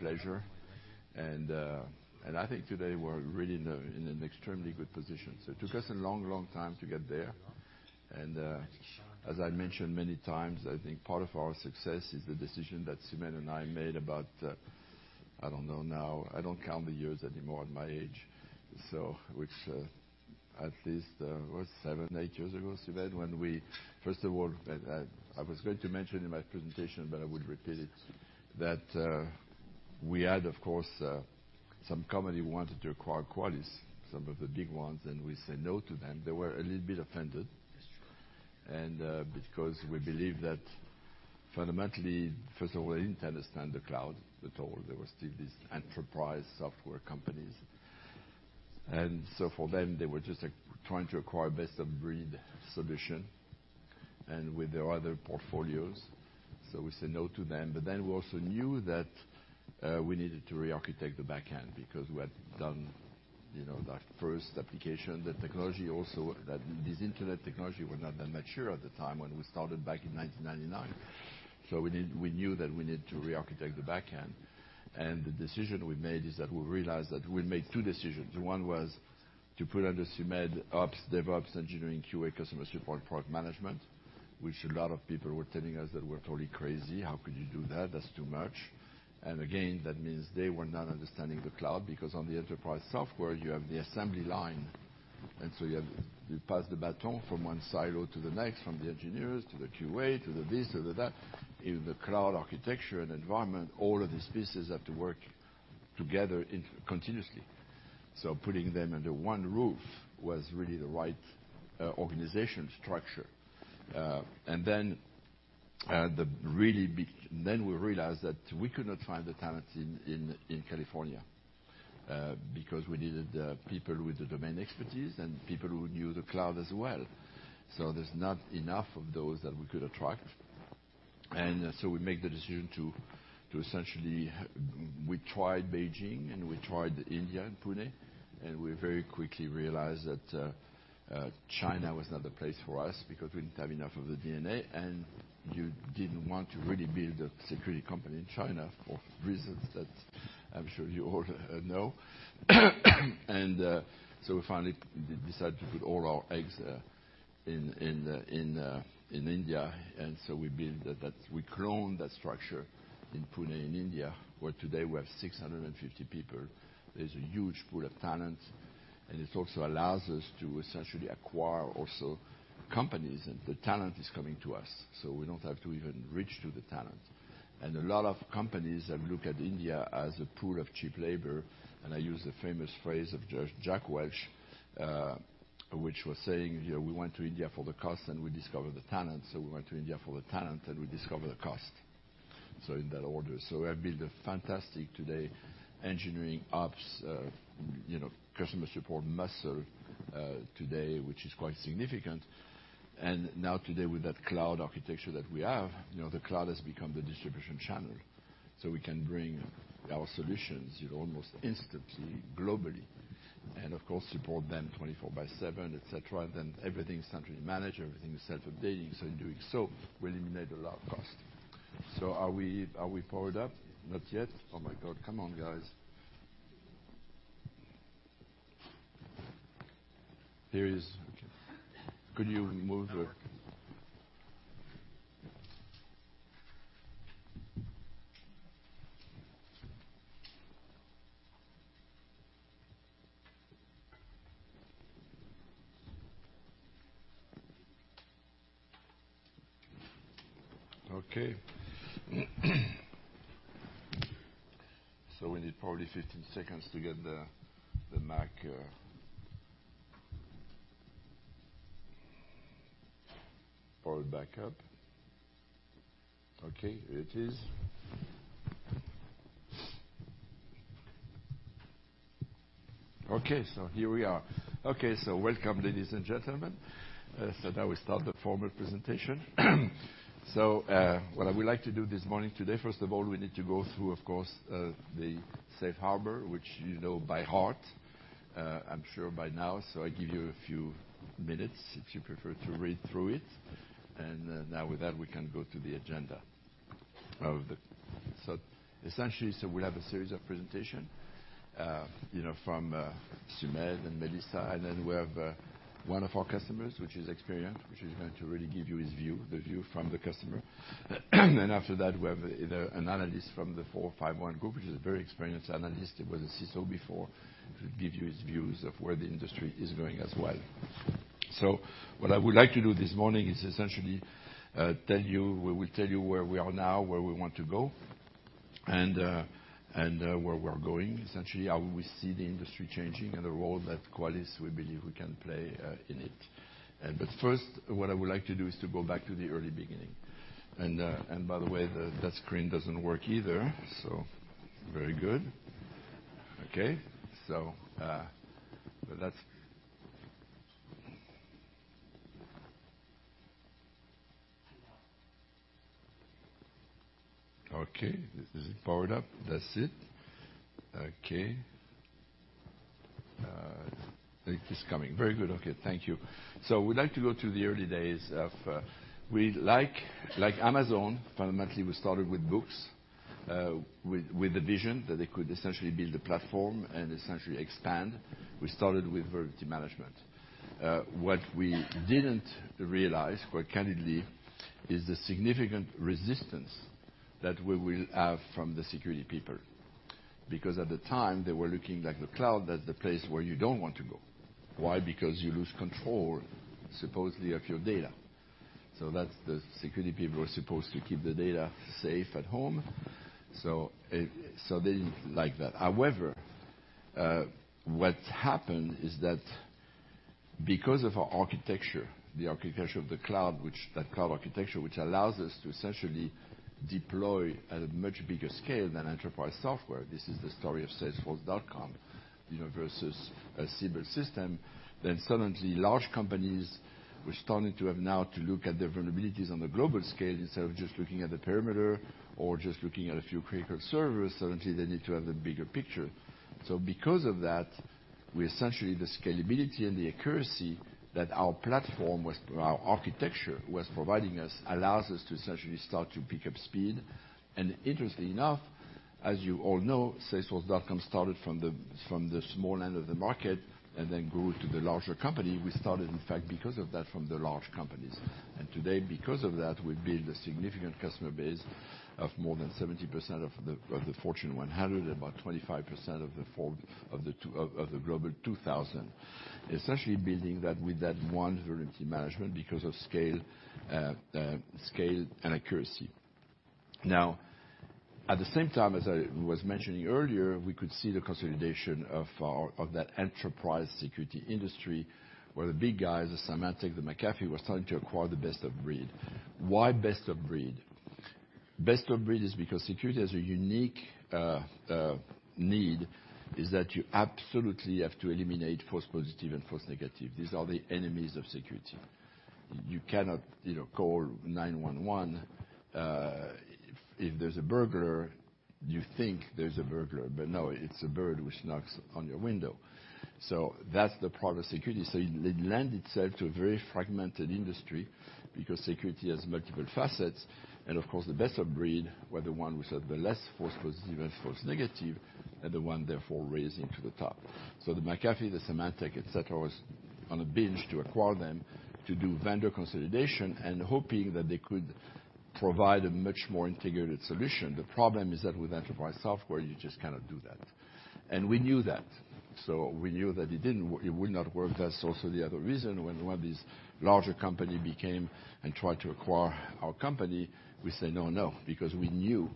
Pleasure. I think today we're really in an extremely good position. It took us a long time to get there. As I mentioned many times, I think part of our success is the decision that Sumedh and I made about, I don't know now. I don't count the years anymore at my age. Which at least was seven, eight years ago, Sumedh, when we First of all, I was going to mention in my presentation, but I would repeat it, that we had, of course, some company wanted to acquire Qualys, some of the big ones, and we said no to them. They were a little bit offended. That's true. Because we believe that fundamentally, first of all, they didn't understand the cloud at all. They were still these enterprise software companies. For them, they were just trying to acquire best of breed solution and with their other portfolios. We said no to them. We also knew that we needed to re-architect the back end because we had done that first application. This internet technology were not that mature at the time when we started back in 1999. We knew that we needed to re-architect the back end. The decision we made is that we realized that we'd make two decisions. One was to put under Sumedh, ops, DevOps, engineering, QA, customer support, product management, which a lot of people were telling us that we're totally crazy. How could you do that? That's too much. Again, that means they were not understanding the cloud because on the enterprise software, you have the assembly line, and so you pass the baton from one silo to the next, from the engineers to the QA, to this or that. In the cloud architecture and environment, all of these pieces have to work together continuously. Putting them under one roof was really the right organization structure. We realized that we could not find the talent in California because we needed people with the domain expertise and people who knew the cloud as well. There's not enough of those that we could attract. We make the decision to essentially. We tried Beijing and we tried India in Pune, and we very quickly realized that China was not the place for us because we didn't have enough of the DNA, and you didn't want to really build a security company in China for reasons that I'm sure you all know. We finally decided to put all our eggs in India. We cloned that structure in Pune, in India, where today we have 650 people. There's a huge pool of talent, and it also allows us to essentially acquire also companies. The talent is coming to us, so we don't have to even reach to the talent. A lot of companies have looked at India as a pool of cheap labor. I use the famous phrase of Jack Welch, which was saying, "We went to India for the cost, and we discovered the talent. We went to India for the talent, and we discovered the cost." In that order. We have built a fantastic, today, engineering ops, customer support muscle today, which is quite significant. Now today, with that cloud architecture that we have, the cloud has become the distribution channel, so we can bring our solutions almost instantly, globally, and of course, support them 24 by 7, et cetera. Everything is centrally managed. Everything is self-updating. In doing so, we eliminate a lot of cost. Are we powered up? Not yet. Oh, my God. Come on, guys. There it is. Could you move the. Okay. We need probably 15 seconds to get the Mac powered back up. Okay, here it is. Okay, here we are. Okay, welcome, ladies and gentlemen. Now we start the formal presentation. What I would like to do this morning, today, first of all, we need to go through, of course, the safe harbor, which you know by heart, I'm sure by now. I give you a few minutes if you prefer to read through it. Now with that, we can go to the agenda of the. Essentially, we'll have a series of presentation from Sumedh and Melissa. Then we have one of our customers, which is Experian, which is going to really give you his view, the view from the customer. After that, we have an analyst from The 451 Group, which is a very experienced analyst, who was a CISO before, to give you his views of where the industry is going as well. What I would like to do this morning is essentially tell you where we are now, where we want to go, and where we're going, essentially, how we see the industry changing and the role that Qualys, we believe we can play in it. First, what I would like to do is to go back to the early beginning. By the way, that screen doesn't work either. Very good. Okay. But that's Okay. Is it powered up? That's it. Okay. It is coming. Very good. Okay. Thank you. We'd like to go to the early days of, like Amazon, fundamentally, we started with books with a vision that it could essentially build a platform and essentially expand. We started with vulnerability management. What we didn't realize, quite candidly, is the significant resistance that we will have from the security people because at the time, they were looking like the cloud as the place where you don't want to go. Why? Because you lose control, supposedly, of your data. That's the security people are supposed to keep the data safe at home. They didn't like that. However, what happened is that because of our architecture, the architecture of the cloud, which that cloud architecture, which allows us to essentially deploy at a much bigger scale than enterprise software. This is the story of salesforce.com versus a similar system. Suddenly, large companies were starting to have now to look at their vulnerabilities on the global scale instead of just looking at the perimeter or just looking at a few critical servers. Suddenly, they need to have the bigger picture. Because of that, we essentially the scalability and the accuracy that our platform was, our architecture was providing us, allows us to essentially start to pick up speed. Interestingly enough, as you all know, salesforce.com started from the small end of the market and then grew to the larger company. We started, in fact, because of that from the large companies. Today, because of that, we build a significant customer base of more than 70% of the Fortune 100, about 25% of the Global 2000. Essentially building that with that one vulnerability management because of scale and accuracy. At the same time, as I was mentioning earlier, we could see the consolidation of that enterprise security industry, where the big guys, the Symantec, the McAfee, were starting to acquire the best of breed. Why best of breed? Best of breed is because security has a unique need, is that you absolutely have to eliminate false positive and false negative. These are the enemies of security. You cannot call 911 if there's a burglar, you think there's a burglar, but no, it's a bird which knocks on your window. That's the part of security. It lend itself to a very fragmented industry because security has multiple facets. Of course, the best of breed were the one which had the less false positive and false negative, and the one therefore raising to the top. The McAfee, the Symantec, et cetera, was on a binge to acquire them to do vendor consolidation and hoping that they could provide a much more integrated solution. The problem is that with enterprise software, you just cannot do that. We knew that. We knew that it would not work. That's also the other reason when one of these larger company became and tried to acquire our company, we say, "No, no" because we knew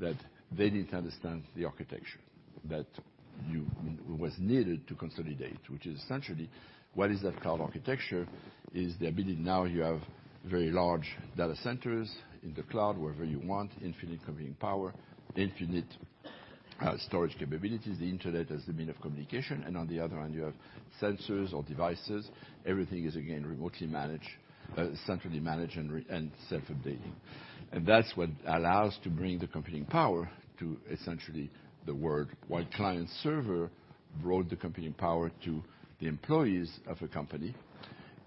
that they didn't understand the architecture that was needed to consolidate, which is essentially what is that cloud architecture is the ability now you have very large data centers in the cloud, wherever you want, infinite computing power, infinite storage capabilities, the Internet as the mean of communication. On the other hand, you have sensors or devices. Everything is again remotely managed, centrally managed, and self-updating. That's what allows to bring the computing power to essentially the world, while client server brought the computing power to the employees of a company.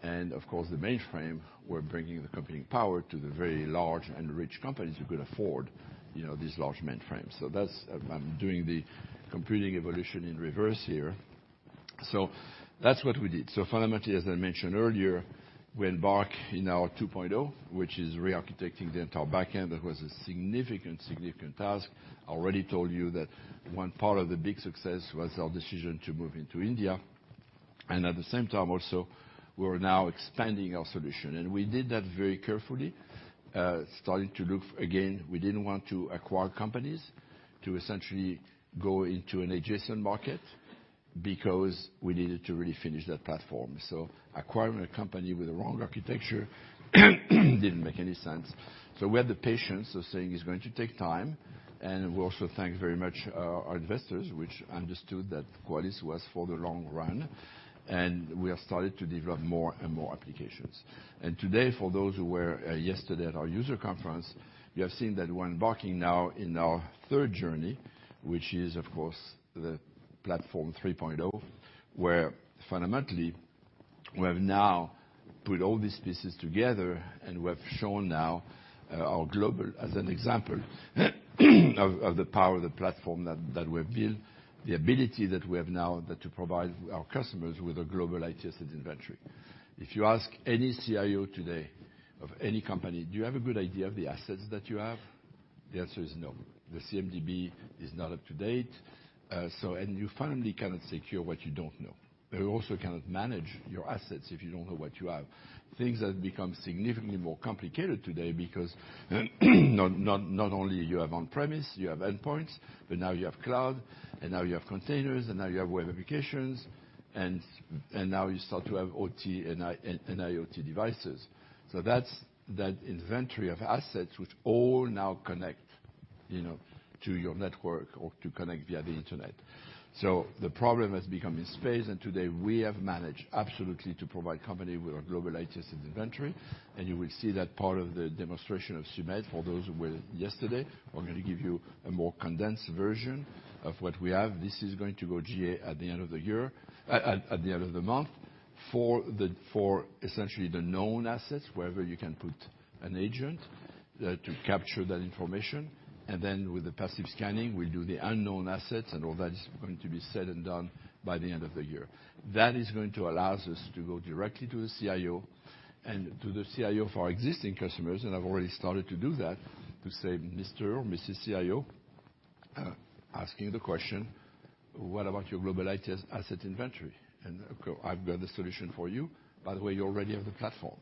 Of course, the mainframe were bringing the computing power to the very large and rich companies who could afford these large mainframes. I'm doing the computing evolution in reverse here. That's what we did. Fundamentally, as I mentioned earlier, we embark in our 2.0, which is re-architecting the entire back end. That was a significant task. I already told you that one part of the big success was our decision to move into India. At the same time also, we're now expanding our solution. We did that very carefully, starting to look, again, we didn't want to acquire companies to essentially go into an adjacent market because we needed to really finish that platform. Acquiring a company with the wrong architecture didn't make any sense. We had the patience of saying it's going to take time. We also thank very much our investors, which understood that Qualys was for the long run. We have started to develop more and more applications. Today, for those who were yesterday at our user conference, you have seen that we're embarking now in our third journey, which is, of course, the platform 3.0, where fundamentally we have now put all these pieces together, we have shown now our global as an example of the power of the platform that we have built, the ability that we have now to provide our customers with a Global IT Asset Inventory. If you ask any CIO today of any company, do you have a good idea of the assets that you have? The answer is no. The CMDB is not up to date. You finally cannot secure what you don't know. You also cannot manage your assets if you don't know what you have. Things have become significantly more complicated today because not only you have on-premise, you have endpoints, but now you have cloud, now you have containers, now you have web applications, now you start to have OT and IoT devices. That's that inventory of assets which all now connect to your network or to connect via the Internet. The problem has become in space, today we have managed absolutely to provide company with our Global IT Asset Inventory, you will see that part of the demonstration of Sumedh for those who were yesterday. We're going to give you a more condensed version of what we have. This is going to go GA at the end of the month. For essentially the known assets, wherever you can put an agent to capture that information and then with the passive scanning, we'll do the unknown assets and all that is going to be said and done by the end of the year. That is going to allow us to go directly to the CIO and to the CIO for our existing customers, I've already started to do that to say, "Mr. or Mrs. CIO," asking the question, "What about your Global IT Asset Inventory? I've got a solution for you. By the way, you already have the platform.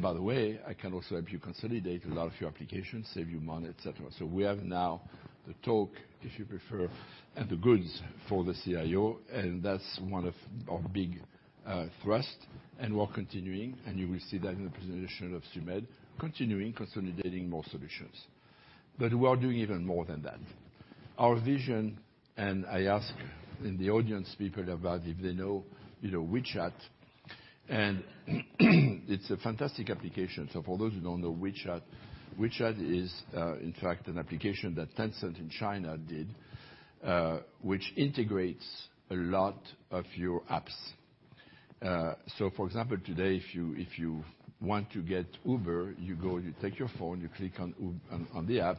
By the way, I can also help you consolidate a lot of your applications, save you money," et cetera. We have now the talk, if you prefer, and the goods for the CIO, and that's one of our big thrust and we're continuing, and you will see that in the presentation of Sumedh, consolidating more solutions. We are doing even more than that. Our vision, and I ask in the audience people about if they know WeChat and it's a fantastic application. For those who don't know WeChat is, in fact, an application that Tencent in China did, which integrates a lot of your apps. For example, today, if you want to get Uber, you go and you take your phone, you click on the app,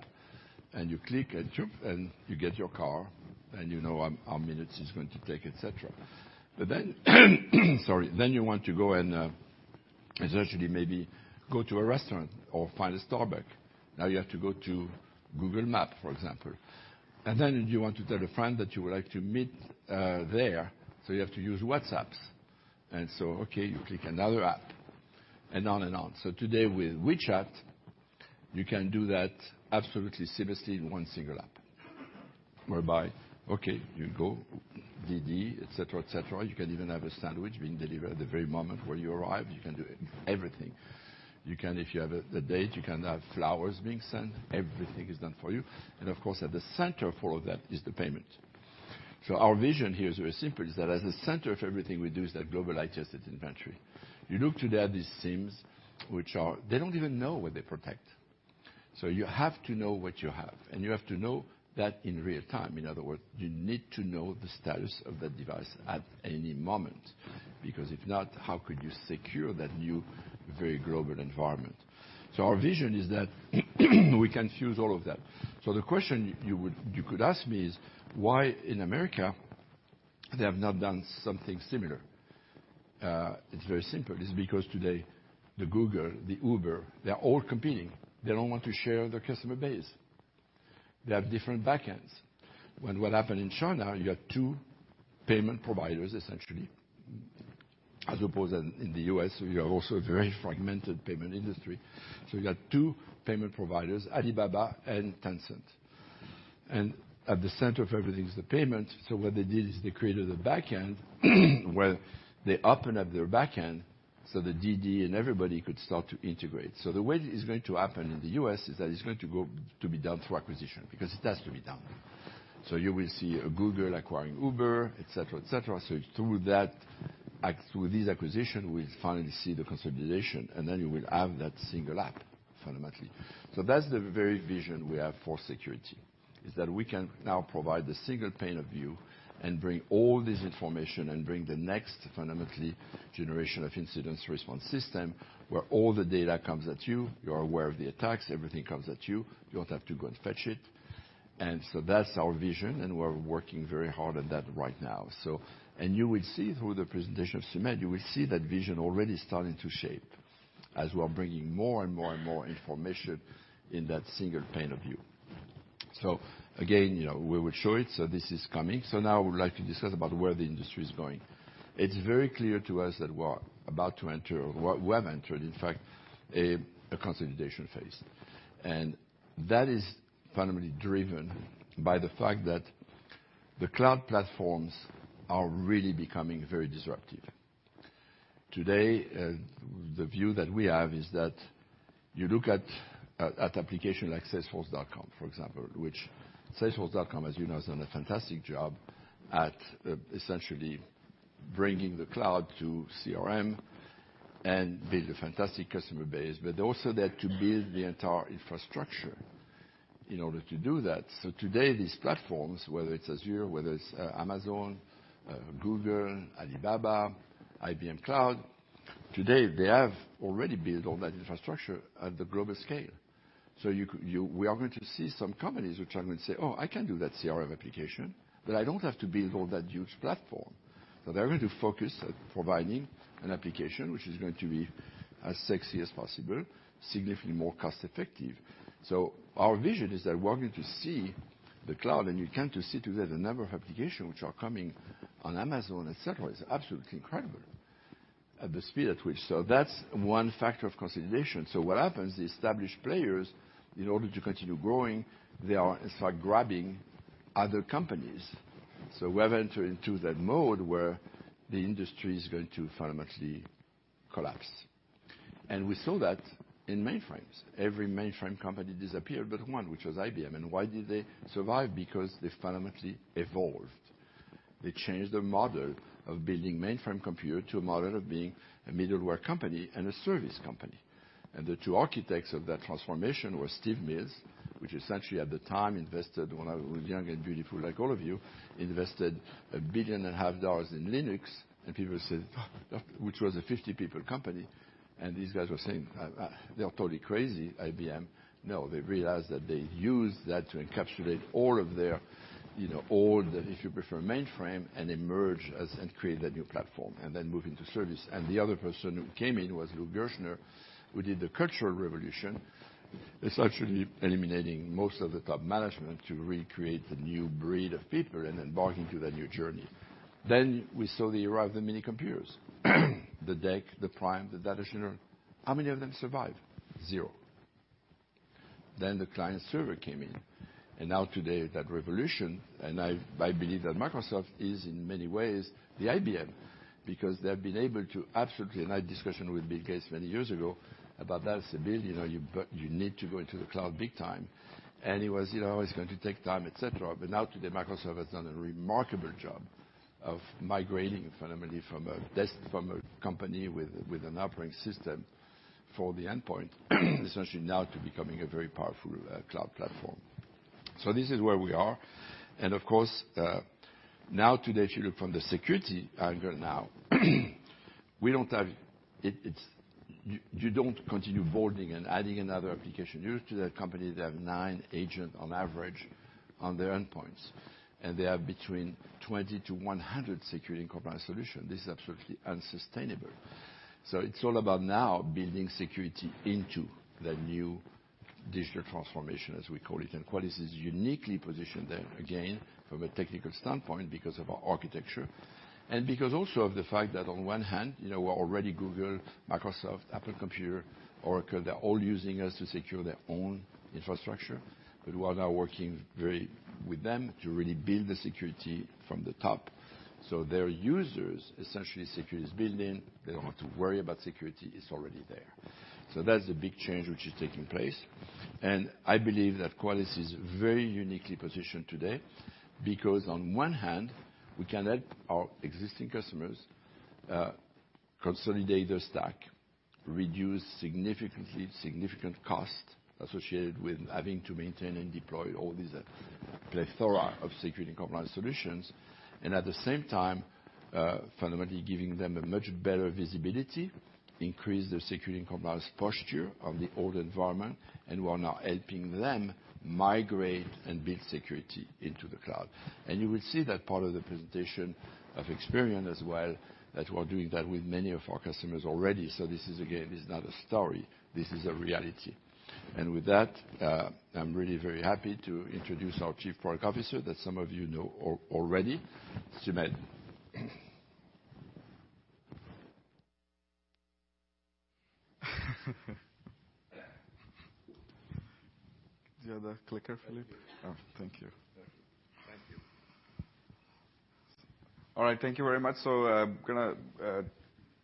and you click and jump, and you get your car, and you know how many minutes it's going to take, et cetera. Sorry. You want to go and, essentially, maybe go to a restaurant or find a Starbucks. Now you have to go to Google Maps, for example. You want to tell a friend that you would like to meet there, so you have to use WhatsApp. Okay, you click another app and on and on. Today with WeChat, you can do that absolutely seamlessly in one single app. Whereby, okay, you go DiDi, et cetera. You can even have a sandwich being delivered the very moment where you arrive. You can do everything. You can, if you have a date, you can have flowers being sent, everything is done for you. Of course, at the center for all of that is the payment. Our vision here is very simple, is that as the center of everything we do is that global IT asset inventory. You look today at these SIEMs, they don't even know what they protect. You have to know what you have, and you have to know that in real time. In other words, you need to know the status of that device at any moment, because if not, how could you secure that new, very global environment? Our vision is that we can fuse all of that. The question you could ask me is, why in America they have not done something similar? It's very simple. It's because today, the Google, the Uber, they're all competing. They don't want to share their customer base. They have different backends. When what happened in China, you got two payment providers, essentially, as opposed in the U.S., we have also a very fragmented payment industry. You got two payment providers, Alibaba and Tencent. At the center of everything is the payment. What they did is they created a backend where they opened up their backend so that DiDi and everybody could start to integrate. The way it's going to happen in the U.S. is that it's going to be done through acquisition because it has to be done. You will see a Google acquiring Uber, et cetera. It's through these acquisitions, we'll finally see the consolidation, and then you will have that single app fundamentally. That's the very vision we have for security, is that we can now provide the single pane of view and bring all this information and bring the next, fundamentally, generation of incident response system where all the data comes at you. You are aware of the attacks, everything comes at you. You don't have to go and fetch it. That's our vision, we're working very hard on that right now. You will see through the presentation of Sumedh, you will see that vision already starting to shape as we are bringing more and more information in that single pane of view. Again, we will show it. This is coming. I would like to discuss about where the industry is going. It's very clear to us that we are about to enter, or we have entered, in fact, a consolidation phase. That is fundamentally driven by the fact that the cloud platforms are really becoming very disruptive. Today, the view that we have is that you look at application like salesforce.com, for example. salesforce.com, as you know, has done a fantastic job at essentially bringing the cloud to CRM and build a fantastic customer base. They also had to build the entire infrastructure in order to do that. Today, these platforms, whether it's Azure, whether it's Amazon, Google, Alibaba, IBM Cloud, today, they have already built all that infrastructure at the global scale. We are going to see some companies which are going to say, "Oh, I can do that CRM application, but I don't have to build all that huge platform." They're going to focus at providing an application which is going to be as sexy as possible, significantly more cost effective. Our vision is that we're going to see the cloud and you come to see today the number of applications which are coming on Amazon, et cetera. It's absolutely incredible at the speed at which. That's one factor of consolidation. What happens, the established players, in order to continue growing, they are, in fact, grabbing other companies. We have entered into that mode where the industry's going to fundamentally collapse. We saw that in mainframes. Every mainframe company disappeared but one, which was IBM. Why did they survive? Because they fundamentally evolved. They changed their model of building mainframe computer to a model of being a middleware company and a service company. And the two architects of that transformation were Steve Mills, which essentially at the time invested, when I was young and beautiful like all of you, invested $1.5 billion in Linux, and people said, "Oh!" Which was a 50-people company. These guys were saying, "They're totally crazy, IBM." No, they realized that they used that to encapsulate all of their old, if you prefer, mainframe, and emerge as, and create that new platform, and then move into service. The other person who came in was Lou Gerstner, who did the cultural revolution, essentially eliminating most of the top management to recreate a new breed of people and embark into that new journey. We saw the era of the minicomputers. The DEC, the Prime, the Data General. How many of them survived? Zero. The client server came in, now today that revolution, I believe that Microsoft is, in many ways, the IBM because they've been able to absolutely. I had a discussion with Bill Gates many years ago about that. I said, "Bill, you need to go into the cloud big time." He was, "Oh, it's going to take time," et cetera. Now today, Microsoft has done a remarkable job of migrating fundamentally from a company with an operating system for the endpoint, essentially now to becoming a very powerful cloud platform. This is where we are. Of course, now today, if you look from the security angle now, you don't continue boarding and adding another application. Usually, the company, they have nine agents on average on their endpoints, and they have between 20 to 100 security and compliance solutions. This is absolutely unsustainable. It's all about now building security into the new digital transformation, as we call it. Qualys is uniquely positioned there, again, from a technical standpoint because of our architecture, and because also of the fact that on one hand, we're already Google, Microsoft, Apple Computer, Oracle, they're all using us to secure their own infrastructure. We are now working with them to really build the security from the top. Their users, essentially security is built-in. They don't have to worry about security. It's already there. That's a big change which is taking place. I believe that Qualys is very uniquely positioned today because on one hand, we can help our existing customers, consolidate their stack, reduce significant cost associated with having to maintain and deploy all these plethora of security and compliance solutions. At the same time, fundamentally giving them a much better visibility, increase their security and compliance posture on the old environment, and we are now helping them migrate and build security into the cloud. You will see that part of the presentation of Experian as well, that we're doing that with many of our customers already. This is, again, this is not a story. This is a reality. With that, I'm really very happy to introduce our Chief Product Officer that some of you know already. Sumedh. Do you have the clicker, Philippe? Thank you. Oh, thank you. There. Thank you. All right. Thank you very much. I'm going to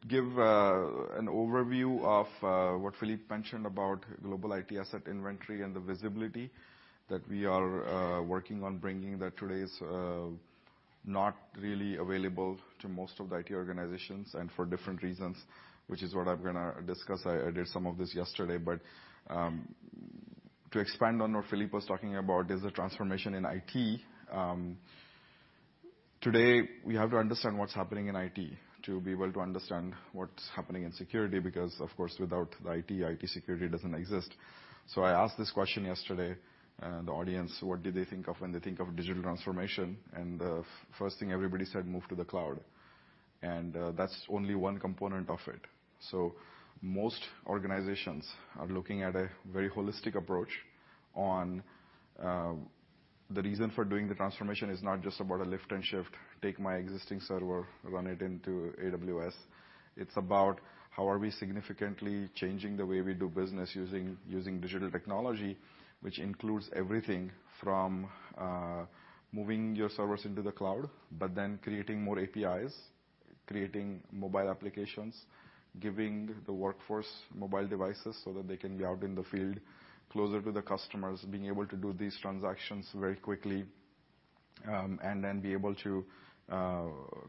give an overview of what Philippe mentioned about global IT asset inventory and the visibility that we are working on bringing that today is not really available to most of the IT organizations and for different reasons, which is what I'm going to discuss. I did some of this yesterday. To expand on what Philippe was talking about, there's a transformation in IT. Today, we have to understand what's happening in IT to be able to understand what's happening in security because, of course, without the IT security doesn't exist. I asked this question yesterday, the audience, what did they think of when they think of digital transformation? The first thing everybody said, "Move to the cloud." That's only one component of it. Most organizations are looking at a very holistic approach on the reason for doing the transformation is not just about a lift and shift, take my existing server, run it into AWS. It's about how are we significantly changing the way we do business using digital technology, which includes everything from moving your servers into the cloud, creating more APIs, creating mobile applications. Giving the workforce mobile devices so that they can be out in the field closer to the customers, being able to do these transactions very quickly. Then be able to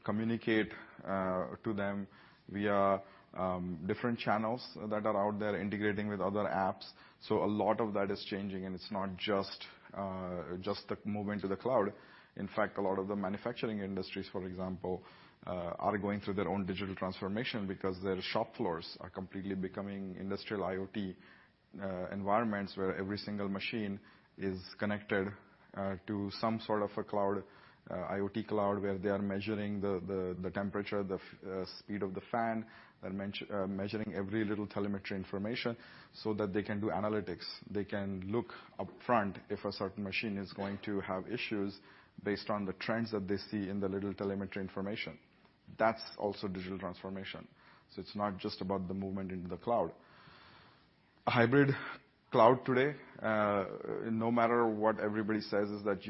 communicate to them via different channels that are out there integrating with other apps. A lot of that is changing, and it's not just the movement to the cloud. In fact, a lot of the manufacturing industries, for example, are going through their own digital transformation because their shop floors are completely becoming industrial IoT environments where every single machine is connected to some sort of a cloud, IoT cloud, where they are measuring the temperature, the speed of the fan. They're measuring every little telemetry information so that they can do analytics. They can look up front if a certain machine is going to have issues based on the trends that they see in the little telemetry information. That's also digital transformation. It's not just about the movement into the cloud. A hybrid cloud today, no matter what everybody says, is that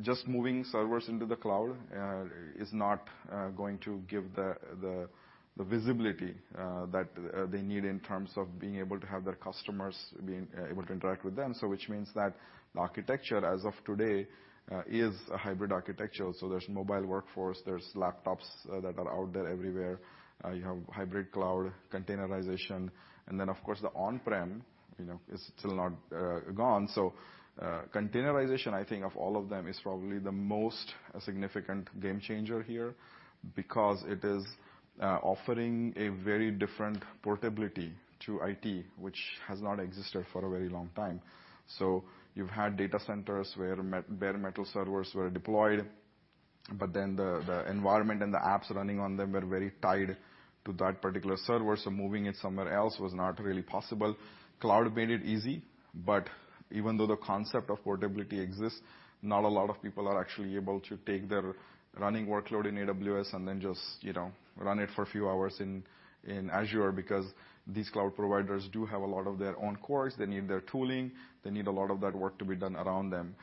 just moving servers into the cloud is not going to give the visibility that they need in terms of being able to have their customers being able to interact with them. Which means that the architecture as of today is a hybrid architecture. There's mobile workforce, there's laptops that are out there everywhere. You have hybrid cloud, containerization, and then of course the on-prem is still not gone. Containerization, I think of all of them, is probably the most significant game changer here because it is offering a very different portability to IT, which has not existed for a very long time. You've had data centers where bare metal servers were deployed, but then the environment and the apps running on them were very tied to that particular server, so moving it somewhere else was not really possible. Cloud made it easy, but even though the concept of portability exists, not a lot of people are actually able to take their running workload in AWS and then just run it for a few hours in Azure because these cloud providers do have a lot of their own cores, they need their tooling, they need a lot of that work to be done around them.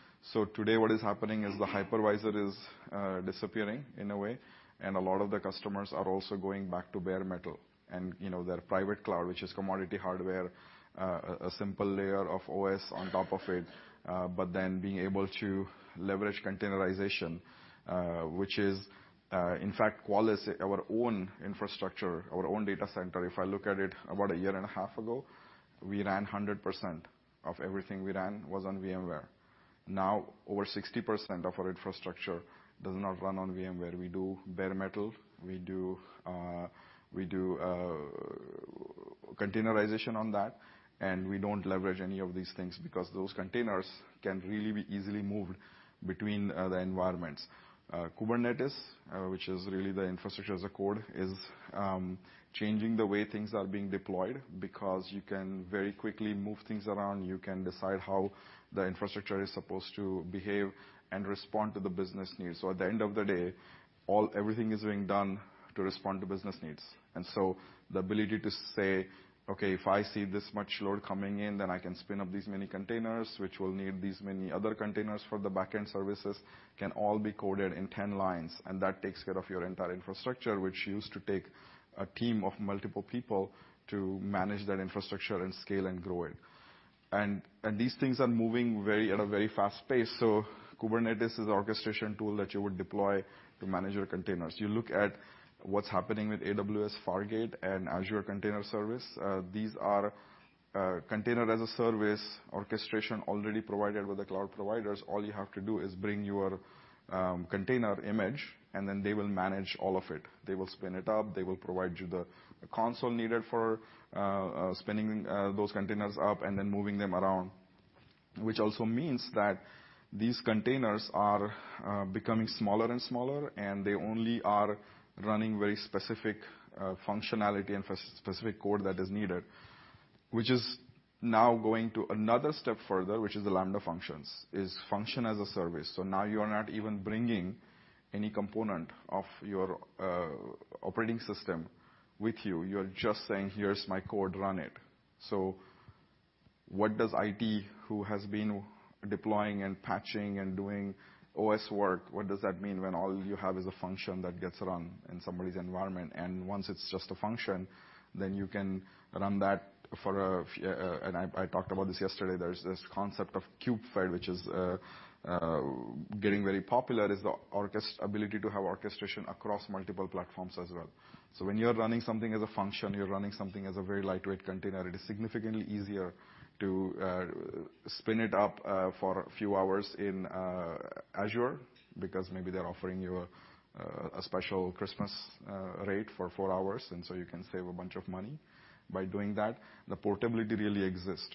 Today what is happening is the hypervisor is disappearing in a way, and a lot of the customers are also going back to bare metal and their private cloud, which is commodity hardware, a simple layer of OS on top of it. Being able to leverage containerization, which is, in fact, Qualys, our own infrastructure, our own data center. If I look at it about a year and a half ago, we ran 100% of everything we ran was on VMware. Over 60% of our infrastructure does not run on VMware. We do bare metal, we do containerization on that, and we don't leverage any of these things because those containers can really be easily moved between the environments. Kubernetes, which is really the infrastructure as a code, is changing the way things are being deployed because you can very quickly move things around. You can decide how the infrastructure is supposed to behave and respond to the business needs. At the end of the day, everything is being done to respond to business needs. The ability to say, "Okay, if I see this much load coming in, then I can spin up these many containers, which will need these many other containers for the back end services," can all be coded in 10 lines. That takes care of your entire infrastructure, which used to take a team of multiple people to manage that infrastructure and scale and grow it. These things are moving at a very fast pace. Kubernetes is an orchestration tool that you would deploy to manage your containers. You look at what's happening with AWS Fargate and Azure Container Service. These are container as a service orchestration already provided with the cloud providers. All you have to do is bring your container image and then they will manage all of it. They will spin it up, they will provide you the console needed for spinning those containers up and then moving them around. Which also means that these containers are becoming smaller and smaller, and they only are running very specific functionality and specific code that is needed. Which is now going to another step further, which is the Lambda functions, is function as a service. Now you are not even bringing any component of your operating system with you. You're just saying, "Here's my code, run it." What does IT who has been deploying and patching and doing OS work, what does that mean when all you have is a function that gets run in somebody's environment? Once it's just a function, then you can run that. I talked about this yesterday. There's this concept of KubeFed, which is getting very popular, is the ability to have orchestration across multiple platforms as well. When you're running something as a function, you're running something as a very lightweight container, it is significantly easier to spin it up for a few hours in Azure because maybe they're offering you a special Christmas rate for four hours, you can save a bunch of money by doing that. The portability really exists.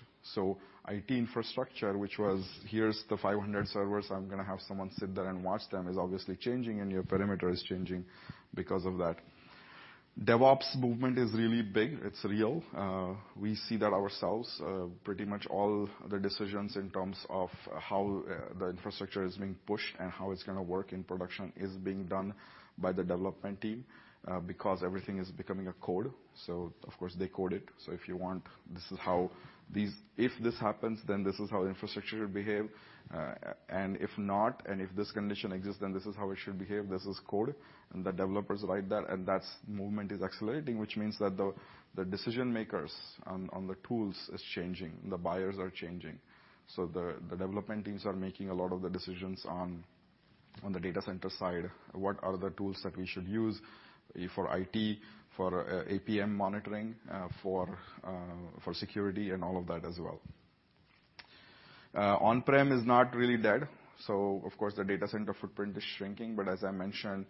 IT infrastructure, which was, "Here's the 500 servers, I'm going to have someone sit there and watch them," is obviously changing and your perimeter is changing because of that. DevOps movement is really big. It's real. We see that ourselves. Pretty much all the decisions in terms of how the infrastructure is being pushed and how it's going to work in production is being done by the development team because everything is becoming a code. Of course they code it. If you want, if this happens, then this is how infrastructure behave. If not, if this condition exists, then this is how it should behave. This is code, and the developers write that, and that movement is accelerating, which means that the decision makers on the tools is changing, the buyers are changing. The development teams are making a lot of the decisions on the data center side. What are the tools that we should use for IT, for APM monitoring, for security and all of that as well. On-prem is not really dead. Of course the data center footprint is shrinking. As I mentioned,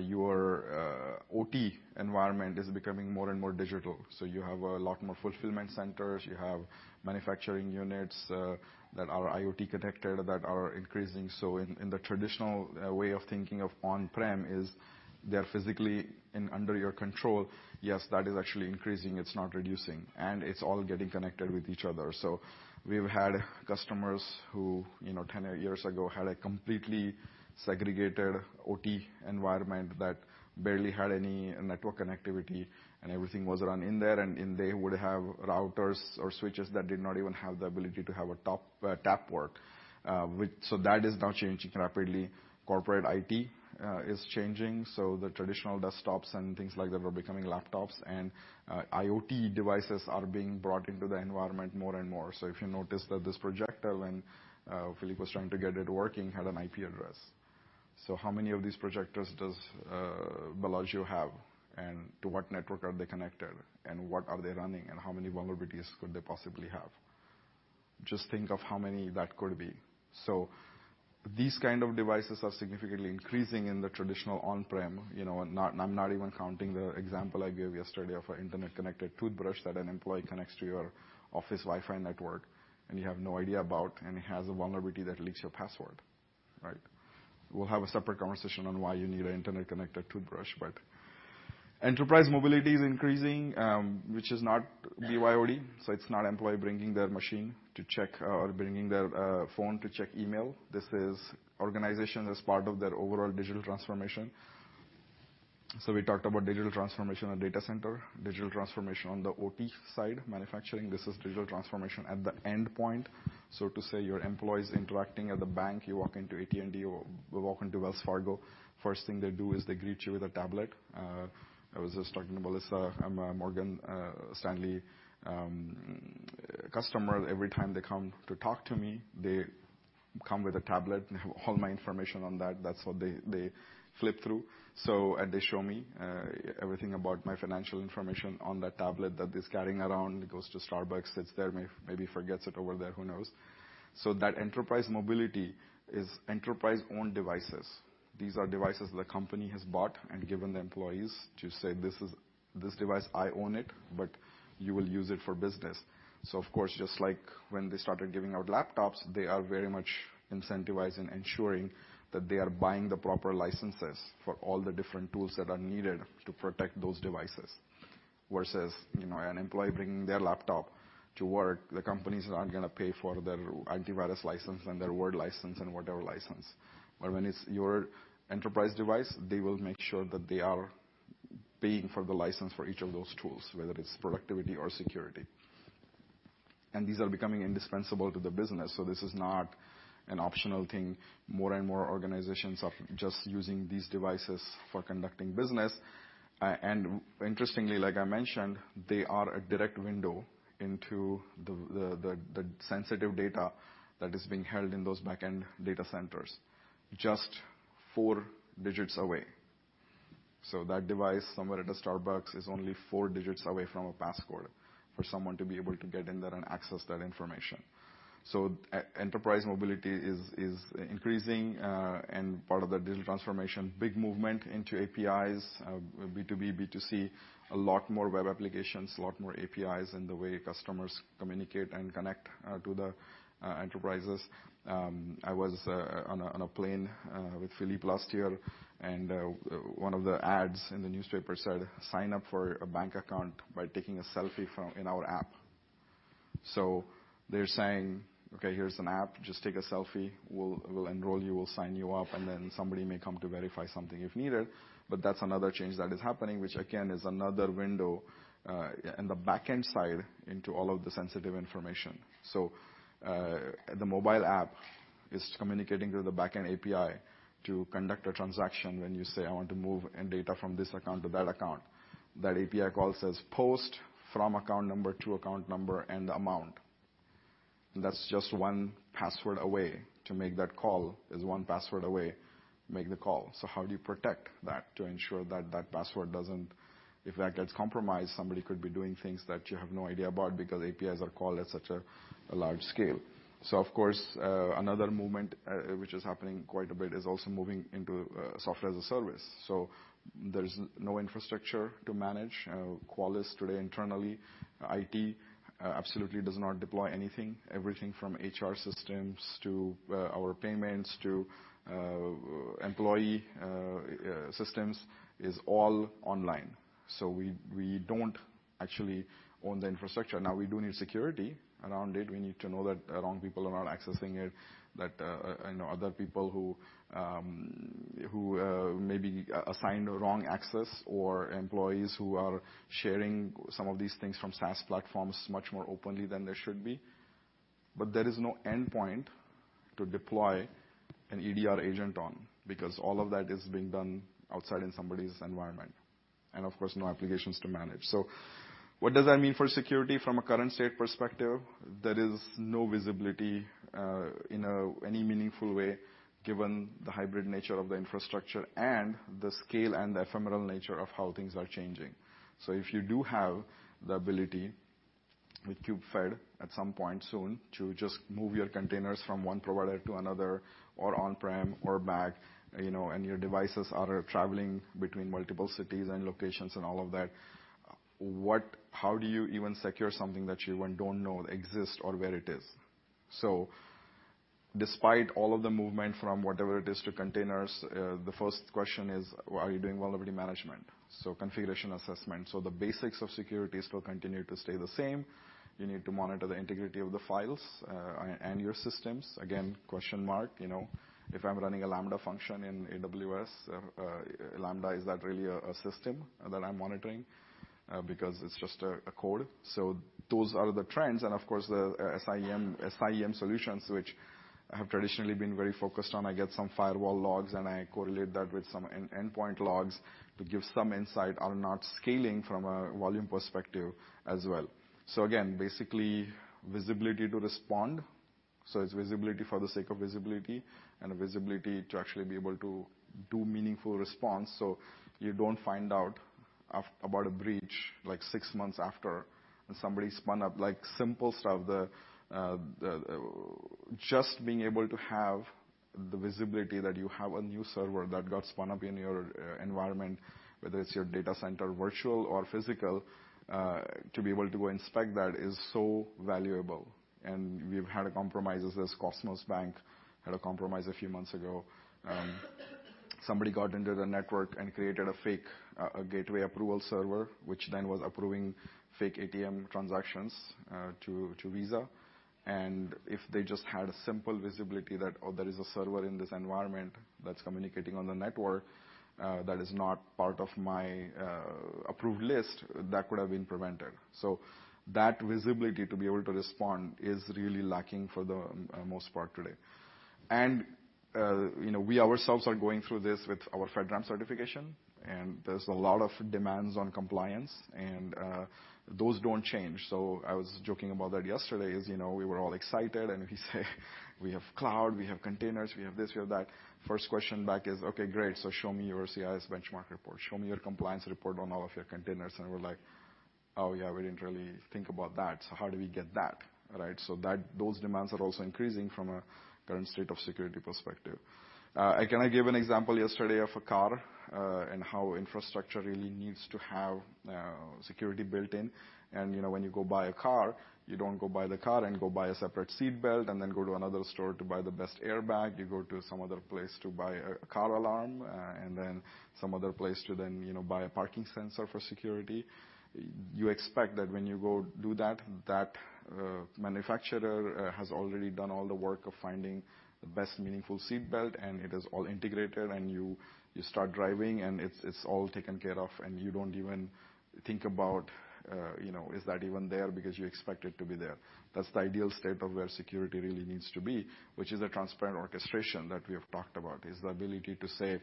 your OT environment is becoming more and more digital. You have a lot more fulfillment centers. You have manufacturing units that are IoT connected, that are increasing. In the traditional way of thinking of on-prem is they're physically under your control. Yes, that is actually increasing, it's not reducing, and it's all getting connected with each other. We've had customers who 10 years ago had a completely segregated OT environment that barely had any network connectivity, and everything was run in there, and in there you would have routers or switches that did not even have the ability to have a tap port. That is now changing rapidly. Corporate IT is changing, the traditional desktops and things like that are becoming laptops, and IoT devices are being brought into the environment more and more. If you notice that this projector, when Philippe was trying to get it working, had an IP address. How many of these projectors does Bellagio have, and to what network are they connected, and what are they running, and how many vulnerabilities could they possibly have? Just think of how many that could be. These kind of devices are significantly increasing in the traditional on-prem, and I'm not even counting the example I gave yesterday of an internet-connected toothbrush that an employee connects to your office Wi-Fi network, and you have no idea about, and it has a vulnerability that leaks your password. Right? We'll have a separate conversation on why you need an internet-connected toothbrush. Enterprise mobility is increasing, which is not BYOD, so it's not employee bringing their machine or bringing their phone to check email. This is organization as part of their overall digital transformation. We talked about digital transformation on data center, digital transformation on the OT side, manufacturing. This is digital transformation at the endpoint. To say, your employee's interacting at the bank, you walk into AT&T, or walk into Wells Fargo, first thing they do is they greet you with a tablet. I was just talking to Melissa. I'm a Morgan Stanley customer. Every time they come to talk to me, they come with a tablet, and they have all my information on that. That's what they flip through. They show me everything about my financial information on that tablet that he's carrying around. He goes to Starbucks, sits there, maybe forgets it over there, who knows. That enterprise mobility is enterprise-owned devices. These are devices the company has bought and given the employees to say, "This device, I own it, but you will use it for business." Of course, just like when they started giving out laptops, they are very much incentivizing ensuring that they are buying the proper licenses for all the different tools that are needed to protect those devices. Versus an employee bringing their laptop to work, the companies are not going to pay for their antivirus license and their Word license and whatever license. When it's your enterprise device, they will make sure that they are paying for the license for each of those tools, whether it's productivity or security. These are becoming indispensable to the business, this is not an optional thing. More and more organizations are just using these devices for conducting business. Interestingly, like I mentioned, they are a direct window into the sensitive data that is being held in those backend data centers, just four digits away. That device somewhere at a Starbucks is only four digits away from a passcode for someone to be able to get in there and access that information. Enterprise mobility is increasing, and part of the digital transformation. Big movement into APIs, B2B, B2C, a lot more web applications, a lot more APIs in the way customers communicate and connect to the enterprises. I was on a plane with Philippe last year, and one of the ads in the newspaper said, "Sign up for a bank account by taking a selfie in our app." They're saying, "Okay, here's an app. Just take a selfie. We'll enroll you, we'll sign you up, and then somebody may come to verify something if needed." That's another change that is happening, which again, is another window in the backend side into all of the sensitive information. The mobile app is communicating to the backend API to conduct a transaction when you say, "I want to move data from this account to that account." That API call says, "Post from account number to account number and amount." That's just one password away. To make that call is one password away. Make the call. How do you protect that to ensure that, if that gets compromised, somebody could be doing things that you have no idea about because APIs are called at such a large scale. Of course, another movement which is happening quite a bit is also moving into software as a service. There's no infrastructure to manage. Qualys today internally, IT absolutely does not deploy anything. Everything from HR systems to our payments to employee systems is all online. We don't actually own the infrastructure. Now, we do need security around it. We need to know that the wrong people are not accessing it, that other people who maybe assigned the wrong access or employees who are sharing some of these things from SaaS platforms much more openly than they should be. There is no endpoint to deploy an EDR agent on because all of that is being done outside in somebody's environment. Of course, no applications to manage. What does that mean for security from a current state perspective? There is no visibility in any meaningful way given the hybrid nature of the infrastructure and the scale and the ephemeral nature of how things are changing. If you do have the ability with KubeFed at some point soon to just move your containers from one provider to another or on-prem or back, and your devices are traveling between multiple cities and locations and all of that, how do you even secure something that you don't know exists or where it is? Despite all of the movement from whatever it is to containers, the first question is: Are you doing vulnerability management? Configuration assessment. The basics of security still continue to stay the same. You need to monitor the integrity of the files and your systems. Again, question mark. If I'm running a Lambda function in AWS Lambda, is that really a system that I'm monitoring? Because it's just a code. Those are the trends and of course, the SIEM solutions, which have traditionally been very focused on. I get some firewall logs, and I correlate that with some endpoint logs to give some insight are not scaling from a volume perspective as well. Again, basically visibility to respond. It's visibility for the sake of visibility and visibility to actually be able to do meaningful response. You don't find out about a breach 6 months after and somebody spun up simple stuff. Just being able to have the visibility that you have a new server that got spun up in your environment, whether it's your data center, virtual or physical, to be able to go inspect that is so valuable. And we've had a compromise with this. Cosmos Bank had a compromise a few months ago. Somebody got into the network and created a fake gateway approval server, which then was approving fake ATM transactions to Visa. If they just had a simple visibility that, oh, there is a server in this environment that's communicating on the network, that is not part of my approved list, that could have been prevented. That visibility to be able to respond is really lacking for the most part today. We ourselves are going through this with our FedRAMP certification, and there's a lot of demands on compliance, and those don't change. I was joking about that yesterday, as you know, we were all excited and we say we have cloud, we have containers, we have this, we have that. First question back is, "Okay, great. Show me your CIS benchmark report. Show me your compliance report on all of your containers." We're like, "Oh, yeah, we didn't really think about that. How do we get that?" Right? Those demands are also increasing from a current state of security perspective. Can I give an example yesterday of a car, and how infrastructure really needs to have security built in? When you go buy a car, you don't go buy the car and go buy a separate seatbelt, and then go to another store to buy the best airbag. You go to some other place to buy a car alarm, and then some other place to then buy a parking sensor for security. You expect that when you go do that manufacturer has already done all the work of finding the best meaningful seatbelt, and it is all integrated. You start driving, it's all taken care of. You don't even think about, is that even there? Because you expect it to be there. That's the ideal state of where security really needs to be, which is a transparent orchestration that we have talked about, is the ability to say,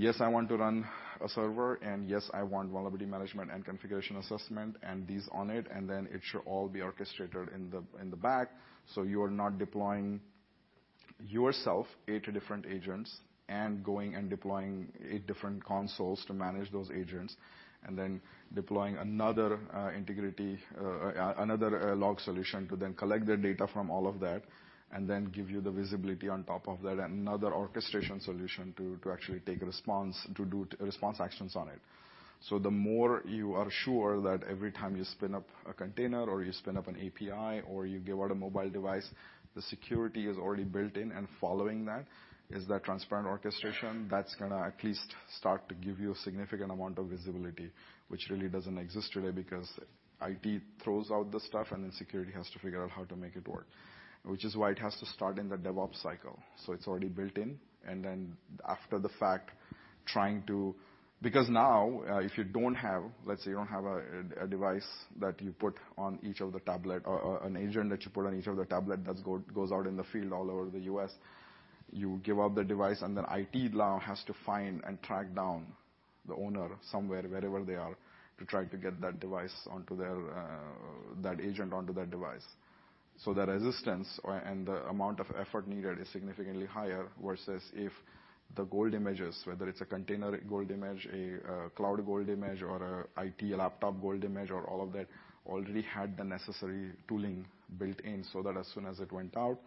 "Yes, I want to run a server, yes, I want vulnerability management and configuration assessment and these on it." Then it should all be orchestrated in the back. You are not deploying yourself 8 different agents and going and deploying 8 different consoles to manage those agents. Then deploying another log solution to then collect the data from all of that and then give you the visibility on top of that. Another orchestration solution to actually take response, to do response actions on it. The more you are sure that every time you spin up a container or you spin up an API or you give out a mobile device, the security is already built in and following that is that transparent orchestration that's going to at least start to give you a significant amount of visibility, which really doesn't exist today because IT throws out the stuff, and then security has to figure out how to make it work. Which is why it has to start in the DevOps cycle, so it's already built in. Because now, let's say you don't have an agent that you put on each of the tablet that goes out in the field all over the U.S. You give out the device, then IT now has to find and track down the owner somewhere, wherever they are, to try to get that agent onto that device. The resistance and the amount of effort needed is significantly higher versus if the gold images, whether it's a container gold image, a cloud gold image, or an IT laptop gold image or all of that, already had the necessary tooling built in, so that as soon as it went out,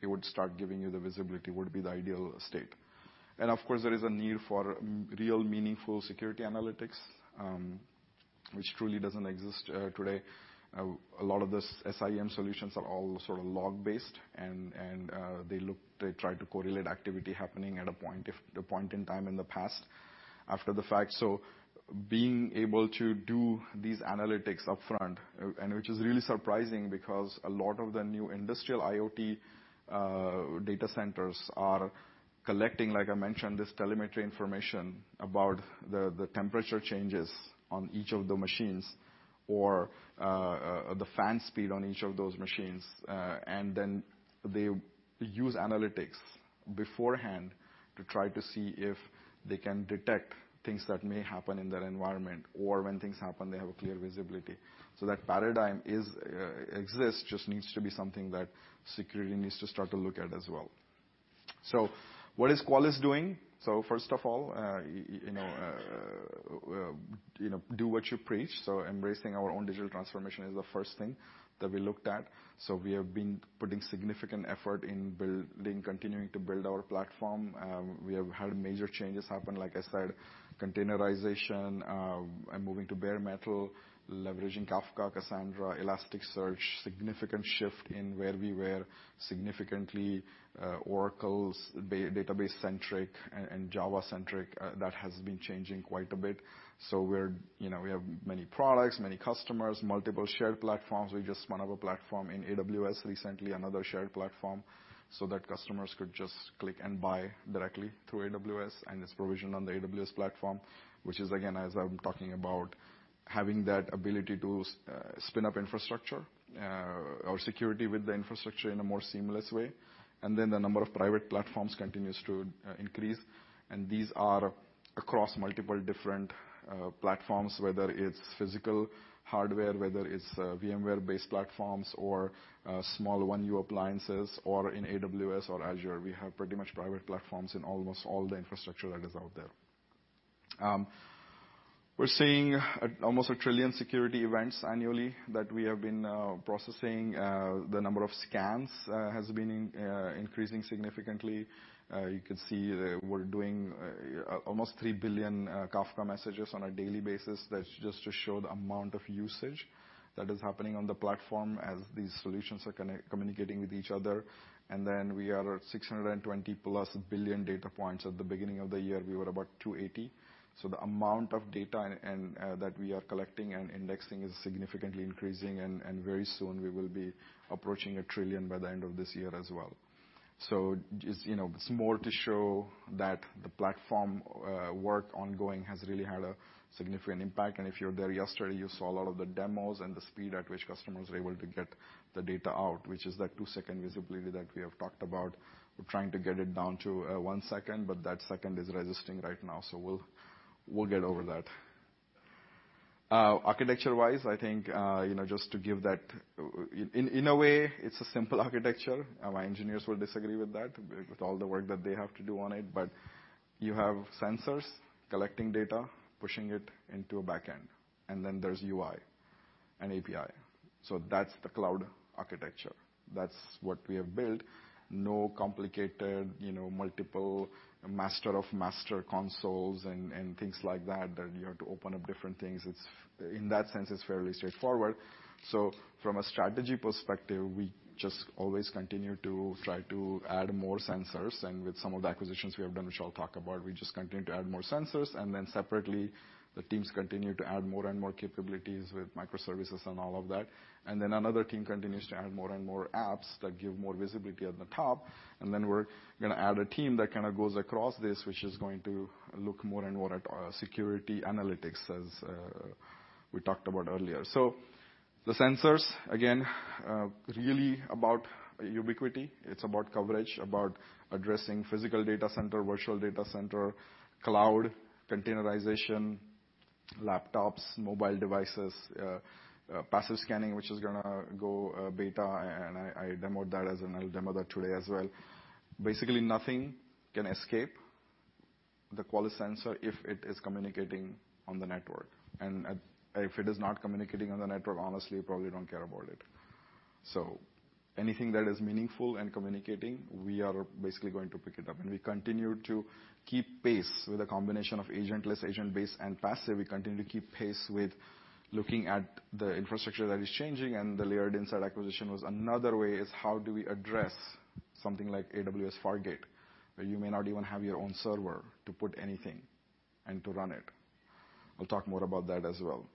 it would start giving you the visibility would be the ideal state. Of course, there is a need for real meaningful security analytics, which truly doesn't exist today. A lot of these SIEM solutions are all sort of log-based, and they try to correlate activity happening at a point in time in the past after the fact. Being able to do these analytics upfront, and which is really surprising because a lot of the new industrial IoT data centers are collecting, like I mentioned, this telemetry information about the temperature changes on each of the machines or the fan speed on each of those machines. Then they use analytics beforehand to try to see if they can detect things that may happen in their environment or when things happen, they have a clear visibility. That paradigm exists, just needs to be something that security needs to start to look at as well. What is Qualys doing? First of all, do what you preach. Embracing our own digital transformation is the first thing that we looked at. We have been putting significant effort in continuing to build our platform. We have had major changes happen, like I said, containerization, moving to bare metal, leveraging Kafka, Cassandra, Elasticsearch, significant shift in where we were significantly Oracle's database centric and Java centric. That has been changing quite a bit. We have many products, many customers, multiple shared platforms. We just spun up a platform in AWS recently, another shared platform, so that customers could just click and buy directly through AWS and it's provisioned on the AWS platform, which is, again, as I'm talking about, having that ability to spin up infrastructure or security with the infrastructure in a more seamless way. The number of private platforms continues to increase. These are across multiple different platforms, whether it's physical hardware, whether it's VMware-based platforms or small 1U appliances, or in AWS or Azure. We have pretty much private platforms in almost all the infrastructure that is out there. We're seeing almost a trillion security events annually that we have been processing. The number of scans has been increasing significantly. You could see that we're doing almost 3 billion Kafka messages on a daily basis. That's just to show the amount of usage that is happening on the platform as these solutions are communicating with each other. We are at 620-plus billion data points. At the beginning of the year, we were about 280. The amount of data that we are collecting and indexing is significantly increasing, and very soon we will be approaching a trillion by the end of this year as well. Just small to show that the platform work ongoing has really had a significant impact. If you were there yesterday, you saw a lot of the demos and the speed at which customers were able to get the data out, which is that two-second visibility that we have talked about. We're trying to get it down to one second, but that second is resisting right now. We'll get over that. Architecture-wise, I think, just to give that In a way, it's a simple architecture. My engineers will disagree with that, with all the work that they have to do on it. You have sensors collecting data, pushing it into a back end, and then there's UI and API. That's the cloud architecture. That's what we have built. No complicated, multiple master of master consoles and things like that you have to open up different things. In that sense, it's fairly straightforward. From a strategy perspective, we just always continue to try to add more sensors. With some of the acquisitions we have done, which I'll talk about, we just continue to add more sensors. Separately, the teams continue to add more and more capabilities with microservices and all of that. Another team continues to add more and more apps that give more visibility at the top. We're going to add a team that kind of goes across this, which is going to look more and more at security analytics, as we talked about earlier. The sensors, again, really about ubiquity. It's about coverage, about addressing physical data center, virtual data center, cloud, containerization, laptops, mobile devices, passive scanning, which is going to go beta, and I'll demo that today as well. Nothing can escape the Qualys sensor if it is communicating on the network. If it is not communicating on the network, honestly, we probably don't care about it. Anything that is meaningful and communicating, we are basically going to pick it up. We continue to keep pace with a combination of agentless, agent-based, and passive. We continue to keep pace with looking at the infrastructure that is changing, and the Layered Insight acquisition was another way is how do we address something like AWS Fargate, where you may not even have your own server to put anything and to run it. We'll talk more about that as well.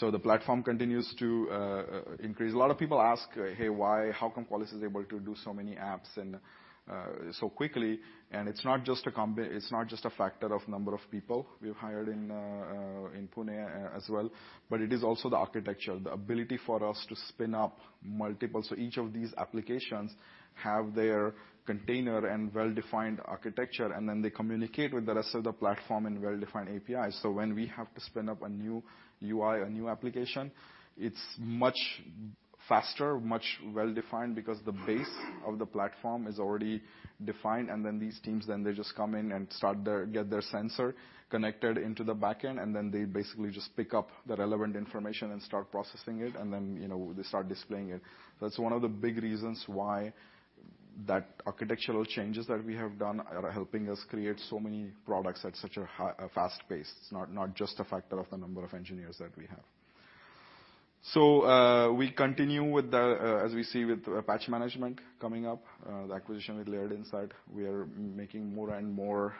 The platform continues to increase. A lot of people ask, "Hey, why? How come Qualys is able to do so many apps and so quickly?" It's not just a factor of number of people. We've hired in Pune as well. It is also the architecture, the ability for us to spin up multiples. Each of these applications have their container and well-defined architecture, and then they communicate with the rest of the platform in well-defined APIs. When we have to spin up a new UI or new application, it's much faster, much well-defined because the base of the platform is already defined. Then these teams, then they just come in and get their sensor connected into the back end, and then they basically just pick up the relevant information and start processing it, and then they start displaying it. That's one of the big reasons why that architectural changes that we have done are helping us create so many products at such a fast pace. It's not just a factor of the number of engineers that we have. We continue with the, as we see with patch management coming up, the acquisition with Layered Insight. We are making more and more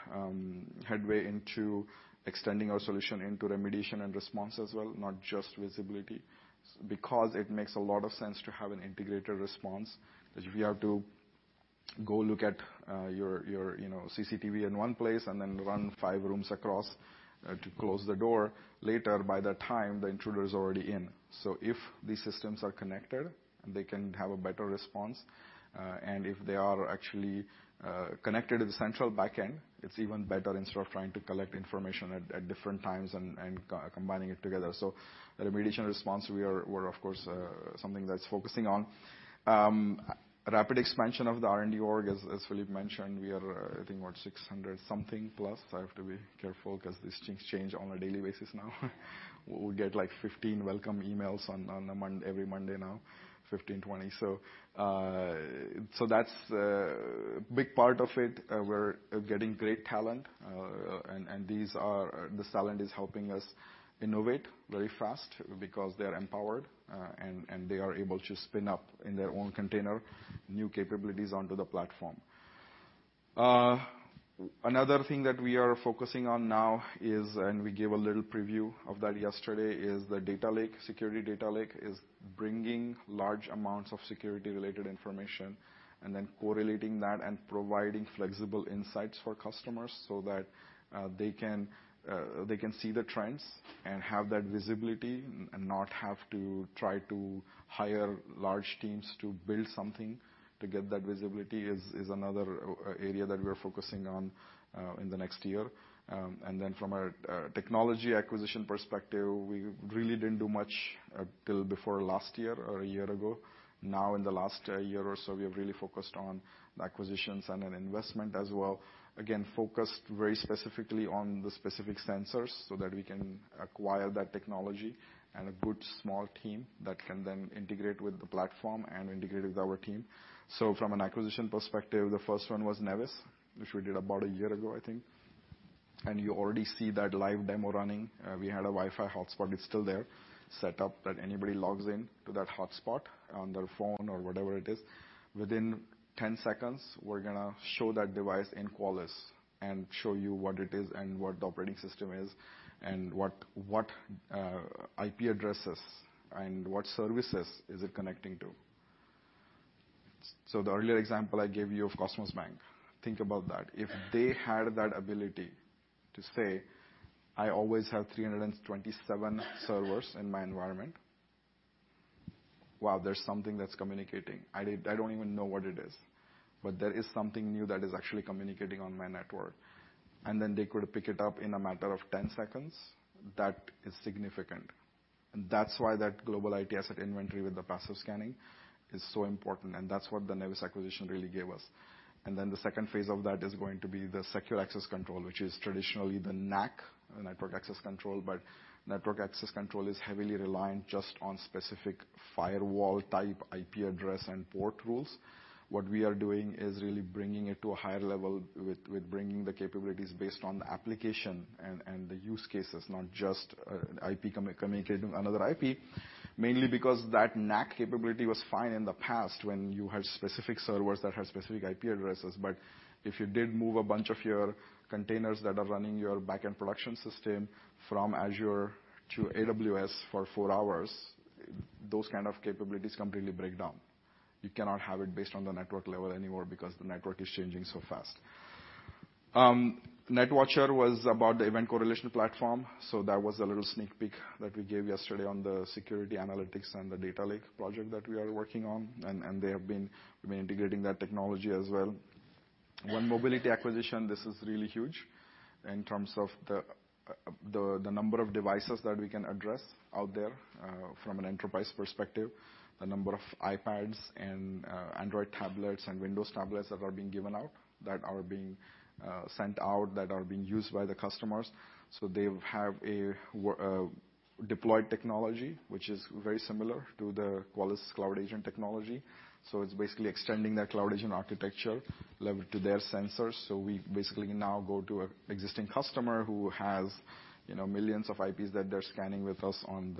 headway into extending our solution into remediation and response as well, not just visibility, because it makes a lot of sense to have an integrated response, because we have toGo look at your CCTV in one place and then run five rooms across to close the door. Later, by that time, the intruder is already in. If these systems are connected, they can have a better response. If they are actually connected to the central backend, it's even better, instead of trying to collect information at different times and combining it together. The remediation response, we are of course something that's focusing on. Rapid expansion of the R&D org, as Philippe mentioned, we are I think what, 600 something plus. I have to be careful because these things change on a daily basis now. We get 15 welcome emails every Monday now, 15, 20. That's a big part of it. We're getting great talent. This talent is helping us innovate very fast because they are empowered, and they are able to spin up in their own container, new capabilities onto the platform. Another thing that we are focusing on now is, and we gave a little preview of that yesterday, is the data lake. Security data lake is bringing large amounts of security-related information and then correlating that and providing flexible insights for customers so that they can see the trends and have that visibility and not have to try to hire large teams to build something to get that visibility. It is another area that we're focusing on, in the next year. From a technology acquisition perspective, we really didn't do much until before last year or a year ago. In the last year or so, we have really focused on acquisitions and on investment as well. Focused very specifically on the specific sensors so that we can acquire that technology and a good small team that can then integrate with the platform and integrate with our team. From an acquisition perspective, the first one was Nevis, which we did about a year ago, I think. You already see that live demo running. We had a Wi-Fi hotspot, it's still there, set up that anybody logs in to that hotspot on their phone or whatever it is. Within 10 seconds, we're going to show that device in Qualys and show you what it is and what the operating system is and what IP addresses and what services is it connecting to. The earlier example I gave you of Cosmos Bank, think about that. If they had that ability to say, "I always have 327 servers in my environment. Wow, there's something that's communicating. I don't even know what it is, but there is something new that is actually communicating on my network." They could pick it up in a matter of 10 seconds, that is significant. That's why that global IP asset inventory with the passive scanning is so important, and that's what the Nevis acquisition really gave us. The second phase of that is going to be the secure access control, which is traditionally the NAC, the network access control, but network access control is heavily reliant just on specific firewall type IP address and port rules. What we are doing is really bringing it to a higher level with bringing the capabilities based on the application and the use cases, not just an IP communicating with another IP. Mainly because that NAC capability was fine in the past when you had specific servers that had specific IP addresses. But if you did move a bunch of your containers that are running your backend production system from Azure to AWS for four hours, those kind of capabilities completely break down. You cannot have it based on the network level anymore because the network is changing so fast. NetWatcher was about the event correlation platform. That was a little sneak peek that we gave yesterday on the security analytics and the data lake project that we are working on. They have been integrating that technology as well. 1Mobility acquisition, this is really huge in terms of the number of devices that we can address out there from an enterprise perspective, the number of iPads and Android tablets and Windows tablets that are being given out, that are being sent out, that are being used by the customers. They have a deployed technology, which is very similar to the Qualys Cloud Agent technology. It's basically extending that cloud agent architecture level to their sensors. We basically now go to an existing customer who has millions of IPs that they're scanning with us on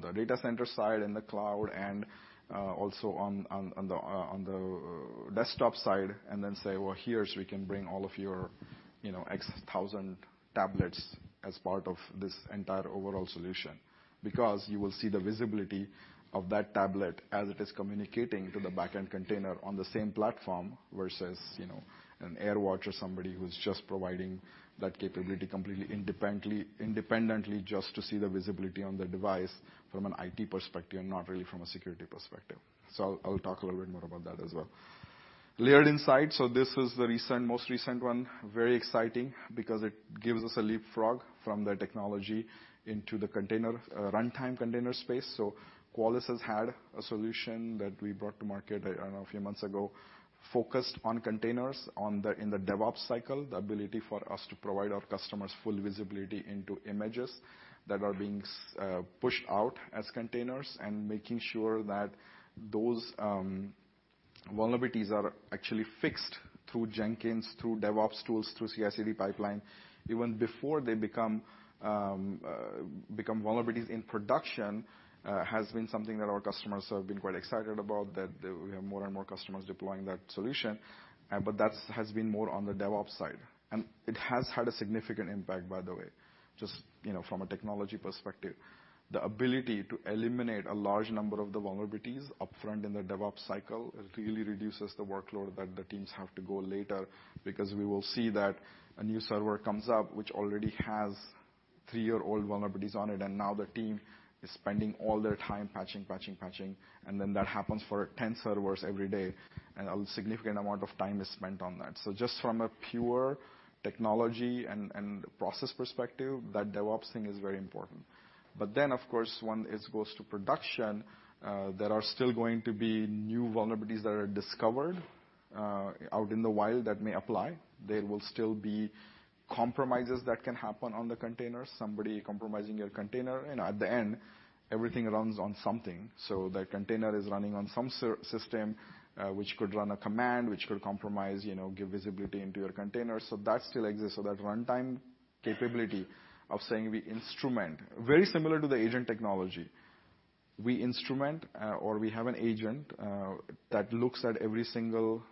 the data center side, in the cloud, and also on the desktop side. say, "Here, we can bring all of your X thousand tablets as part of this entire overall solution." You will see the visibility of that tablet as it is communicating to the backend container on the same platform, versus an AirWatch or somebody who's just providing that capability completely independently just to see the visibility on the device from an IT perspective, not really from a security perspective. I'll talk a little bit more about that as well. Layered Insight, this is the most recent one. Very exciting because it gives us a leapfrog from the technology into the runtime container space. Qualys has had a solution that we brought to market a few months ago, focused on containers in the DevOps cycle, the ability for us to provide our customers full visibility into images that are being pushed out as containers and making sure that those vulnerabilities are actually fixed through Jenkins, through DevOps tools, through CI/CD pipeline, even before they become vulnerabilities in production, has been something that our customers have been quite excited about. We have more and more customers deploying that solution, that has been more on the DevOps side. It has had a significant impact, by the way, just from a technology perspective. The ability to eliminate a large number of the vulnerabilities up front in the DevOps cycle, it really reduces the workload that the teams have to go later, because we will see that a new server comes up, which already has three-year-old vulnerabilities on it. Now the team is spending all their time patching. That happens for 10 servers every day, and a significant amount of time is spent on that. Just from a pure technology and process perspective, that DevOps thing is very important. Of course, once it goes to production, there are still going to be new vulnerabilities that are discovered out in the wild that may apply. There will still be compromises that can happen on the container, somebody compromising your container, and at the end, everything runs on something. That container is running on some system, which could run a command, which could compromise, give visibility into your container. That still exists. That runtime capability of saying we instrument. Very similar to the agent technology. We instrument or we have an agent that looks at every single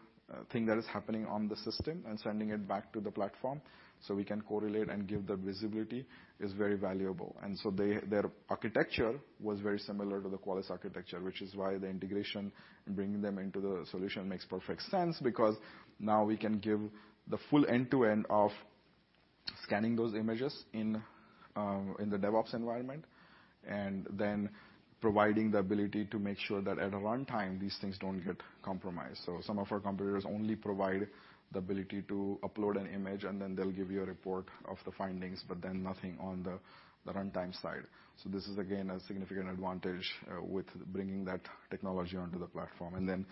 thing that is happening on the system and sending it back to the platform so we can correlate and give the visibility, is very valuable. Their architecture was very similar to the Qualys architecture, which is why the integration and bringing them into the solution makes perfect sense, because now we can give the full end-to-end of scanning those images in the DevOps environment, providing the ability to make sure that at a runtime, these things don't get compromised. Some of our competitors only provide the ability to upload an image, they'll give you a report of the findings, nothing on the runtime side. This is again, a significant advantage with bringing that technology onto the platform.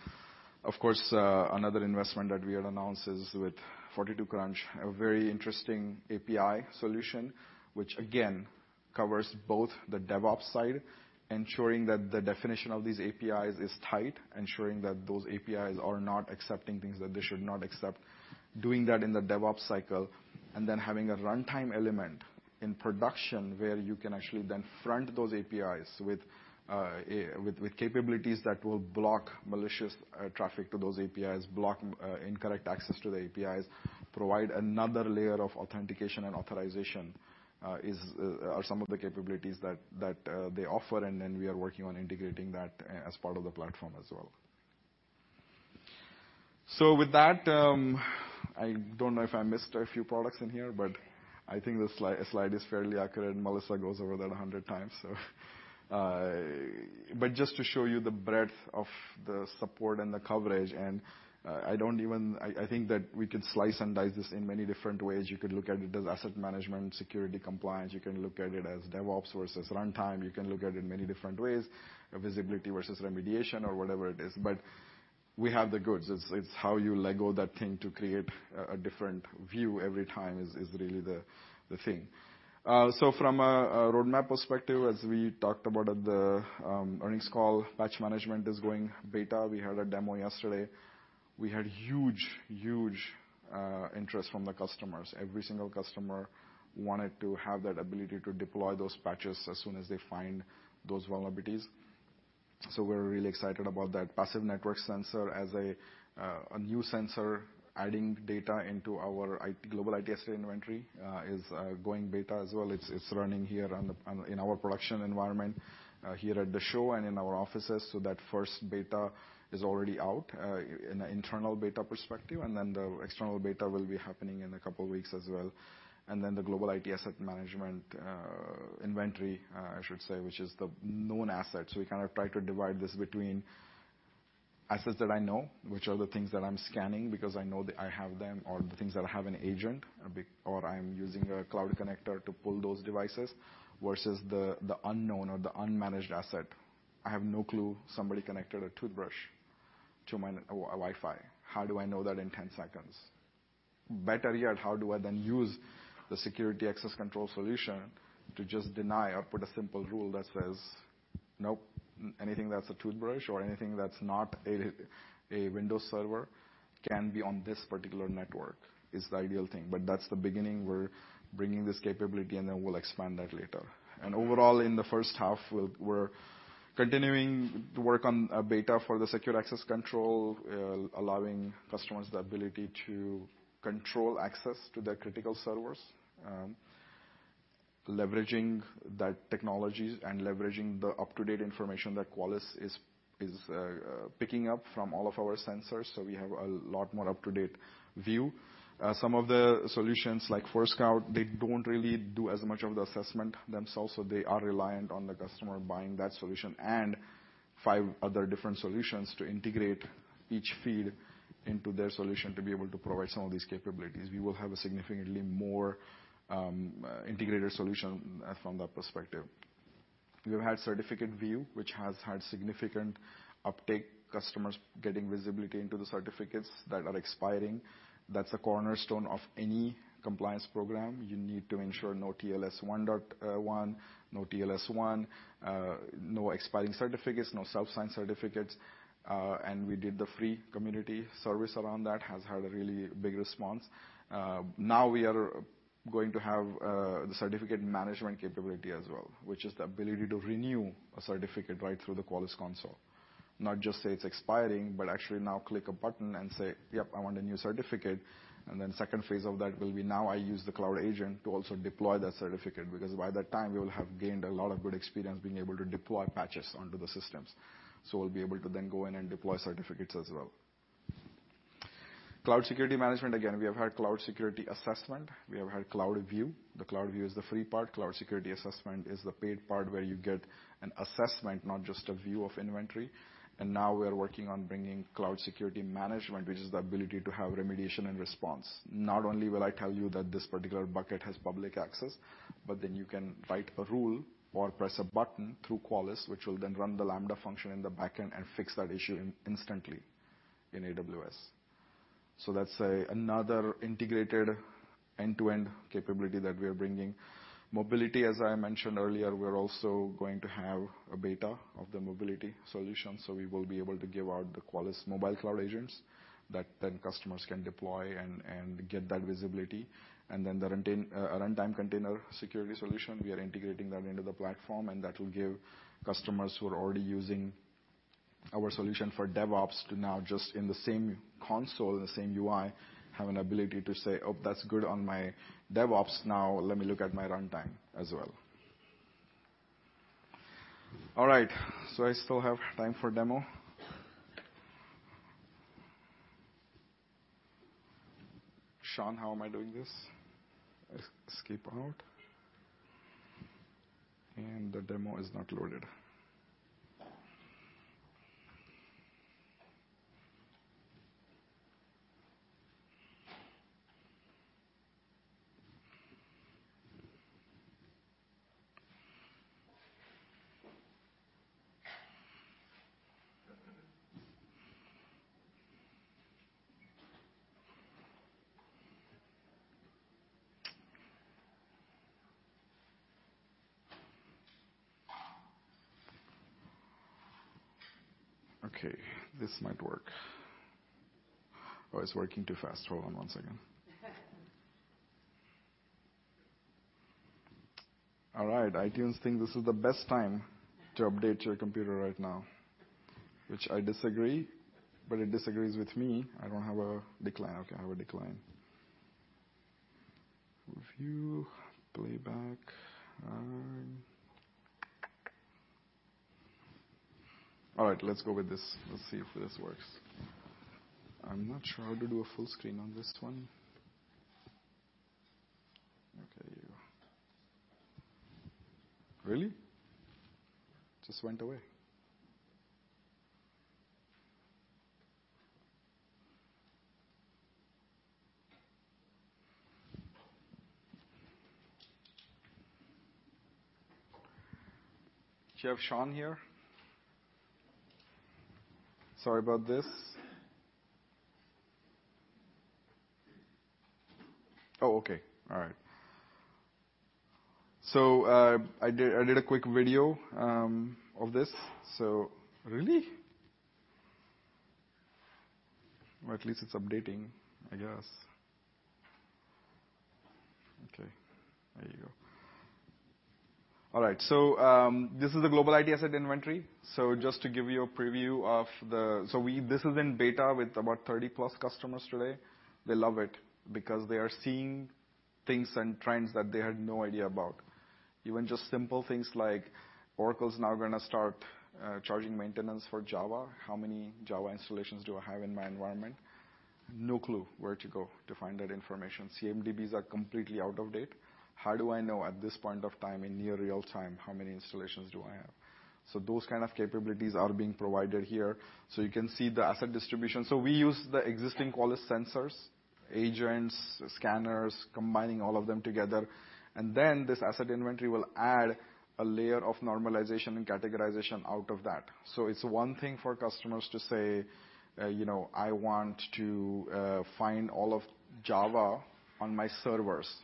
Of course, another investment that we had announced is with 42Crunch, a very interesting API solution, which again, covers both the DevOps side, ensuring that the definition of these APIs is tight, ensuring that those APIs are not accepting things that they should not accept. Doing that in the DevOps cycle, having a runtime element in production where you can actually then front those APIs with capabilities that will block malicious traffic to those APIs, block incorrect access to the APIs, provide another layer of authentication and authorization, are some of the capabilities that they offer. We are working on integrating that as part of the platform as well. With that, I don't know if I missed a few products in here, but I think the slide is fairly accurate, Melissa goes over that 100 times. Just to show you the breadth of the support and the coverage, I think that we could slice and dice this in many different ways. You could look at it as asset management, security compliance. You can look at it as DevOps versus runtime. You can look at it many different ways, visibility versus remediation or whatever it is, but we have the goods. It's how you LEGO that thing to create a different view every time is really the thing. From a roadmap perspective, as we talked about at the earnings call, patch management is going beta. We had a demo yesterday. We had huge interest from the customers. Every single customer wanted to have that ability to deploy those patches as soon as they find those vulnerabilities. We're really excited about that. Passive network sensor as a new sensor, adding data into our global IT asset inventory, is going beta as well. It's running here in our production environment, here at the show and in our offices. That first beta is already out, in a internal beta perspective, the external beta will be happening in a couple of weeks as well. The global IT asset management inventory, I should say, which is the known assets. We try to divide this between assets that I know, which are the things that I'm scanning because I know that I have them, or the things that I have in agent, or I am using a cloud connector to pull those devices, versus the unknown or the unmanaged asset. I have no clue, somebody connected a toothbrush to my Wi-Fi. How do I know that in 10 seconds? Better yet, how do I then use the security access control solution to just deny or put a simple rule that says, "Nope, anything that's a toothbrush or anything that's not a Windows server can be on this particular network," is the ideal thing. That's the beginning. We're bringing this capability we'll expand that later. Overall, in the first half, we're continuing to work on a beta for the secure access control, allowing customers the ability to control access to their critical servers. Leveraging that technology and leveraging the up-to-date information that Qualys is picking up from all of our sensors, so we have a lot more up-to-date view. Some of the solutions, like Forescout, they don't really do as much of the assessment themselves, so they are reliant on the customer buying that solution and 5 other different solutions to integrate each feed into their solution to be able to provide some of these capabilities. We will have a significantly more integrated solution from that perspective. We have had certificate view, which has had significant uptake customers getting visibility into the certificates that are expiring. That's a cornerstone of any compliance program. You need to ensure no TLS 1.1, no TLS 1, no expiring certificates, no self-signed certificates. We did the free community service around that, has had a really big response. Now we are going to have the certificate management capability as well, which is the ability to renew a certificate right through the Qualys console. Not just say it's expiring, but actually now click a button and say, "Yep, I want a new certificate." Then second phase of that will be now I use the cloud agent to also deploy that certificate, because by that time, we will have gained a lot of good experience being able to deploy patches onto the systems. So we'll be able to then go in and deploy certificates as well. Cloud security management, again, we have had cloud security assessment, we have had cloud view. The cloud view is the free part. Cloud security assessment is the paid part, where you get an assessment, not just a view of inventory. Now we are working on bringing cloud security management, which is the ability to have remediation and response. Not only will I tell you that this particular bucket has public access, but then you can write a rule or press a button through Qualys, which will then run the Lambda function in the back end and fix that issue instantly in AWS. That's another integrated end-to-end capability that we are bringing. Mobility, as I mentioned earlier, we're also going to have a beta of the mobility solution. So we will be able to give out the Qualys mobile cloud agents that then customers can deploy and get that visibility. Then the runtime container security solution, we are integrating that into the platform, and that will give customers who are already using our solution for DevOps to now just in the same console, in the same UI, have an ability to say, "That's good on my DevOps. Now let me look at my runtime as well." I still have time for demo. Sean, how am I doing this? Escape out. The demo is not loaded. This might work. It's working too fast. Hold on 1 second. iTunes think this is the best time to update your computer right now, which I disagree, but it disagrees with me. I don't have a decline. I have a decline. Review, playback. Let's go with this. Let's see if this works. I'm not sure how to do a full screen on this one. Okay. Really? Just went away. Do you have Sean here? Sorry about this. Oh, okay. All right. I did a quick video of this. Really? Well, at least it's updating, I guess. Okay, there you go. All right. This is a global asset inventory. Just to give you a preview. This is in beta with about 30-plus customers today. They love it because they are seeing things and trends that they had no idea about. Even just simple things like Oracle's now gonna start charging maintenance for Java. How many Java installations do I have in my environment? No clue where to go to find that information. CMDBs are completely out of date. How do I know at this point of time, in near real time, how many installations do I have? Those kind of capabilities are being provided here. You can see the asset distribution. We use the existing Qualys sensors, agents, scanners, combining all of them together, and then this asset inventory will add a layer of normalization and categorization out of that. It's one thing for customers to say, "I want to find all of Java on my servers."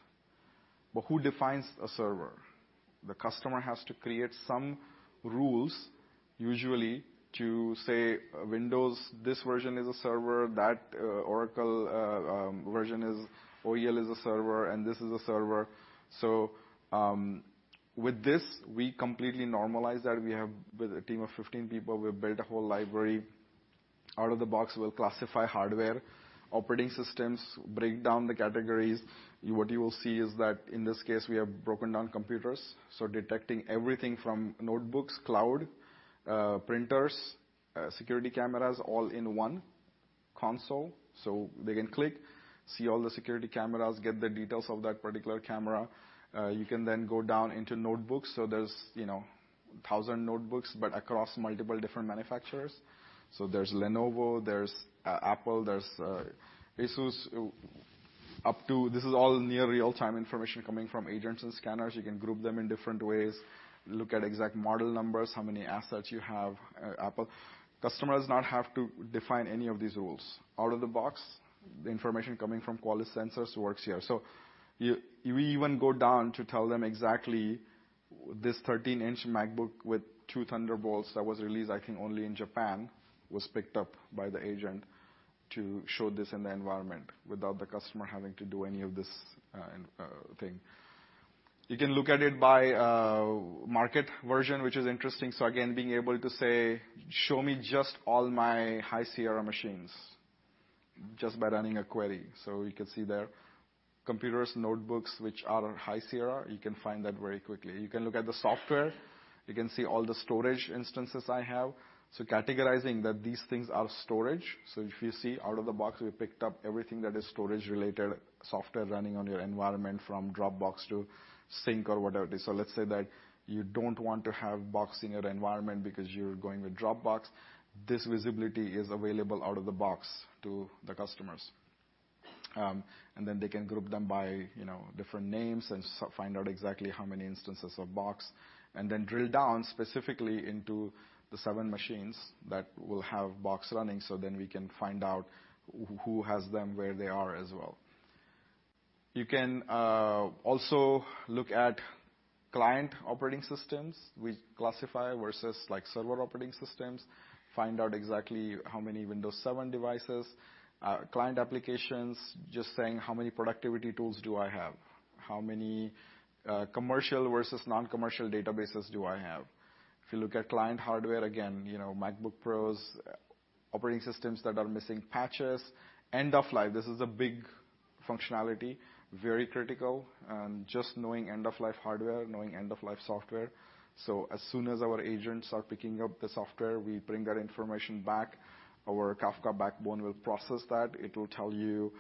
Who defines a server? The customer has to create some rules, usually to say, "Windows, this version is a server, that Oracle version is OEL is a server, and this is a server." With this, we completely normalize that. With a team of 15 people, we've built a whole library out-of-the-box. We'll classify hardware, operating systems, break down the categories. What you will see is that in this case, we have broken down computers, so detecting everything from notebooks, cloud, printers, security cameras all in one console. They can click, see all the security cameras, get the details of that particular camera. You can go down into notebooks. There's 1,000 notebooks, but across multiple different manufacturers. There's Lenovo, there's Apple, there's ASUS. This is all near real-time information coming from agents and scanners. You can group them in different ways. Look at exact model numbers, how many assets you have. Customers not have to define any of these rules. Out of the box, the information coming from Qualys sensors works here. We even go down to tell them exactly this 13-inch MacBook with 2 Thunderbolts that was released, I think only in Japan, was picked up by the agent to show this in the environment without the customer having to do any of this thing. You can look at it by market version, which is interesting. Again, being able to say, "Show me just all my High Sierra machines," just by running a query. You can see there computers, notebooks, which are High Sierra, you can find that very quickly. You can look at the software. You can see all the storage instances I have. Categorizing that these things are storage. If you see out of the box, we picked up everything that is storage related, software running on your environment from Dropbox to Sync or whatever it is. Let's say that you don't want to have Box in your environment because you're going with Dropbox. This visibility is available out of the box to the customers. They can group them by different names and find out exactly how many instances of Box, and then drill down specifically into the seven machines that will have Box running, we can find out who has them, where they are as well. You can also look at client operating systems. We classify versus server operating systems, find out exactly how many Windows 7 devices, client applications, just saying how many productivity tools do I have? How many commercial versus non-commercial databases do I have? If you look at client hardware again, MacBook Pros, operating systems that are missing patches. End of life, this is a big functionality, very critical. Just knowing end of life hardware, knowing end of life software. As soon as our agents are picking up the software, we bring that information back. Our Kafka backbone will process that. It will tell you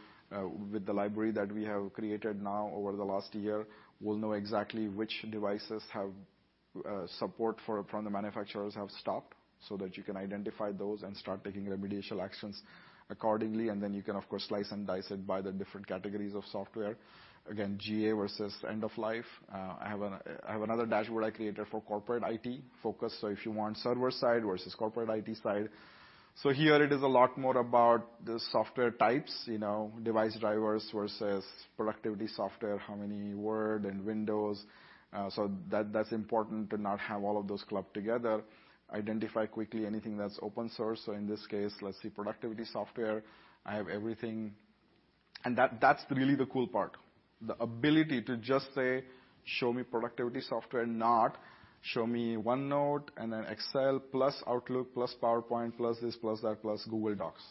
with the library that we have created now over the last year, we'll know exactly which devices have support from the manufacturers have stopped, that you can identify those and start taking remediation actions accordingly, and then you can of course slice and dice it by the different categories of software. Again, GA versus end of life. I have another dashboard I created for corporate IT focus. If you want server side versus corporate IT side. Here it is a lot more about the software types, device drivers versus productivity software. How many Word and Windows. That's important to not have all of those clubbed together, identify quickly anything that's open source. In this case, let's see productivity software. I have everything. That's really the cool part. The ability to just say, "Show me productivity software," not, "Show me OneNote, and then Excel, plus Outlook, plus PowerPoint, plus this, plus that, plus Google Docs."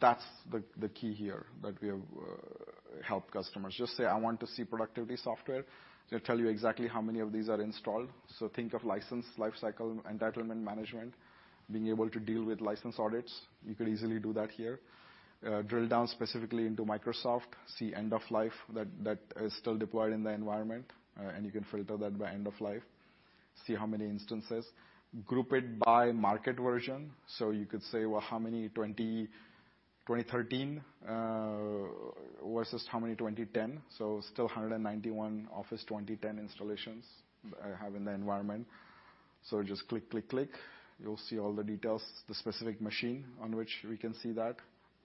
That's the key here that we have helped customers. Just say, "I want to see productivity software." It'll tell you exactly how many of these are installed. Think of license lifecycle, entitlement management, being able to deal with license audits. You could easily do that here. Drill down specifically into Microsoft, see end of life that is still deployed in the environment. You can filter that by end of life. See how many instances. Group it by market version. You could say, "How many 2013, versus how many 2010?" Still 191 Office 2010 installations I have in the environment. Just click. You'll see all the details, the specific machine on which we can see that.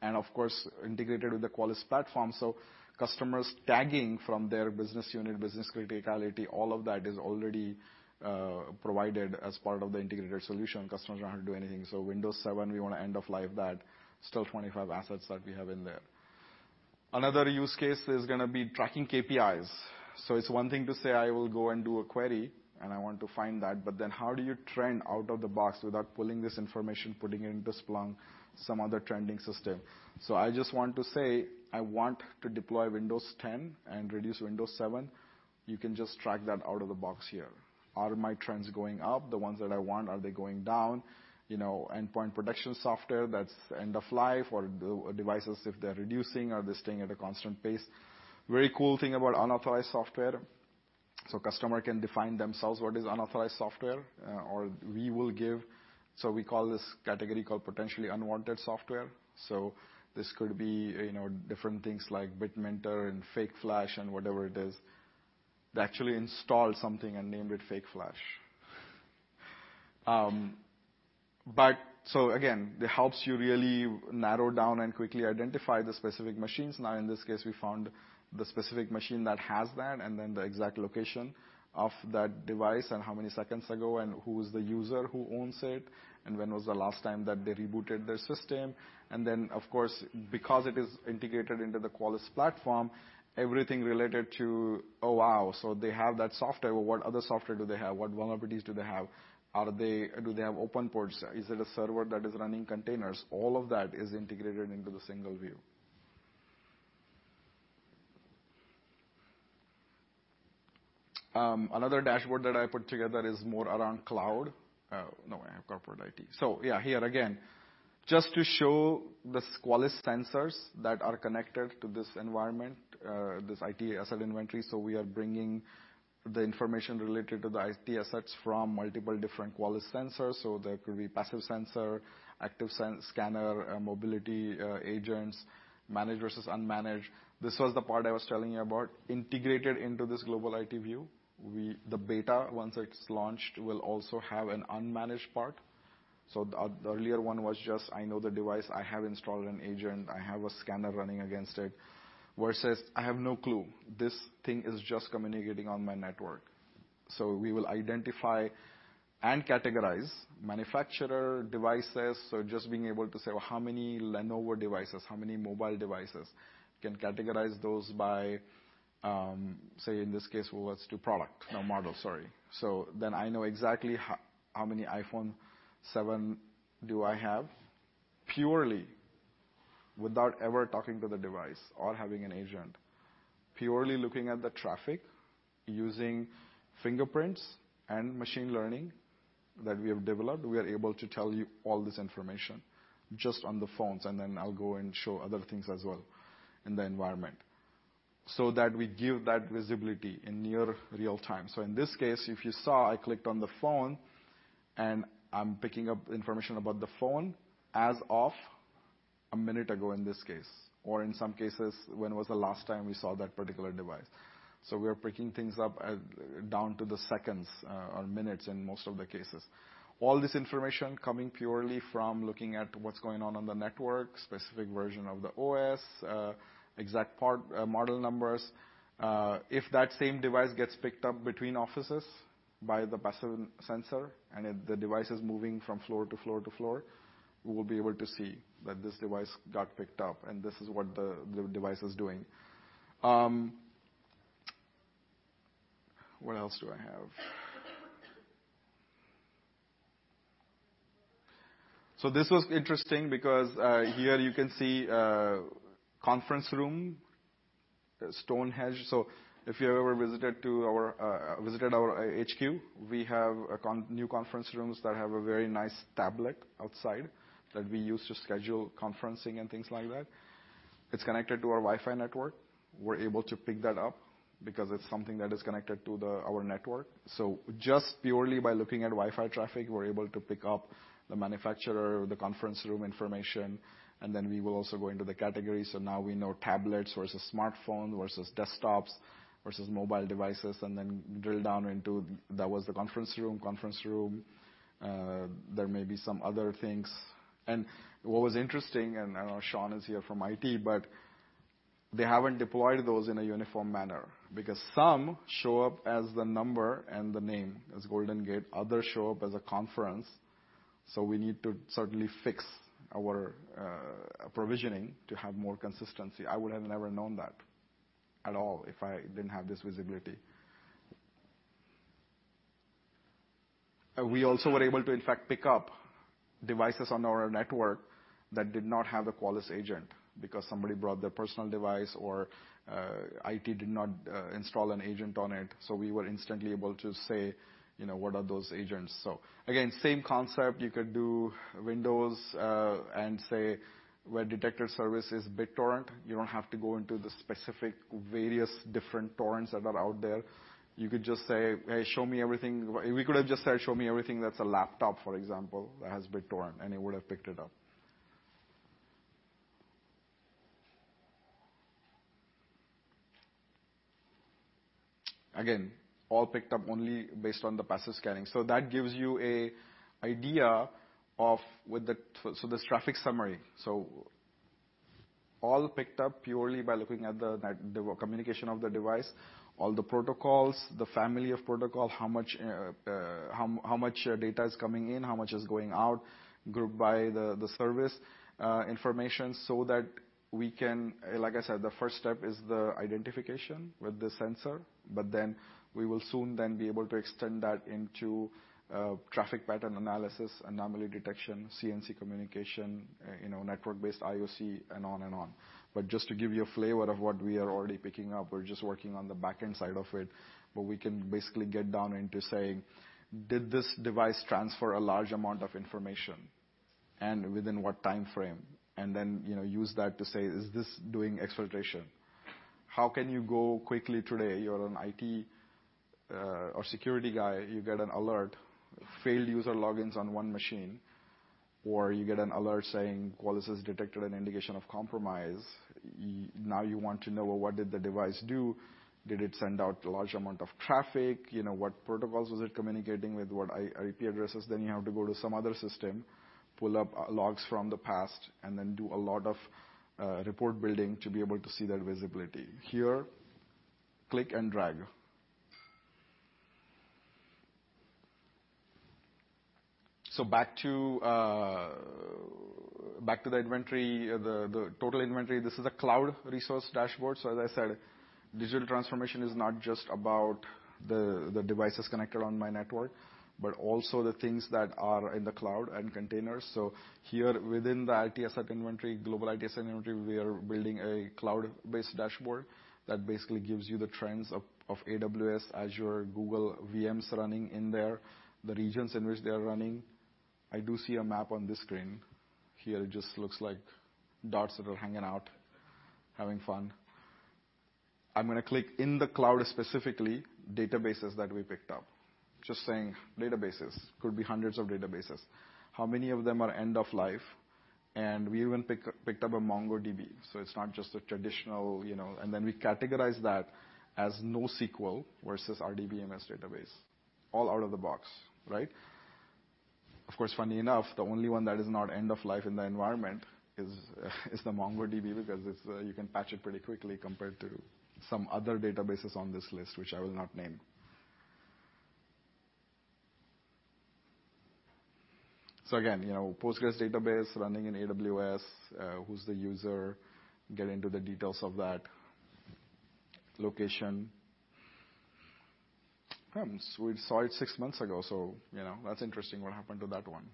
Of course, integrated with the Qualys platform. Customers tagging from their business unit, business criticality, all of that is already provided as part of the integrated solution. Customers don't have to do anything. Windows 7, we want to end of life that. Still 25 assets that we have in there. Another use case is going to be tracking KPIs. It's one thing to say I will go and do a query, and I want to find that, but then how do you trend out of the box without pulling this information, putting it into Splunk, some other trending system. I just want to say I want to deploy Windows 10 and reduce Windows 7. You can just track that out of the box here. Are my trends going up? The ones that I want, are they going down? Endpoint protection software that's end of life or devices, if they're reducing, are they staying at a constant pace? Very cool thing about unauthorized software. Customer can define themselves what is unauthorized software. We call this category called potentially unwanted software. This could be different things like BitTorrent and FakeFlash and whatever it is. They actually installed something and named it FakeFlash. Again, it helps you really narrow down and quickly identify the specific machines. Now, in this case, we found the specific machine that has that, and then the exact location of that device and how many seconds ago, and who's the user, who owns it, and when was the last time that they rebooted their system. Of course, because it is integrated into the Qualys platform, everything related to, oh, wow, they have that software. What other software do they have? What vulnerabilities do they have? Do they have open ports? Is it a server that is running containers? All of that is integrated into the single view. Another dashboard that I put together is more around cloud. No, I have corporate IT. Here again, just to show the Qualys sensors that are connected to this environment, this IT asset inventory. We are bringing the information related to the IT assets from multiple different Qualys sensors. There could be passive sensor, active scanner, mobility agents, managed versus unmanaged. This was the part I was telling you about, integrated into this global IT view. The beta, once it's launched, will also have an unmanaged part. The earlier one was just, I know the device, I have installed an agent, I have a scanner running against it, versus, I have no clue. This thing is just communicating on my network. We will identify and categorize manufacturer devices. Just being able to say, how many Lenovo devices, how many mobile devices? Can categorize those by, say in this case, let's do product. No, model, sorry. I know exactly how many iPhone 7 do I have, purely without ever talking to the device or having an agent. Purely looking at the traffic, using fingerprints and machine learning that we have developed, we are able to tell you all this information just on the phones, and then I'll go and show other things as well in the environment. That we give that visibility in near real-time. In this case, if you saw, I clicked on the phone and I'm picking up information about the phone as of a minute ago, in this case, or in some cases, when was the last time we saw that particular device. We are picking things up down to the seconds or minutes in most of the cases. All this information coming purely from looking at what's going on on the network, specific version of the OS, exact part model numbers. If that same device gets picked up between offices by the passive sensor and the device is moving from floor to floor to floor, we will be able to see that this device got picked up and this is what the device is doing. What else do I have? This was interesting because, here you can see a conference room, Stonehenge. If you've ever visited our HQ, we have new conference rooms that have a very nice tablet outside that we use to schedule conferencing and things like that. It's connected to our Wi-Fi network. We're able to pick that up because it's something that is connected to our network. Just purely by looking at Wi-Fi traffic, we're able to pick up the manufacturer, the conference room information, and then we will also go into the category. Now we know tablets versus smartphone versus desktops versus mobile devices, and then drill down into that was the conference room. There may be some other things. What was interesting, and I know Sean is here from IT, but they haven't deployed those in a uniform manner because some show up as the number and the name, as Golden Gate, others show up as a conference. We need to certainly fix our provisioning to have more consistency. I would have never known that at all if I didn't have this visibility. We also were able to, in fact, pick up devices on our network that did not have a Qualys agent because somebody brought their personal device or IT did not install an agent on it. We were instantly able to say, what are those agents? Again, same concept. You could do Windows, and say, where detector service is BitTorrent. You don't have to go into the specific various different torrents that are out there. You could just say, "Hey, show me everything." We could have just said, "Show me everything that's a laptop," for example, that has BitTorrent, and it would have picked it up. Again, all picked up only based on the passive scanning. That gives you an idea of this traffic summary. All picked up purely by looking at the communication of the device, all the protocols, the family of protocol, how much data is coming in, how much is going out, grouped by the service, information so that we can. Like I said, the first step is the identification with the sensor, then we will soon be able to extend that into traffic pattern analysis, anomaly detection, CNC communication, network-based IOC, and on and on. Just to give you a flavor of what we are already picking up, we're just working on the back-end side of it. We can basically get down into saying, did this device transfer a large amount of information, and within what time frame? Then use that to say, is this doing exfiltration? How can you go quickly today? You're an IT or security guy. You get an alert, failed user logins on one machine, or you get an alert saying, Qualys has detected an indication of compromise. You want to know, what did the device do? Did it send out a large amount of traffic? What protocols was it communicating with? What IP addresses? You have to go to some other system, pull up logs from the past, and do a lot of report building to be able to see that visibility. Here, click and drag. Back to the inventory, the total inventory. This is a cloud resource dashboard. As I said, digital transformation is not just about the devices connected on my network, but also the things that are in the cloud and containers. Here within the IT asset inventory, global IT asset inventory, we are building a cloud-based dashboard that basically gives you the trends of AWS, Azure, Google VMs running in there, the regions in which they are running. I do see a map on this screen. Here it just looks like dots that are hanging out, having fun. I'm going to click in the cloud, specifically, databases that we picked up. Just saying databases, could be hundreds of databases. How many of them are end of life? We even picked up a MongoDB, it's not just a traditional. We categorize that as NoSQL versus RDBMS database, all out of the box. Right? Of course, funny enough, the only one that is not end of life in the environment is the MongoDB, because you can patch it pretty quickly compared to some other databases on this list, which I will not name. Again, PostgreSQL database running in AWS, who's the user, get into the details of that. Location. Hmm, we saw it six months ago, that's interesting, what happened to that one?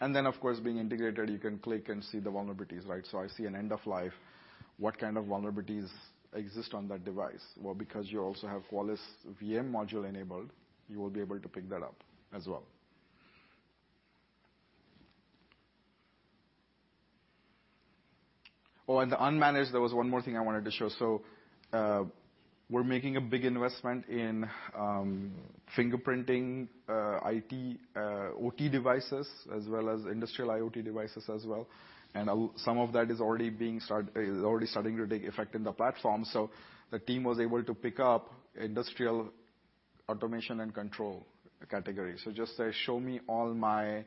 Of course, being integrated, you can click and see the vulnerabilities. I see an end of life. What kind of vulnerabilities exist on that device? Because you also have Qualys VM module enabled, you will be able to pick that up as well. The unmanaged, there was one more thing I wanted to show. We're making a big investment in fingerprinting OT devices, as well as industrial IoT devices as well. Some of that is already starting to take effect in the platform. The team was able to pick up industrial automation and control category. Just say, "Show me all my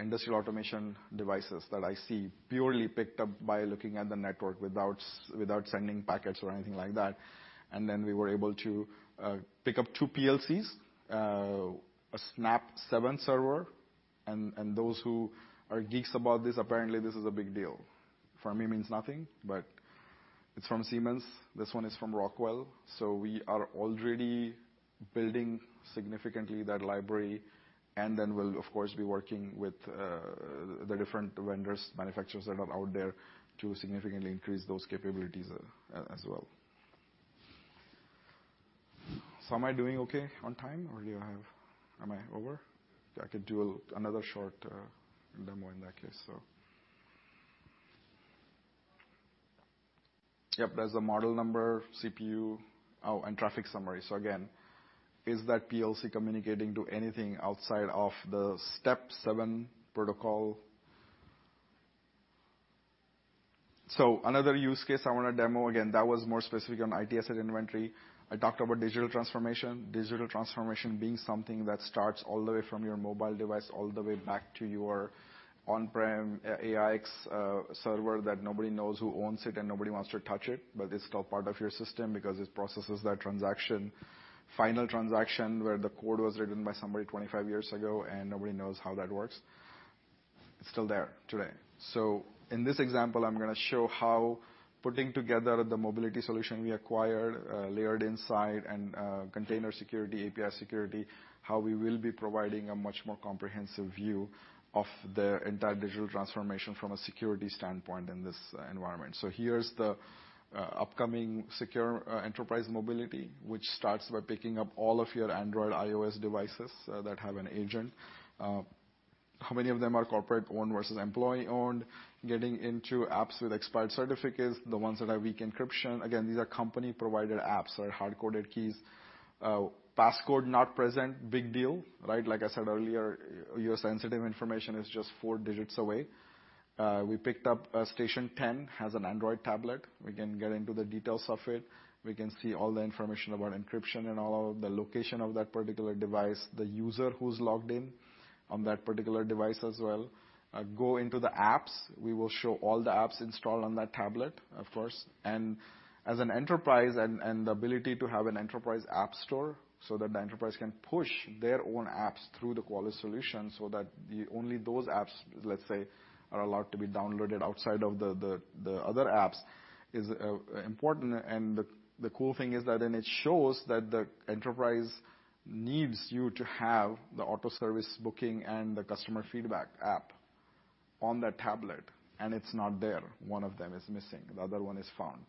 industrial automation devices that I see," purely picked up by looking at the network without sending packets or anything like that. We were able to pick up two PLCs, an S7 server, and those who are geeks about this, apparently this is a big deal. For me, means nothing, but it's from Siemens. This one is from Rockwell. We are already building significantly that library, we'll, of course, be working with the different vendors, manufacturers that are out there to significantly increase those capabilities as well. Am I doing okay on time, or am I over? I could do another short demo in that case. Yep, there's a model number, CPU, oh, and traffic summary. Again, is that PLC communicating to anything outside of the STEP 7 protocol? Another use case I want to demo. Again, that was more specific on IT asset inventory. I talked about digital transformation. Digital transformation being something that starts all the way from your mobile device all the way back to your on-prem AIX server that nobody knows who owns it and nobody wants to touch it, but it's still part of your system because it processes that transaction. Final transaction, where the code was written by somebody 25 years ago, and nobody knows how that works. It's still there today. In this example, I'm going to show how putting together the mobility solution we acquired, Layered Insight and container security, API security, how we will be providing a much more comprehensive view of the entire digital transformation from a security standpoint in this environment. Here's the upcoming secure enterprise mobility, which starts by picking up all of your Android, iOS devices that have an agent. How many of them are corporate-owned versus employee-owned? Getting into apps with expired certificates, the ones that have weak encryption. Again, these are company-provided apps, hard-coded keys. Passcode not present, big deal. Like I said earlier, your sensitive information is just four digits away. We picked up station 10 has an Android tablet. We can get into the details of it. We can see all the information about encryption and all of the location of that particular device, the user who's logged in on that particular device as well. Go into the apps. We will show all the apps installed on that tablet, of course. As an enterprise and the ability to have an enterprise app store so that the enterprise can push their own apps through the Qualys solution so that only those apps, let's say, are allowed to be downloaded outside of the other apps is important. The cool thing is that then it shows that the enterprise needs you to have the auto service booking and the customer feedback app on that tablet, and it's not there. One of them is missing, the other one is found.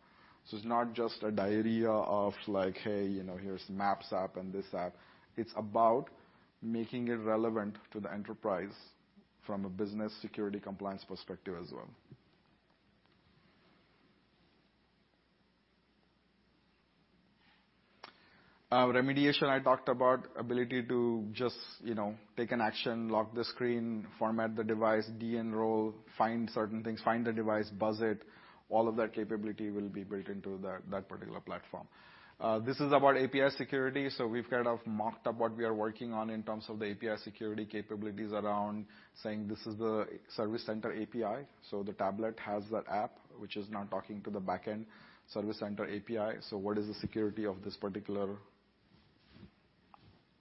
It's not just a diary of like, "Hey, here's Maps app and this app." It's about making it relevant to the enterprise from a business security compliance perspective as well. Remediation, I talked about ability to just take an action, lock the screen, format the device, de-enroll, find certain things, find the device, buzz it. All of that capability will be built into that particular platform. This is about API security. We've kind of mocked up what we are working on in terms of the API security capabilities around saying this is the service center API. The tablet has that app, which is now talking to the back end service center API. What is the security of this particular--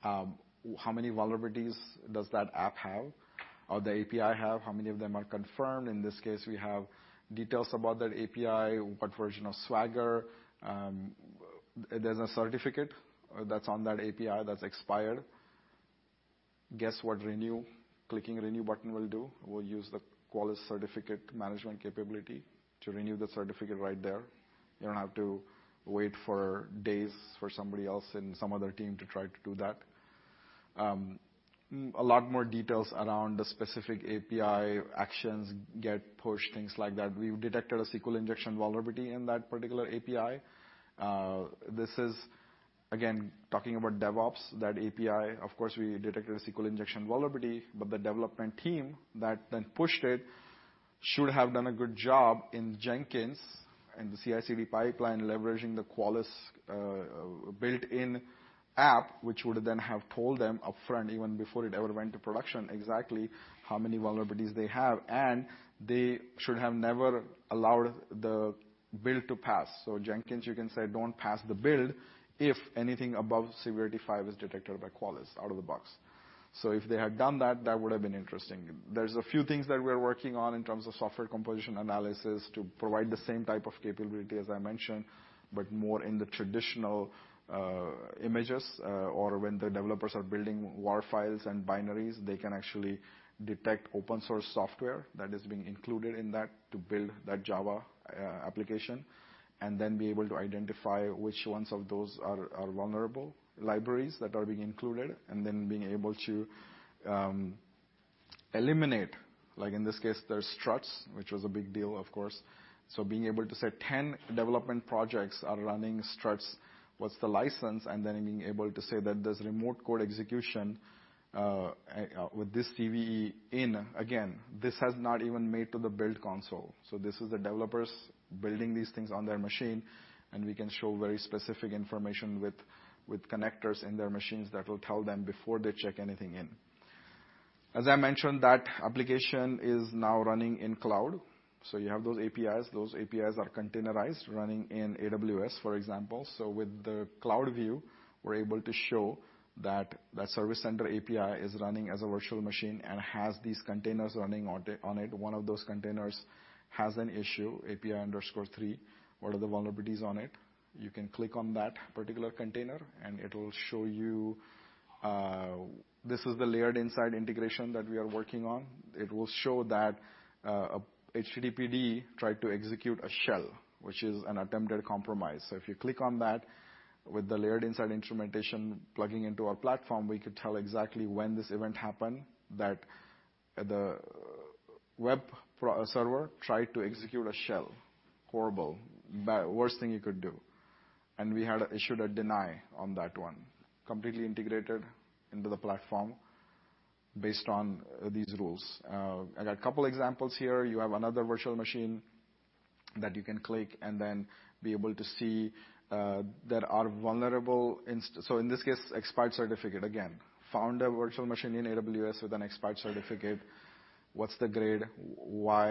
How many vulnerabilities does that app have or the API have? How many of them are confirmed? In this case, we have details about that API, what version of Swagger. There's a certificate that's on that API that's expired. Guess what renew, clicking Renew button will do? Will use the Qualys certificate management capability to renew the certificate right there. You don't have to wait for days for somebody else in some other team to try to do that. A lot more details around the specific API actions get pushed, things like that. We detected a SQL injection vulnerability in that particular API. This is, again, talking about DevOps, that API, of course, we detected a SQL injection vulnerability, but the development team that then pushed it should have done a good job in Jenkins and the CI/CD pipeline, leveraging the Qualys built-in app, which would have then have told them upfront, even before it ever went to production, exactly how many vulnerabilities they have. They should have never allowed the build to pass. Jenkins, you can say, "Don't pass the build if anything above severity 5 is detected by Qualys out of the box." If they had done that would have been interesting. There's a few things that we're working on in terms of software composition analysis to provide the same type of capability as I mentioned, but more in the traditional images. Or when the developers are building WAR files and binaries, they can actually detect open source software that is being included in that to build that Java application, and then be able to identify which ones of those are vulnerable libraries that are being included, and then being able to eliminate, like in this case, there's Struts, which was a big deal, of course. Being able to say 10 development projects are running Struts. What's the license? Then being able to say that there's remote code execution, with this CVE in. Again, this has not even made to the build console. This is the developers building these things on their machine, and we can show very specific information with connectors in their machines that will tell them before they check anything in. As I mentioned, that application is now running in cloud. You have those APIs. Those APIs are containerized, running in AWS, for example. With the cloud view, we're able to show that that service center API is running as a virtual machine and has these containers running on it. One of those containers has an issue, API_3. What are the vulnerabilities on it? You can click on that particular container, and it will show you. This is the Layered Insight integration that we are working on. It will show that httpd tried to execute a shell, which is an attempted compromise. If you click on that, with the Layered Insight instrumentation plugging into our platform, we could tell exactly when this event happened, that the web server tried to execute a shell. Horrible. Worst thing you could do. We had issued a deny on that one, completely integrated into the platform based on these rules. I got a couple examples here. You have another virtual machine that you can click and then be able to see that are vulnerable. In this case, expired certificate. Again, found a virtual machine in AWS with an expired certificate. What's the grade? What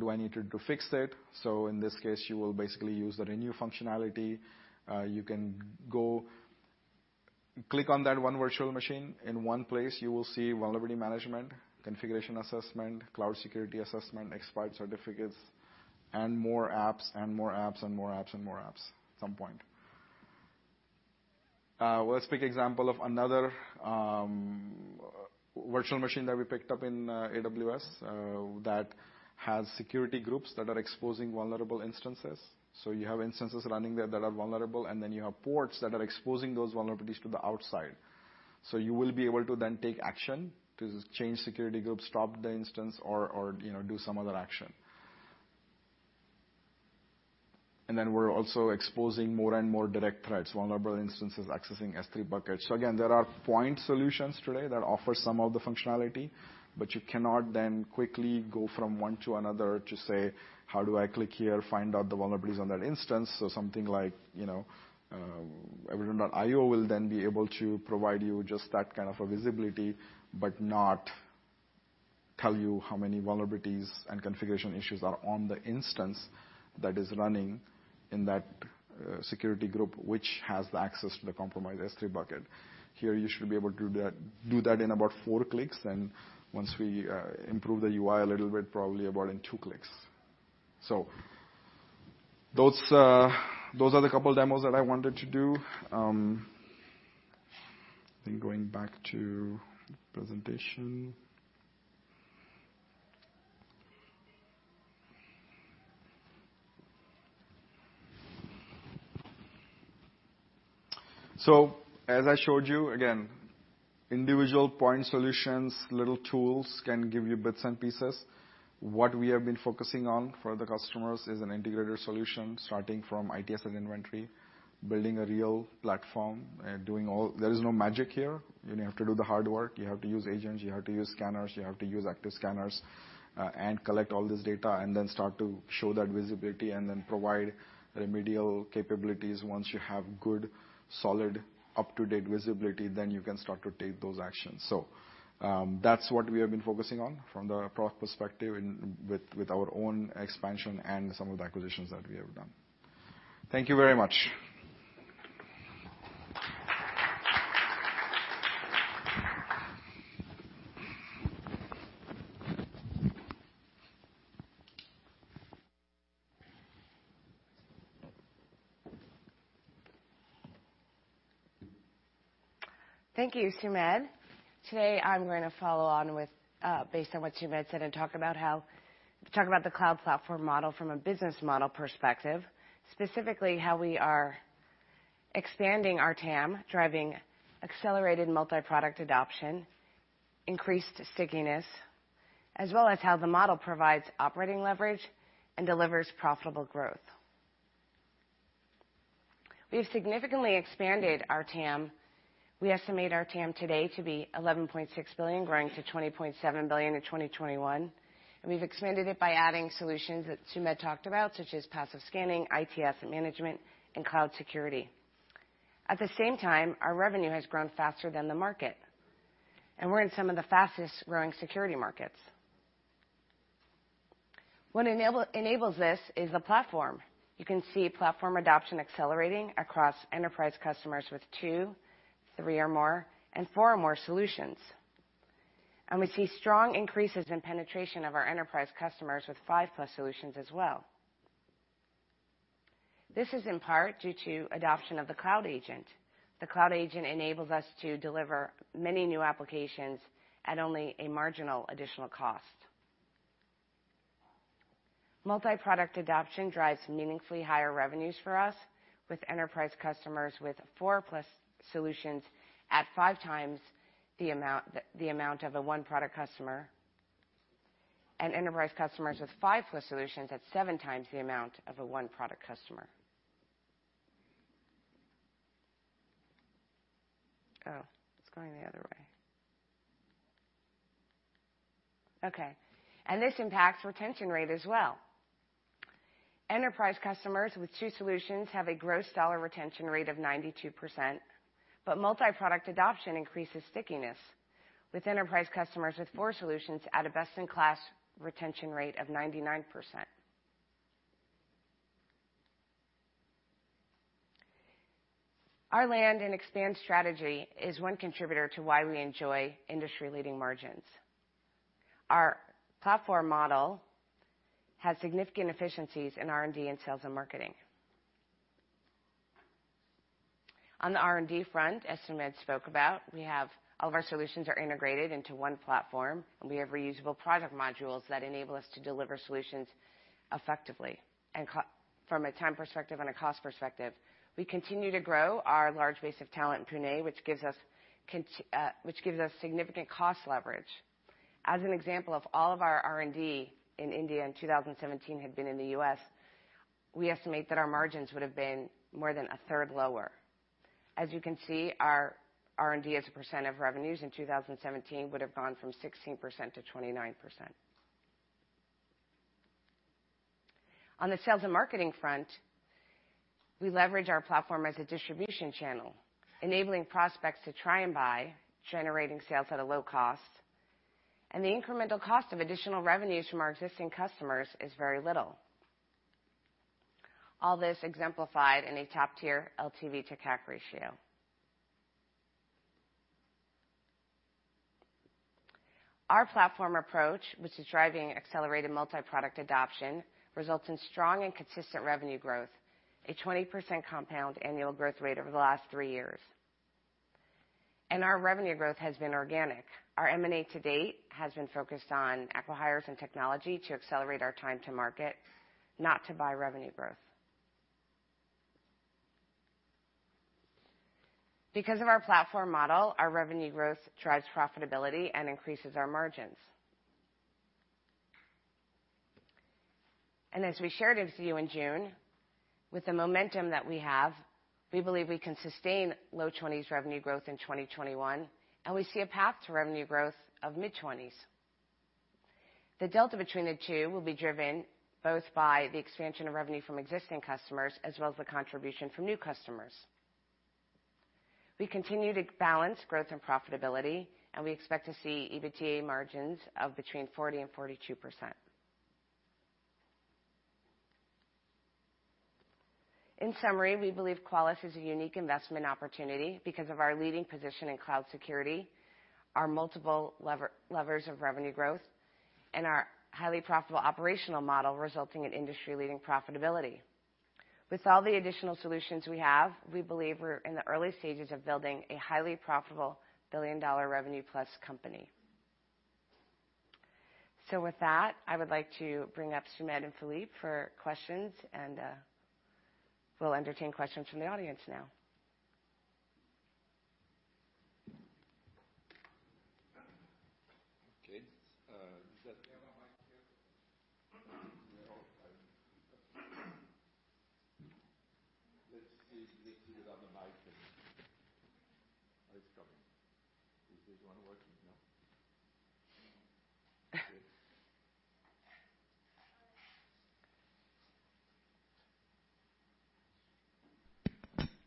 do I need to do to fix it? In this case, you will basically use the renew functionality. You can go click on that 1 virtual machine. In one place, you will see vulnerability management, configuration assessment, cloud security assessment, expired certificates, and more apps, and more apps, and more apps, and more apps at some point. Let's pick example of another virtual machine that we picked up in AWS that has security groups that are exposing vulnerable instances. You have instances running there that are vulnerable, and then you have ports that are exposing those vulnerabilities to the outside. You will be able to then take action to change security groups, stop the instance, or do some other action. Then we're also exposing more and more direct threats, vulnerable instances accessing S3 buckets. Again, there are point solutions today that offer some of the functionality, but you cannot then quickly go from one to another to say, "How do I click here, find out the vulnerabilities on that instance?" Something like, Evident.io will then be able to provide you just that kind of a visibility, but not tell you how many vulnerabilities and configuration issues are on the instance that is running in that security group, which has the access to the compromised S3 bucket. Here, you should be able to do that in about 4 clicks. Once we improve the UI a little bit, probably about in 2 clicks. Those are the couple demos that I wanted to do. Going back to presentation. As I showed you, again, individual point solutions, little tools can give you bits and pieces. What we have been focusing on for the customers is an integrated solution, starting from ITS and inventory, building a real platform and doing all There is no magic here. You have to do the hard work. You have to use agents, you have to use scanners, you have to use active scanners, and collect all this data, and then start to show that visibility, and then provide remedial capabilities. Once you have good, solid, up-to-date visibility, then you can start to take those actions. That's what we have been focusing on from the product perspective and with our own expansion and some of the acquisitions that we have done. Thank you very much. Thank you, Sumedh. Today, I'm going to follow on based on what Sumedh said and talk about the cloud platform model from a business model perspective. Specifically, how we are expanding our TAM, driving accelerated multi-product adoption, increased stickiness, as well as how the model provides operating leverage and delivers profitable growth. We've significantly expanded our TAM. We estimate our TAM today to be $11.6 billion, growing to $20.7 billion in 2021, and we've expanded it by adding solutions that Sumedh talked about, such as passive scanning, ITS management, and cloud security. At the same time, our revenue has grown faster than the market, and we're in some of the fastest-growing security markets. What enables this is the platform. You can see platform adoption accelerating across enterprise customers with 2, 3 or more, and 4 or more solutions. We see strong increases in penetration of our enterprise customers with five-plus solutions as well. This is in part due to adoption of the cloud agent. The cloud agent enables us to deliver many new applications at only a marginal additional cost. Multi-product adoption drives meaningfully higher revenues for us, with enterprise customers with four-plus solutions at five times the amount of a one-product customer, and enterprise customers with five-plus solutions at seven times the amount of a one-product customer. Oh, it's going the other way. Okay. This impacts retention rate as well. Enterprise customers with two solutions have a gross dollar retention rate of 92%, but multi-product adoption increases stickiness, with enterprise customers with four solutions at a best-in-class retention rate of 99%. Our land and expand strategy is one contributor to why we enjoy industry-leading margins. Our platform model has significant efficiencies in R&D and sales and marketing. On the R&D front, as Sumedh spoke about, all of our solutions are integrated into one platform, and we have reusable product modules that enable us to deliver solutions effectively from a time perspective and a cost perspective. We continue to grow our large base of talent in Pune, which gives us significant cost leverage. As an example, if all of our R&D in India in 2017 had been in the U.S., we estimate that our margins would have been more than a third lower. As you can see, our R&D as a % of revenues in 2017 would have gone from 16% to 29%. On the sales and marketing front, we leverage our platform as a distribution channel, enabling prospects to try and buy, generating sales at a low cost, and the incremental cost of additional revenues from our existing customers is very little. All this exemplified in a top-tier LTV to CAC ratio. Our platform approach, which is driving accelerated multi-product adoption, results in strong and consistent revenue growth, a 20% compound annual growth rate over the last three years. Our revenue growth has been organic. Our M&A to date has been focused on acquihires and technology to accelerate our time to market, not to buy revenue growth. Because of our platform model, our revenue growth drives profitability and increases our margins. As we shared with you in June, with the momentum that we have, we believe we can sustain low twenties revenue growth in 2021, and we see a path to revenue growth of mid-twenties. The delta between the two will be driven both by the expansion of revenue from existing customers, as well as the contribution from new customers. We continue to balance growth and profitability, and we expect to see EBITDA margins of between 40% and 42%. In summary, we believe Qualys is a unique investment opportunity because of our leading position in cloud security, our multiple levers of revenue growth, and our highly profitable operational model resulting in industry-leading profitability. With all the additional solutions we have, we believe we're in the early stages of building a highly profitable billion-dollar revenue-plus company. With that, I would like to bring up Sumedh and Philippe for questions, and we'll entertain questions from the audience now.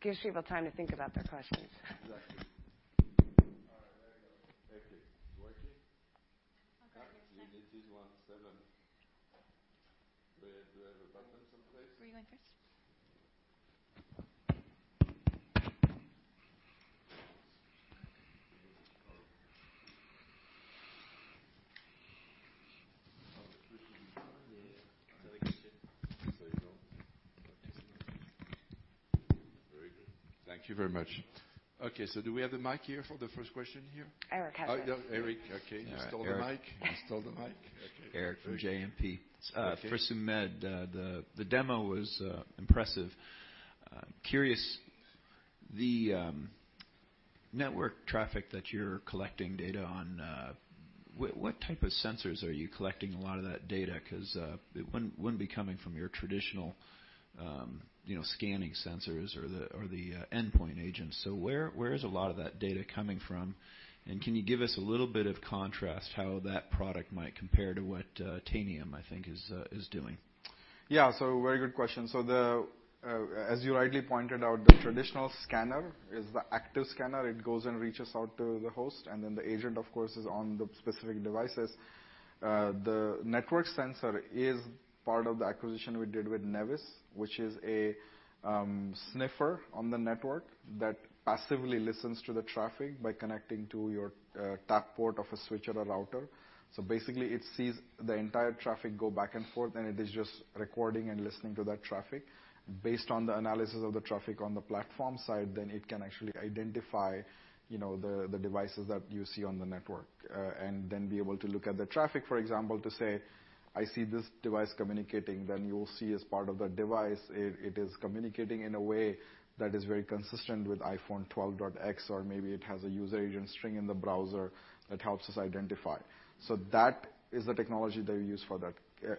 Okay. We have a mic here. No. Let's see if we can get another mic. It's coming. This one working? No? Okay. Gives people time to think about their questions. Exactly. All right, there you go. Okay. It's working? Okay, here's one. It is one seven. Do I have a button someplace? Were you going first? Oh Very good. Thank you very much. Okay. Do we have the mic here for the first question here? Eric has it. Oh, Eric. Okay. You stole the mic. All right, Eric. You stole the mic. Okay. Eric from JMP. Okay. For Sumedh, the demo was impressive. Curious, the network traffic that you're collecting data on, what type of sensors are you collecting a lot of that data? It wouldn't be coming from your traditional scanning sensors or the endpoint agents. Where is a lot of that data coming from? Can you give us a little bit of contrast how that product might compare to what Tanium, I think is doing? Yeah. Very good question. As you rightly pointed out, the traditional scanner is the active scanner. It goes and reaches out to the host, then the agent, of course, is on the specific devices. The network sensor is part of the acquisition we did with Nevis, which is a sniffer on the network that passively listens to the traffic by connecting to your tap port of a switch at a router. Basically, it sees the entire traffic go back and forth, it is just recording and listening to that traffic. Based on the analysis of the traffic on the platform side, it can actually identify the devices that you see on the network, be able to look at the traffic, for example, to say, "I see this device communicating." You'll see as part of the device, it is communicating in a way that is very consistent with iPhone 12.x, or maybe it has a user agent string in the browser that helps us identify. That is the technology that we use for that.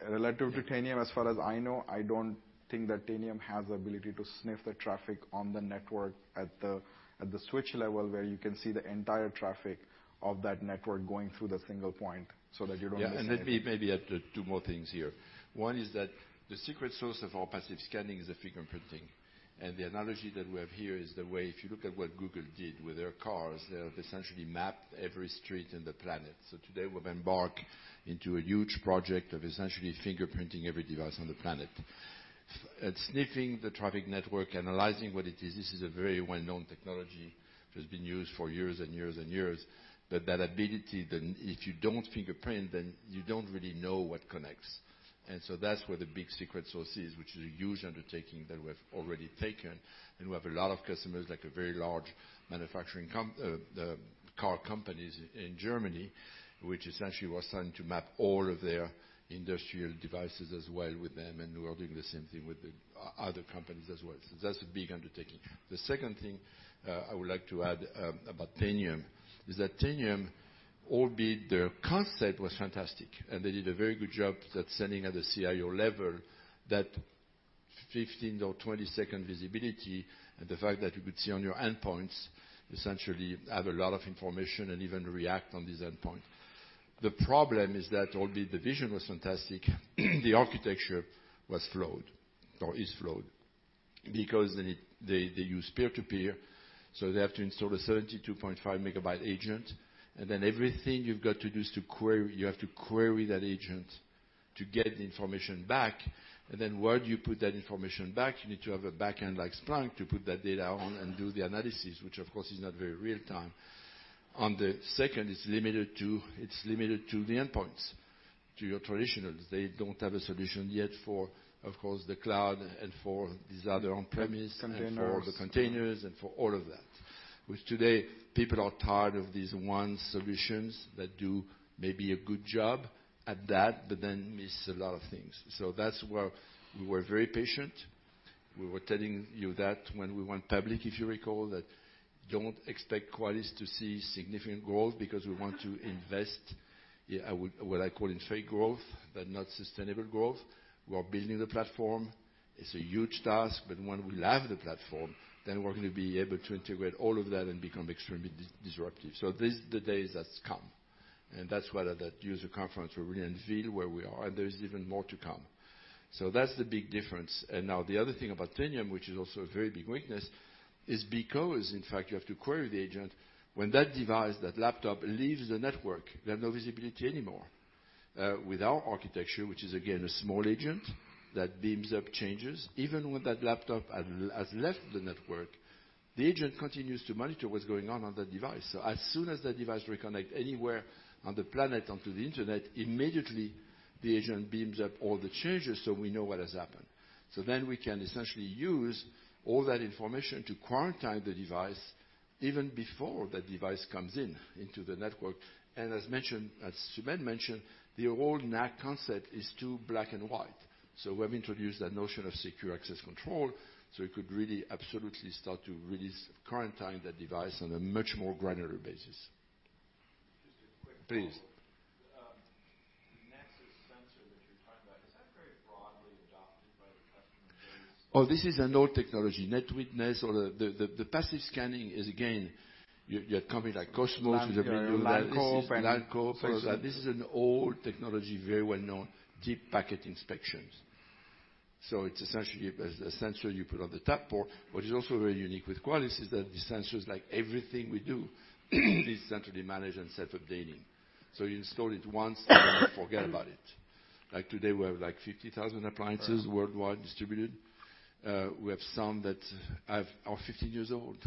Relative to Tanium, as far as I know, I don't think that Tanium has the ability to sniff the traffic on the network at the switch level, where you can see the entire traffic of that network going through the single point so that you don't miss anything. Yeah. Let me maybe add two more things here. One is that the secret source of our passive scanning is the fingerprinting. The analogy that we have here is the way, if you look at what Google did with their cars, they have essentially mapped every street in the planet. Today, we've embarked into a huge project of essentially fingerprinting every device on the planet. Sniffing the traffic network, analyzing what it is, this is a very well-known technology, which has been used for years and years and years. That ability, then if you don't fingerprint, then you don't really know what connects. That's where the big secret source is, which is a huge undertaking that we have already taken. We have a lot of customers, like a very large manufacturing car companies in Germany, which essentially we're starting to map all of their industrial devices as well with them, and we are doing the same thing with the other companies as well. That's a big undertaking. The second thing I would like to add about Tanium is that Tanium, albeit their concept was fantastic, and they did a very good job that selling at the CIO level, that 15 or 22nd visibility, and the fact that you could see on your endpoints, essentially have a lot of information and even react on these endpoint. The problem is that albeit the vision was fantastic, the architecture was flawed or is flawed because they use peer-to-peer, so they have to install a 72.5 MB agent. Everything you've got to do is to query. You have to query that agent to get the information back. Where do you put that information back? You need to have a back end like Splunk to put that data on and do the analysis, which of course is not very real-time. On the second, it's limited to the endpoints, to your traditionals. They don't have a solution yet for, of course, the cloud and for these other on-premise- Containers and for the containers and for all of that. Today, people are tired of these one solutions that do maybe a good job at that, but then miss a lot of things. That's where we were very patient. We were telling you that when we went public, if you recall, that don't expect Qualys to see significant growth because we want to invest, what I call in fake growth, but not sustainable growth. We're building the platform. It's a huge task. When we have the platform, then we're going to be able to integrate all of that and become extremely disruptive. This is the day that's come, and that's why at that user conference, we really unveil where we are, and there is even more to come. That's the big difference. The other thing about Tanium, which is also a very big weakness, is because, in fact, you have to query the agent. When that device, that laptop leaves the network, they have no visibility anymore. With our architecture, which is again, a small agent that beams up changes, even when that laptop has left the network, the agent continues to monitor what's going on that device. As soon as that device reconnect anywhere on the planet onto the Internet, immediately the agent beams up all the changes so we know what has happened. We can essentially use all that information to quarantine the device even before that device comes in, into the network. As mentioned, as Sumedh mentioned, the old NAC concept is too black and white. We have introduced that notion of secure access control, so we could really absolutely start to really quarantine that device on a much more granular basis. Just a quick follow-up. Please. The Nevis sensor that you're talking about, is that very broadly adopted by the customer base? This is an old technology. NetWitness or the passive scanning is again, you had company like Lancope. Lancope, all of that. This is an old technology, very well known, deep packet inspections. It's essentially, a sensor you put on the tap port. What is also very unique with Qualys is that the sensor is like everything we do. It is centrally managed and self-updating. You install it once and forget about it. Like today, we have 50,000 appliances worldwide distributed. We have some that are 15 years old.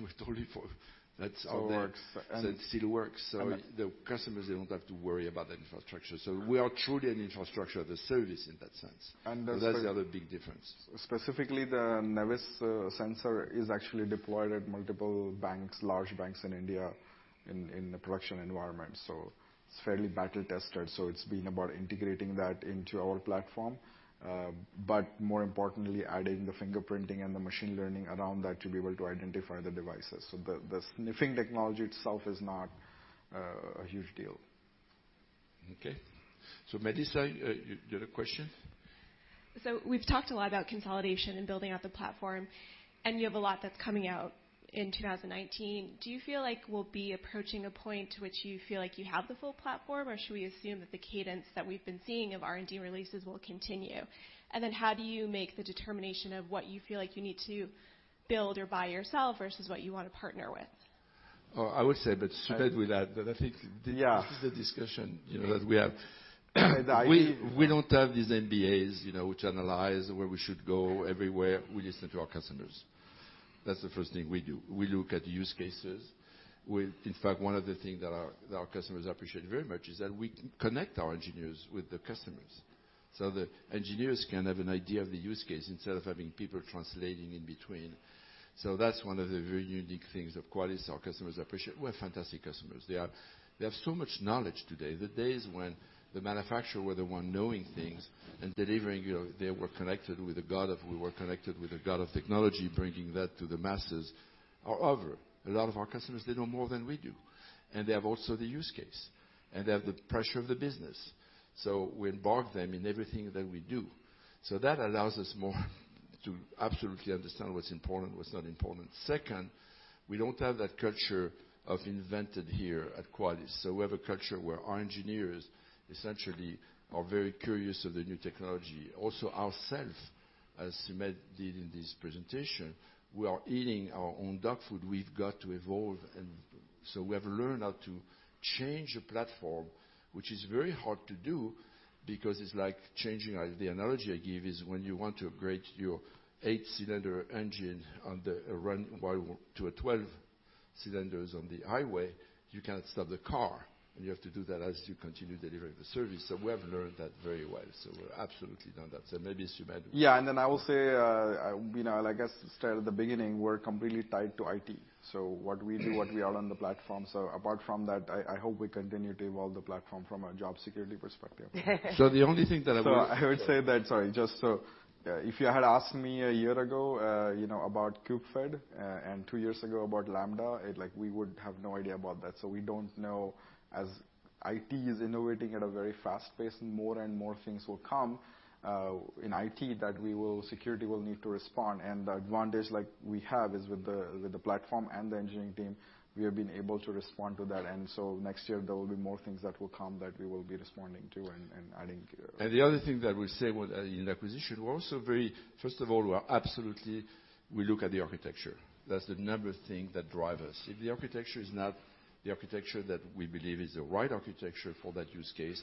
We totally forgot that's Still works. It still works. The customers, they don't have to worry about the infrastructure. We are truly an infrastructure as a service in that sense. And the- That's the other big difference. Specifically, the Nevis sensor is actually deployed at multiple banks, large banks in India in the production environment. It's fairly battle-tested. It's been about integrating that into our platform. More importantly, adding the fingerprinting and the machine learning around that to be able to identify the devices. The sniffing technology itself is not a huge deal. Okay. Madison, you had a question? We've talked a lot about consolidation and building out the platform, and you have a lot that's coming out in 2019. Do you feel like we'll be approaching a point to which you feel like you have the full platform, or should we assume that the cadence that we've been seeing of R&D releases will continue? Then how do you make the determination of what you feel like you need to build or buy yourself versus what you want to partner with? I would say, but Sumedh will add. Yeah This is the discussion that we have. I. We don't have these MBAs which analyze where we should go everywhere. We listen to our customers. That's the first thing we do. We look at use cases. In fact, one of the things that our customers appreciate very much is that we connect our engineers with the customers. The engineers can have an idea of the use case instead of having people translating in between. That's one of the very unique things of Qualys our customers appreciate. We have fantastic customers. They have so much knowledge today. The days when the manufacturer were the one knowing things and delivering, We were connected with the guard of technology, bringing that to the masses are over. A lot of our customers, they know more than we do, and they have also the use case, and they have the pressure of the business. We embark them in everything that we do. That allows us more to absolutely understand what's important, what's not important. Second, we don't have that culture of invented here at Qualys. We have a culture where our engineers essentially are very curious of the new technology. Also ourself, as Sumedh did in this presentation, we are eating our own dog food. We've got to evolve. We have learned how to change the platform, which is very hard to do because it's like changing, the analogy I give is when you want to upgrade your eight-cylinder engine to a 12 cylinders on the highway, you can't stop the car. You have to do that as you continue delivering the service. We have learned that very well. We've absolutely done that. Maybe Sumedh. Yeah. I will say, I guess start at the beginning, we're completely tied to IT. What we do, what we are on the platform. Apart from that, I hope we continue to evolve the platform from a job security perspective. The only thing that I would- I would say that, sorry, just so if you had asked me a year ago, about KubeFed, and two years ago about Lambda, we would have no idea about that. We don't know as IT is innovating at a very fast pace, more and more things will come, in IT that security will need to respond. The advantage like we have is with the platform and the engineering team, we have been able to respond to that. Next year, there will be more things that will come that we will be responding to. The other thing that I will say with in acquisition, we're also very, first of all, we are absolutely, we look at the architecture. That's the number thing that drive us. If the architecture is not the architecture that we believe is the right architecture for that use case,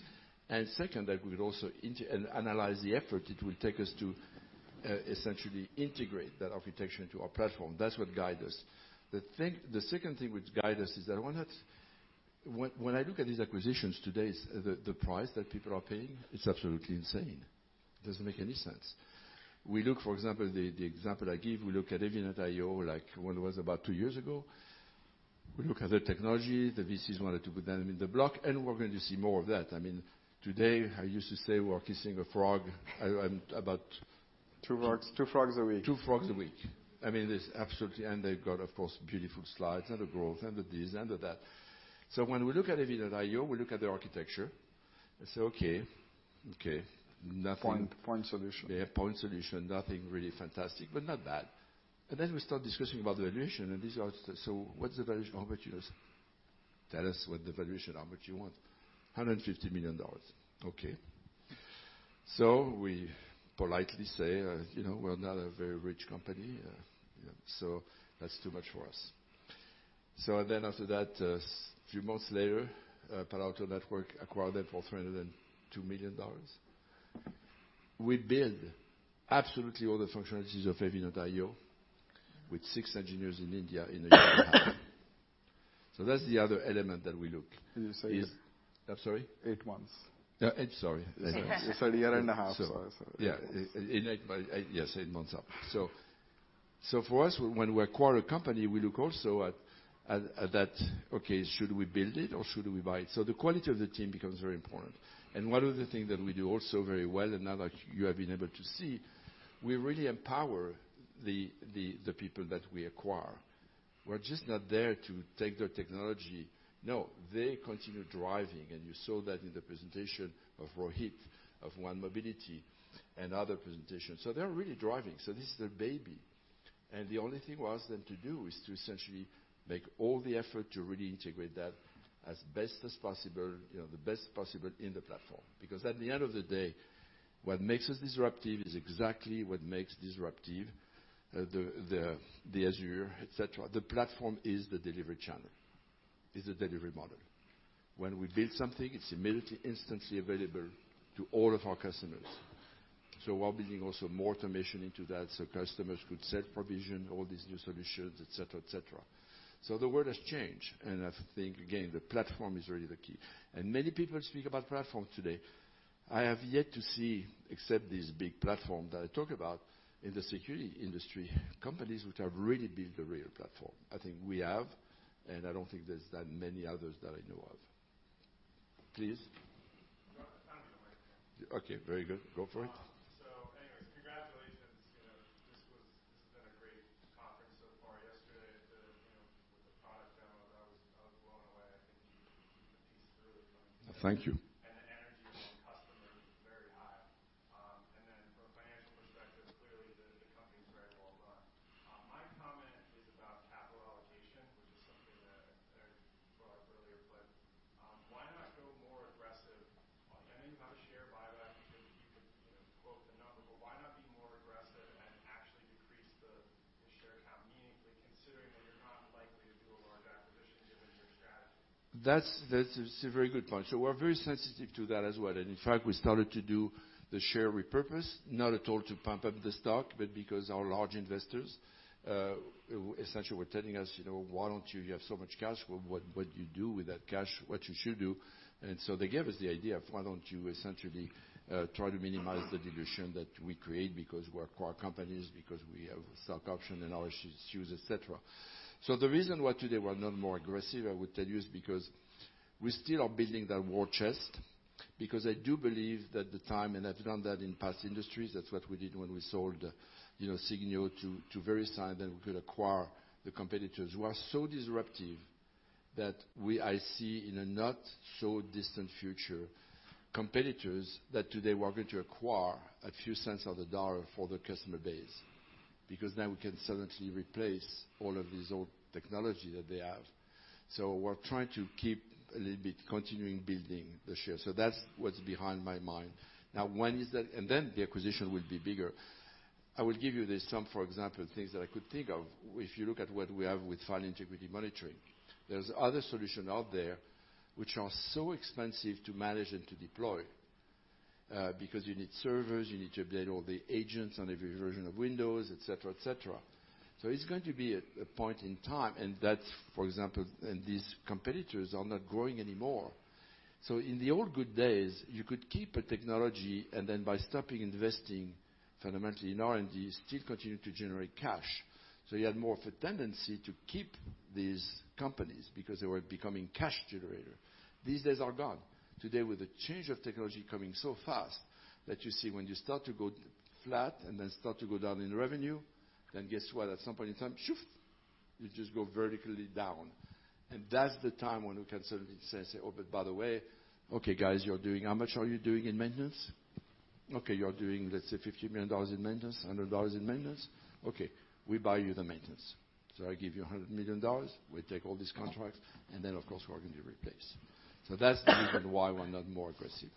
and second, that we will also analyze the effort it will take us to essentially integrate that architecture into our platform. That's what guide us. The second thing which guide us is that when I look at these acquisitions today, the price that people are paying, it's absolutely insane. It doesn't make any sense. We look, for example, the example I give, we look at Evident.io, like when it was about two years ago. We look at the technology, the VCs wanted to put them in the block, and we're going to see more of that. I mean, today, I used to say we are kissing a frog. Two frogs a week. Two frogs a week. I mean, it is absolutely, they've got, of course, beautiful slides and the growth and the this and the that. When we look at Evident.io, we look at the architecture and say, "Okay. Nothing. Point solution. Yeah, point solution. Nothing really fantastic, but not bad. We start discussing about the valuation, and this is our, "What's the valuation?" "How much you" "Tell us what the valuation, how much you want?" "$150 million." "Okay." We politely say, "We're not a very rich company, so that's too much for us." After that, a few months later, Palo Alto Networks acquired them for $302 million. We build absolutely all the functionalities of Evident.io with six engineers in India in a year and a half. That's the other element that we look is. Did you say? I'm sorry? Eight months. Yeah, eight, sorry. Eight months. You said a year and a half. So- Eight months. Yeah. In eight months. Yes, eight months. For us, when we acquire a company, we look also at that, okay, should we build it or should we buy it? The quality of the team becomes very important. One of the things that we do also very well, and now that you have been able to see, we really empower the people that we acquire. We're just not there to take their technology. No. They continue driving, and you saw that in the presentation of Rohit, of 1Mobility and other presentations. They're really driving. This is their baby. The only thing we ask them to do is to essentially make all the effort to really integrate that as best as possible, the best possible in the platform. At the end of the day, what makes us disruptive is exactly what makes disruptive, the Azure, et cetera. The platform is the delivery channel, is the delivery model. When we build something, it's immediately, instantly available to all of our customers. We're building also more automation into that so customers could self-provision all these new solutions, et cetera. The world has changed, and I think, again, the platform is really the key. Many people speak about platform today. I have yet to see, except this big platform that I talk about in the security industry, companies which have really built a real platform. I think we have, I don't think there's that many others that I know of. Please. I don't need a mic. Okay, very good. Go for it. Anyways, congratulations. This has been a great conference so far. Yesterday, with the product demo, I was blown away. I think you put the pieces really well together. Thank you. The reason why today we're not more aggressive, I would tell you, is because we still are building that war chest, because I do believe that the time, and I've done that in past industries, that's what we did when we sold Signio to VeriSign, then we could acquire the competitors who are so disruptive that I see in a not so distant future competitors that today we're going to acquire a few cents of the dollar for the customer base because now we can suddenly replace all of this old technology that they have. We're trying to keep a little bit continuing building the share. That's what's behind my mind. Now, when is that? The acquisition will be bigger. I will give you, for example, things that I could think of. If you look at what we have with file integrity monitoring, there's other solution out there which are so expensive to manage and to deploy because you need servers, you need to update all the agents on every version of Windows, et cetera. It's going to be a point in time, and that's, for example. These competitors are not growing anymore. In the old good days, you could keep a technology and then by stopping investing fundamentally in R&D, still continue to generate cash. You had more of a tendency to keep these companies because they were becoming cash generator. These days are gone. Today with the change of technology coming so fast that you see when you start to go flat and then start to go down in revenue, guess what? At some point in time, shoof, you just go vertically down. That's the time when we can suddenly say, "By the way, okay guys, how much are you doing in maintenance? You're doing, let's say, $50 million in maintenance, $100 in maintenance. We buy you the maintenance. I give you $100 million. We take all these contracts, of course we're going to replace." That's the reason why we're not more aggressive.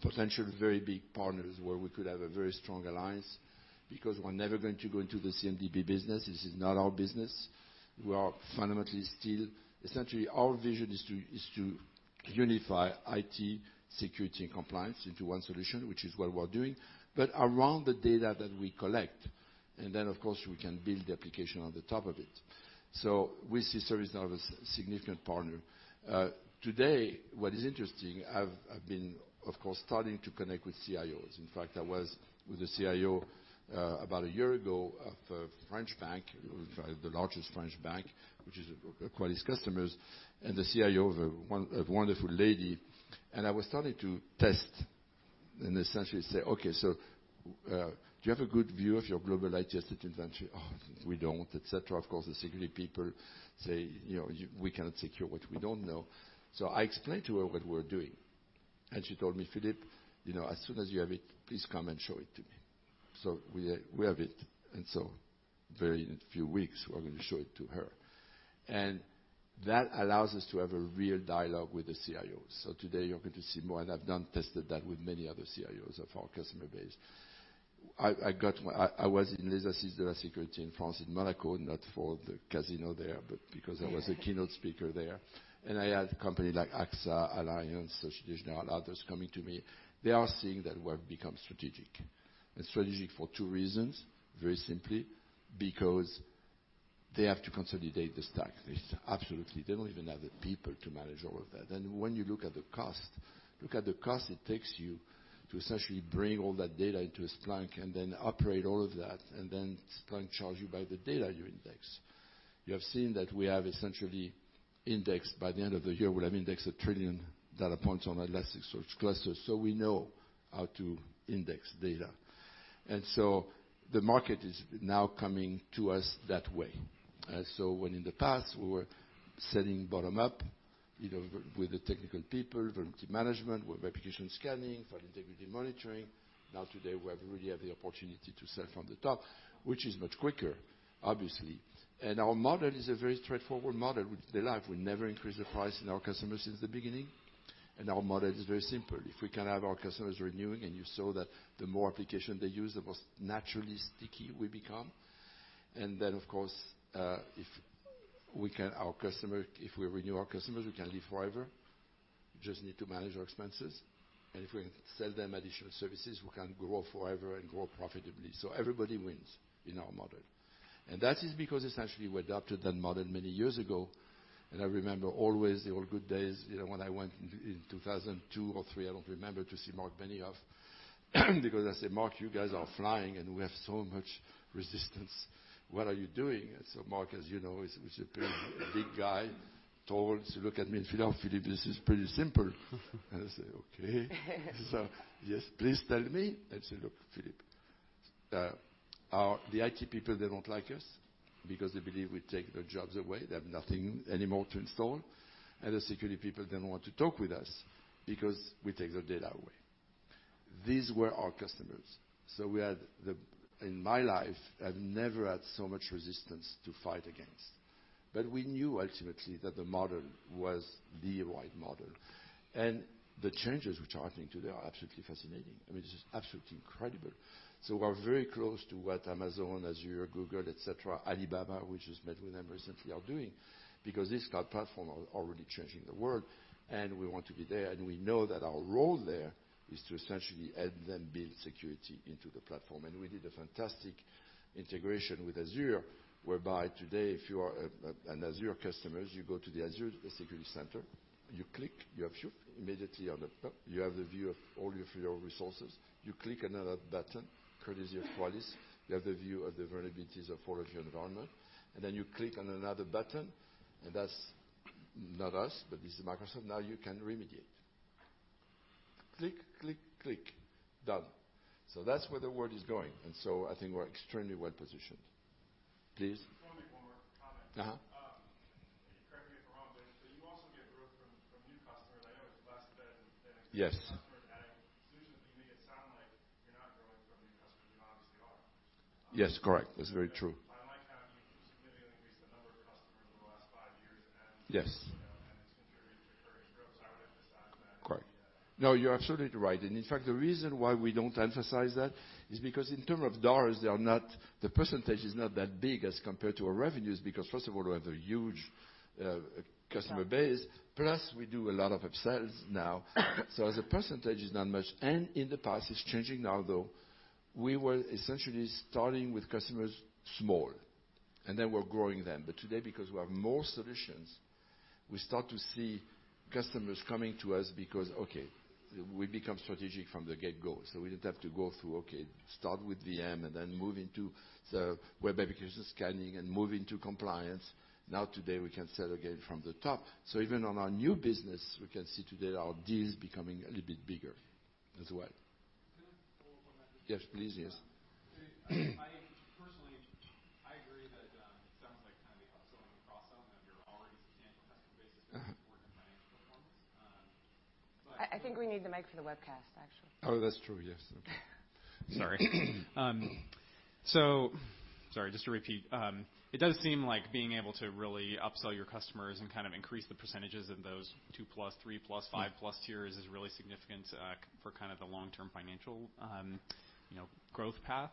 potential very big partners where we could have a very strong alliance because we're never going to go into the CMDB business. This is not our business. Essentially, our vision is to unify IT security and compliance into one solution, which is what we're doing, but around the data that we collect. Of course, we can build the application on the top of it. We see ServiceNow as a significant partner. Today, what is interesting, I've been, of course, starting to connect with CIOs. In fact, I was with a CIO about a year ago of a French bank, in fact the largest French bank, which is Qualys customers, and the CIO is a wonderful lady. I was starting to test and essentially say, "Okay, do you have a good view of your global IT asset inventory?" "Oh, we don't," et cetera. Of course, the security people say, "We cannot secure what we don't know." I explained to her what we're doing and she told me, "Philippe, as soon as you have it, please come and show it to me." We have it very in a few weeks we're going to show it to her. That allows us to have a real dialogue with the CIOs. Today you're going to see more and I've done tested that with many other CIOs of our customer base. I was in Les Assises de la sécurité in France, in Monaco, not for the casino there, but because I was a keynote speaker there, I had companies like AXA, Allianz, Société Générale, others coming to me. They are seeing that we've become strategic. Strategic for two reasons, very simply, because they have to consolidate the stack. Absolutely. They don't even have the people to manage all of that. When you look at the cost, look at the cost it takes you to essentially bring all that data into a Splunk operate all of that, Splunk charges you by the data you index. You have seen that we have essentially indexed, by the end of the year, we'll have indexed a trillion data points on Elasticsearch clusters. We know how to index data. The market is now coming to us that way. When in the past we were selling bottom-up, with the technical people, vulnerability management, web application scanning for integrity monitoring. Now today, we really have the opportunity to sell from the top, which is much quicker, obviously. Our model is a very straightforward model, which they like. We never increase the price on our customers since the beginning. Our model is very simple. If we can have our customers renewing, and you saw that the more application they use, the most naturally sticky we become. Of course, if we renew our customers, we can live forever, we just need to manage our expenses. If we can sell them additional services, we can grow forever and grow profitably. Everybody wins in our model. That is because essentially we adopted that model many years ago. I remember always the old good days, when I went in 2002 or 2003, I don't remember, to see Marc Benioff. Because I said, "Marc, you guys are flying and we have so much resistance. What are you doing?" Marc, as you know, is a pretty big guy, tall. Looks at me and says, "Oh, Philippe, this is pretty simple." I say, "Okay." "Yes, please tell me." He said, "Look, Philippe, the IT people, they don't like us because they believe we take their jobs away. They have nothing anymore to install. The security people don't want to talk with us because we take their data away." These were our customers. We had, in my life, I've never had so much resistance to fight against. We knew ultimately that the model was the right model. The changes we're talking today are absolutely fascinating. I mean, this is absolutely incredible. We're very close to what Amazon, Azure, Google, et cetera, Alibaba, we just met with them recently, are doing, because this cloud platform already changing the world, and we want to be there. We know that our role there is to essentially help them build security into the platform. We did a fantastic integration with Azure, whereby today, if you are an Azure customer, you go to the Azure security center, you click, you have few immediately on the top, you have the view of all your resources. You click another button, courtesy of Qualys, you have the view of the vulnerabilities of all of your environment. You click on another button, that's not us, but this is Microsoft. Now you can remediate. Click, click, done. That's where the world is going, I think we're extremely well positioned. Please. Let me make one more comment. Correct me if I'm wrong, but you also get growth from new customers. I know it's less. Yes existing customers adding solutions, but you make it sound like you're not growing from new customers. You obviously are. Yes, correct. That's very true. By my count, you've significantly increased the number of customers over the last five years. Yes It's been pretty recurring growth, so I would emphasize that. Correct. No, you're absolutely right. In fact, the reason why we don't emphasize that is because in terms of dollars, the percentage is not that big as compared to our revenues, because first of all, we have a huge customer base. Plus, we do a lot of upsells now. As a percentage, it's not much. In the past, it's changing now, though, we were essentially starting with customers small, and then we're growing them. Today, because we have more solutions, we start to see customers coming to us because, okay, we become strategic from the get-go. We didn't have to go through, okay, start with VM and then move into the web application scanning and move into compliance. Now today, we can sell again from the top. Even on our new business, we can see today our deals becoming a little bit bigger as well. Can I just follow up on that? Yes, please. Yes. I personally agree that it sounds like the upselling and cross-selling of your already substantial customer base is important to financial performance. I think we need the mic for the webcast, actually. Oh, that's true. Yes. Okay. Sorry. Sorry, just to repeat, it does seem like being able to really upsell your customers and increase the percentages in those 2 plus, 3 plus, 5 plus tiers is really significant, for the long-term financial growth path.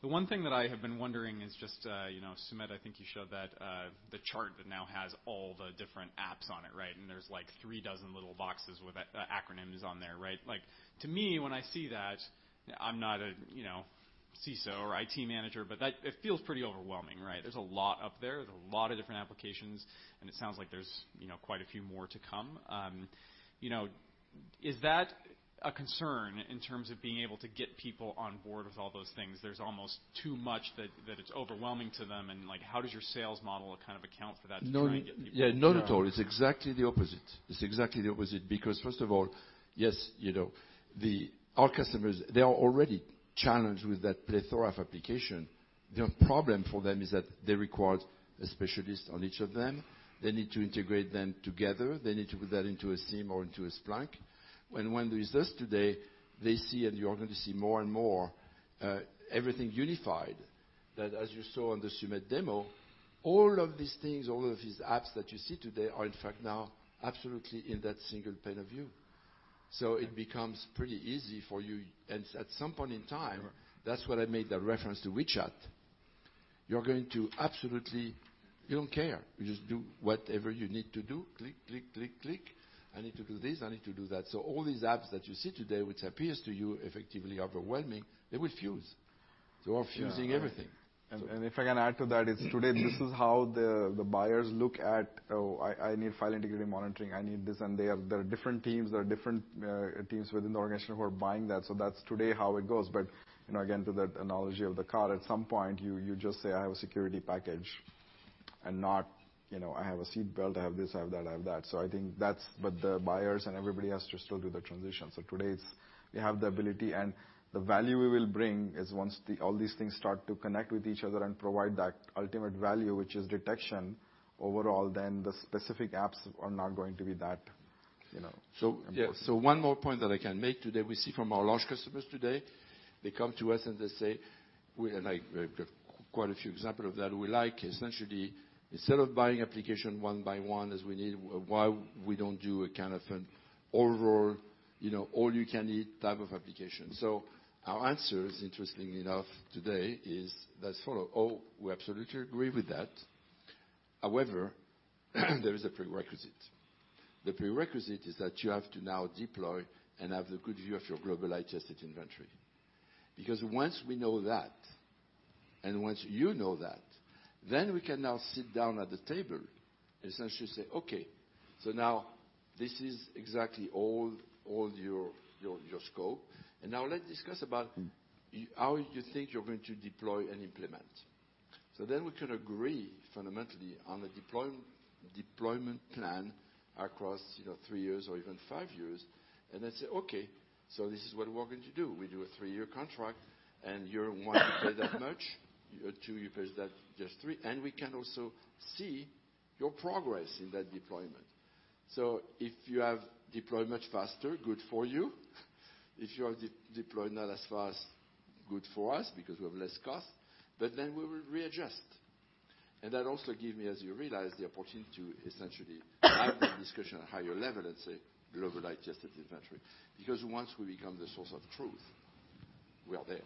The one thing that I have been wondering is just, Sumedh, I think you showed that the chart that now has all the different apps on it, right? And there's like 3 dozen little boxes with acronyms on there, right? To me, when I see that, I'm not a CISO or IT manager, but it feels pretty overwhelming, right? There's a lot up there. There's a lot of different applications, and it sounds like there's quite a few more to come. Is that a concern in terms of being able to get people on board with all those things? There's almost too much that it's overwhelming to them and how does your sales model account for that to try and get people Yeah, not at all. It's exactly the opposite. It's exactly the opposite because first of all, yes, our customers, they are already challenged with that plethora of application. The only problem for them is that they require a specialist on each of them. They need to integrate them together. They need to put that into a SIEM or into a Splunk. When there is this today, they see, and you're going to see more and more-Everything unified, that as you saw on the Sumedh demo, all of these things, all of these apps that you see today are, in fact, now absolutely in that single pane of view. It becomes pretty easy for you. At some point in time, that's what I made that reference to WeChat. You don't care. You just do whatever you need to do, click, click. I need to do this, I need to do that. All these apps that you see today, which appears to you effectively overwhelming, they will fuse. They are fusing everything. Yeah. If I can add to that is today, this is how the buyers look at, "Oh, I need file integrity monitoring. I need this." There are different teams within the organization who are buying that. That's today how it goes. Again, to that analogy of the car, at some point, you just say, "I have a security package," and not, "I have a seat belt, I have this, I have that." I think that's what the buyers and everybody has to still do the transition. Today, they have the ability, and the value we will bring is once all these things start to connect with each other and provide that ultimate value, which is detection overall, then the specific apps are not going to be that important. One more point that I can make today. We see from our large customers today, they come to us and they say, we had quite a few example of that. "We like essentially instead of buying application one by one as we need, why we don't do a kind of an overall, all-you-can-eat type of application?" Our answer is interestingly enough, today, is as follow. Oh, we absolutely agree with that. However, there is a prerequisite. The prerequisite is that you have to now deploy and have the good view of your Global IT Asset Inventory. Once we know that, and once you know that, then we can now sit down at the table, essentially say, "Okay, so now this is exactly all your scope, and now let's discuss about how you think you're going to deploy and implement." We can agree fundamentally on the deployment plan across three years or even five years and then say, "Okay, so this is what we're going to do. We do a three-year contract and year one you pay that much, year two you pay just $3, and we can also see your progress in that deployment. If you have deployed much faster, good for you. If you have deployed not as fast, good for us because we have less cost, we will readjust. That also give me, as you realize, the opportunity to essentially have that discussion at a higher level and say Global IT Asset Inventory. Because once we become the source of truth, we are there.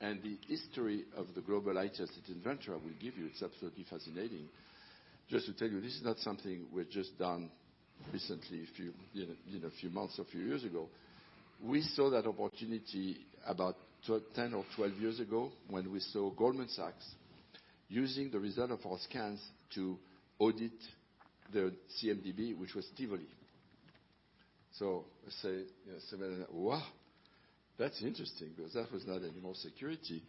The history of the Global IT Asset Inventory I will give you, it's absolutely fascinating. Just to tell you, this is not something we've just done recently, a few months or a few years ago. We saw that opportunity about 10 or 12 years ago when we saw Goldman Sachs using the result of our scans to audit their CMDB, which was Tivoli. I say, "Wow, that's interesting," because that was not anymore security.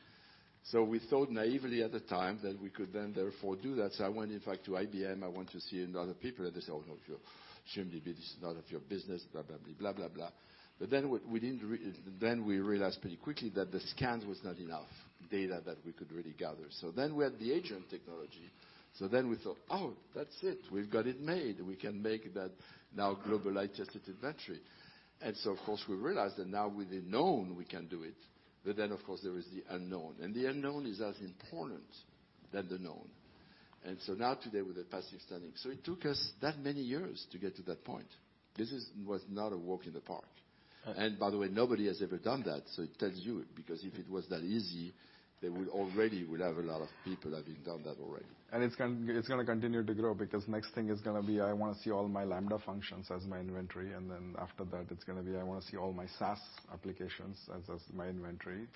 We thought naively at the time that we could then, therefore, do that. I went, in fact, to IBM, I went to see other people, they say, "Oh, no, CMDB this is none of your business, blah, blah." We realized pretty quickly that the scans was not enough data that we could really gather. We had the agent technology. We thought, "Oh, that's it. We've got it made. We can make that now Global IT Asset Inventory." Of course, we realized that now with the known we can do it. Of course, there is the unknown, and the unknown is as important than the known. Now today with a passive standing. It took us that many years to get to that point. This was not a walk in the park. By the way, nobody has ever done that. It tells you, because if it was that easy, we already would have a lot of people having done that already. It's going to continue to grow because next thing is going to be, I want to see all my Lambda functions as my inventory, after that, it's going to be, I want to see all my SaaS applications as my inventory.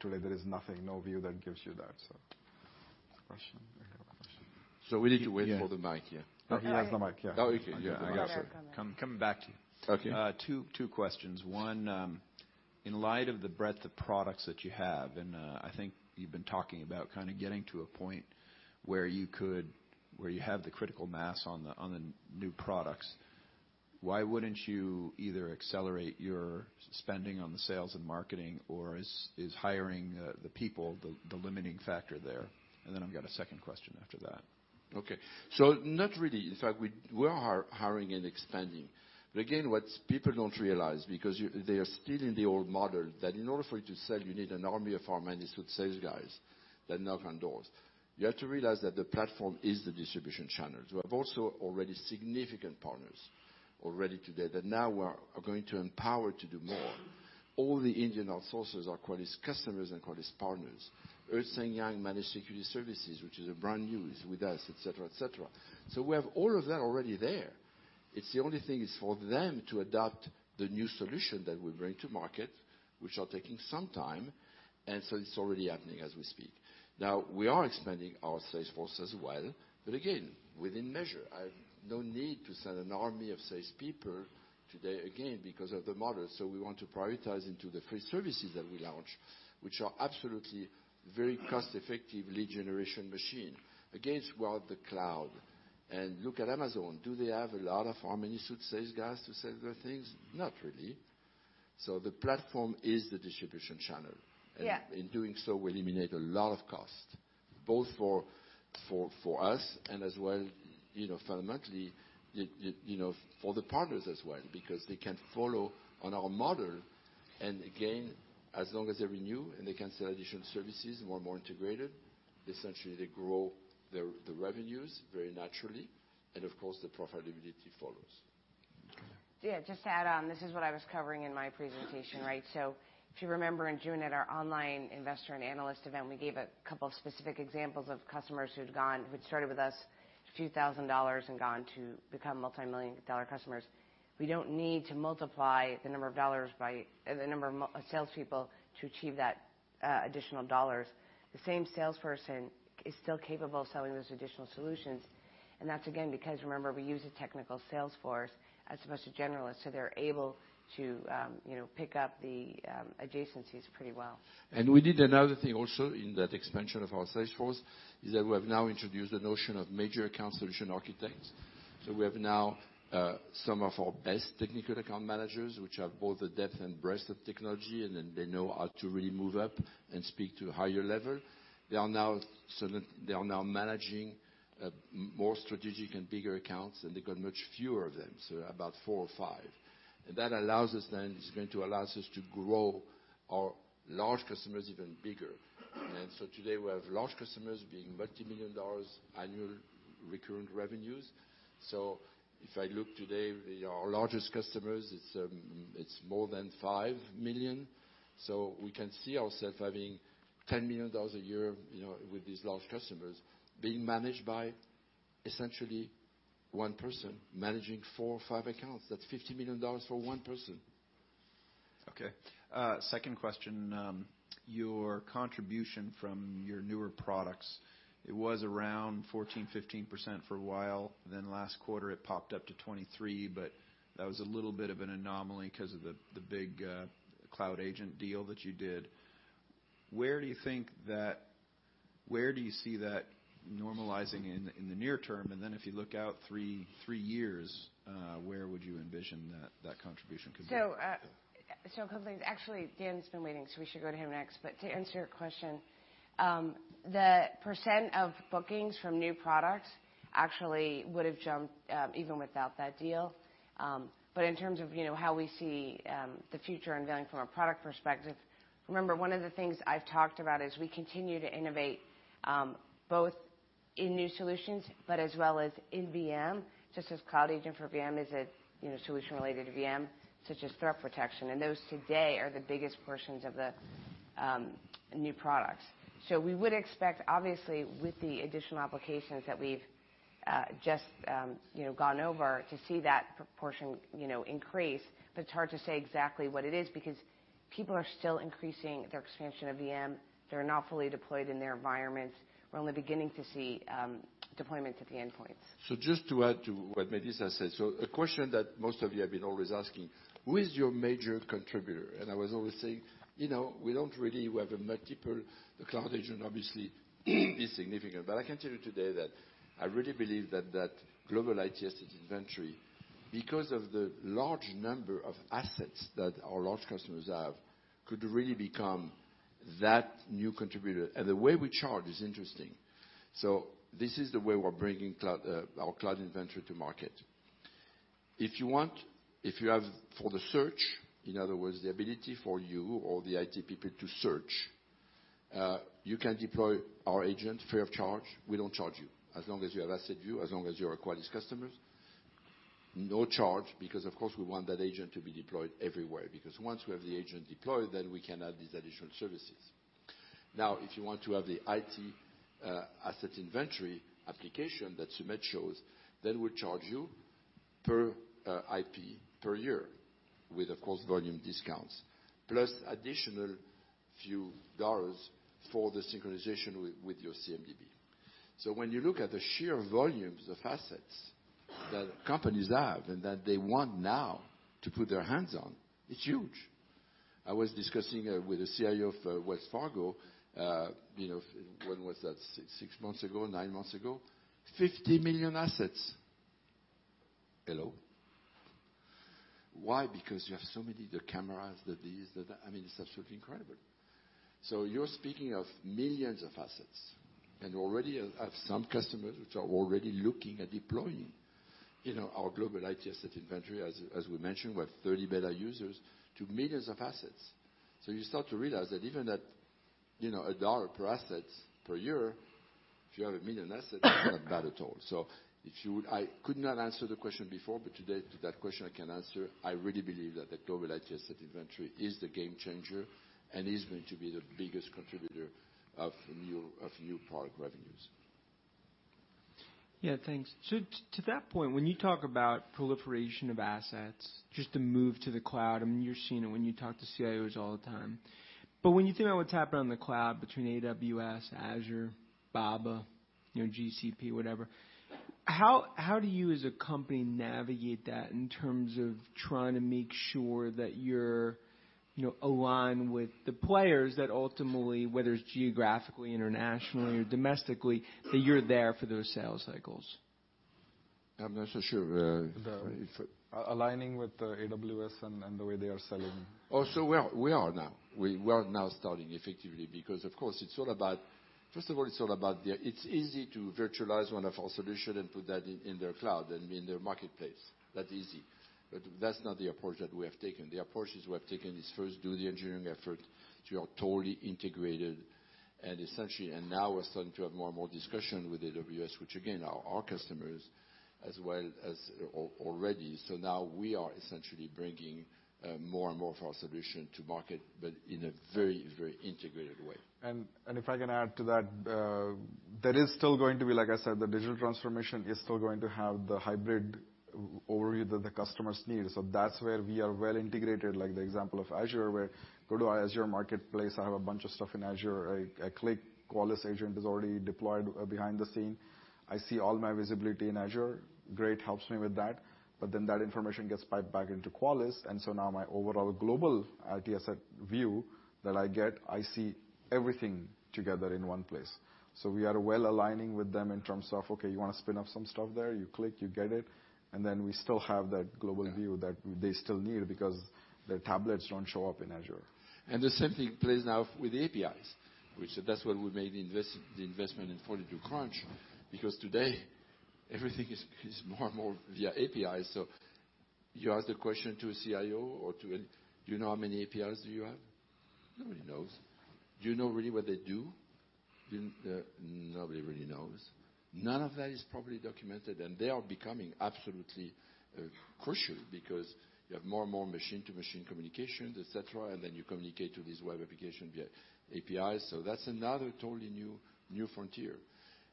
Today there is nothing, no view that gives you that. Next question. You have a question. We need to wait for the mic, yeah. He has the mic, yeah. Yeah. I've got another coming. Coming back to you. Okay. Two questions. One, in light of the breadth of products that you have, and I think you've been talking about getting to a point where you have the critical mass on the new products, why wouldn't you either accelerate your spending on the sales and marketing, or is hiring the people the limiting factor there? Then I've got a second question after that. Okay. Not really. In fact, we are hiring and expanding. Again, what people don't realize, because they are still in the old model, that in order for you to sell, you need an army of our managed suit sales guys that knock on doors. You have to realize that the platform is the distribution channel. We have also already significant partners already today that now we are going to empower to do more. All the engine outsourcers are Qualys customers and Qualys partners. Ernst & Young Managed Security Services, which is a brand new, is with us, et cetera. We have all of that already there. It's the only thing is for them to adopt the new solution that we bring to market, which are taking some time, and so it's already happening as we speak. Now, we are expanding our sales force as well, but again, within measure. No need to send an army of salespeople today, again, because of the model. We want to prioritize into the free services that we launch, which are absolutely very cost-effective lead generation machine. Again, it's about the cloud. Look at Amazon. Do they have a lot of army suit sales guys to sell their things? Not really. The platform is the distribution channel. Yeah. In doing so, we eliminate a lot of cost, both for us and as well, fundamentally, for the partners as well, because they can follow on our model. Again, as long as they renew and they can sell additional services, more and more integrated, they essentially grow the revenues very naturally, and of course the profitability follows. Just to add on, this is what I was covering in my presentation. If you remember in June at our online investor and analyst event, we gave a couple of specific examples of customers who'd started with us, a few thousand dollars and gone to become multimillion-dollar customers. We don't need to multiply the number of salespeople to achieve that additional dollars. The same salesperson is still capable of selling those additional solutions, and that's again, because remember, we use a technical sales force as opposed to generalists, so they're able to pick up the adjacencies pretty well. We did another thing also in that expansion of our sales force, we have now introduced the notion of major account solution architects. We have now some of our best technical account managers, who have both the depth and breadth of technology, and they know how to really move up and speak to a higher level. They are now managing more strategic and bigger accounts, and they've got much fewer of them, about four or five. That allows us then, it's going to allow us to grow our large customers even bigger. Today we have large customers being multimillion dollars in annual recurrent revenues. If I look today, our largest customers, it's more than $5 million. We can see ourselves having $10 million a year, with these large customers being managed by essentially one person managing four or five accounts. That's $50 million for one person. Okay. Second question. Your contribution from your newer products, it was around 14%, 15% for a while, then last quarter it popped up to 23%, but that was a little bit of an anomaly because of the big Cloud Agent deal that you did. Where do you see that normalizing in the near term? Then if you look out three years, where would you envision that that contribution could be? A couple things. Actually, Dan has been waiting, we should go to him next. To answer your question, the percent of bookings from new products actually would've jumped, even without that deal. In terms of how we see the future unveiling from a product perspective, remember one of the things I've talked about is we continue to innovate, both in new solutions, but as well as in VM. Just as Cloud Agent for VM is a solution related to VM, such as ThreatPROTECT. Those today are the biggest portions of the new products. We would expect, obviously with the additional applications that we've just gone over to see that proportion increase, but it's hard to say exactly what it is because people are still increasing their expansion of VM. They're not fully deployed in their environments. We're only beginning to see deployments at the endpoints. Just to add to what Melissa said. A question that most of you have been always asking, "Who is your major contributor?" I was always saying, we don't really have a multiple. The Cloud Agent obviously is significant, but I can tell you today that I really believe that that Global IT Asset Inventory, because of the large number of assets that our large customers have, could really become that new contributor. The way we charge is interesting. This is the way we're bringing our cloud inventory to market. If you want, if you have for the search, in other words, the ability for you or the IT people to search, you can deploy our agent free of charge. We don't charge you as long as you have AssetView, as long as you're a Qualys customers, no charge because of course we want that agent to be deployed everywhere because once we have the agent deployed, then we can add these additional services. Now if you want to have the IT asset inventory application that Sumedh shows, then we'll charge you per IP per year with of course volume discounts plus additional few dollars for the synchronization with your CMDB. When you look at the sheer volumes of assets that companies have and that they want now to put their hands on, it's huge. I was discussing with the CIO of Wells Fargo, when was that? Six months ago. Nine months ago. 50 million assets. Hello. Why? Because you have so many, the cameras, the this, the that, it's absolutely incredible. You're speaking of millions of assets and already I have some customers which are already looking at deploying our Global IT Asset Inventory as we mentioned, we have 30 beta users to millions of assets. You start to realize that even at $1 per asset per year, if you have 1 million assets, not bad at all. I could not answer the question before, but today to that question I can answer. I really believe that the Global IT Asset Inventory is the game changer and is going to be the biggest contributor of new product revenues. Yeah, thanks. To that point, when you talk about proliferation of assets, just the move to the cloud, you're seeing it when you talk to CIOs all the time. When you think about what's happening on the cloud between AWS, Azure, Baba, GCP, whatever, how do you as a company navigate that in terms of trying to make sure that you're aligned with the players that ultimately, whether it's geographically, internationally, or domestically, that you're there for those sales cycles? I'm not so sure if Aligning with AWS and the way they are selling. We are now. We are now starting, effectively, because of course, first of all, it's easy to virtualize one of our solutions and put that in their cloud and in their marketplace. That easy. That's not the approach that we have taken. The approach is we have taken is first do the engineering effort till you are totally integrated, essentially, now we're starting to have more and more discussion with AWS, which again, are our customers as well as already. Now we are essentially bringing more and more of our solution to market, but in a very, very integrated way. If I can add to that, there is still going to be, like I said, the digital transformation is still going to have the hybrid overview that the customers need. That's where we are well integrated, like the example of Azure, where go to our Azure marketplace, I have a bunch of stuff in Azure. I click Qualys Agent is already deployed behind the scene. I see all my visibility in Azure. Great, helps me with that. That information gets piped back into Qualys, my overall global asset view that I get, I see everything together in one place. We are well aligning with them in terms of, okay, you want to spin up some stuff there? You click, you get it. We still have that global view that they still need because their tablets don't show up in Azure. The same thing plays now with APIs. That's why we made the investment in 42Crunch, because today everything is more and more via API. You ask the question to a CIO or do you know how many APIs do you have? Nobody knows. Do you know really what they do? Nobody really knows. None of that is properly documented, and they are becoming absolutely crucial because you have more and more machine-to-machine communications, et cetera, and then you communicate to this web application via API. That's another totally new frontier.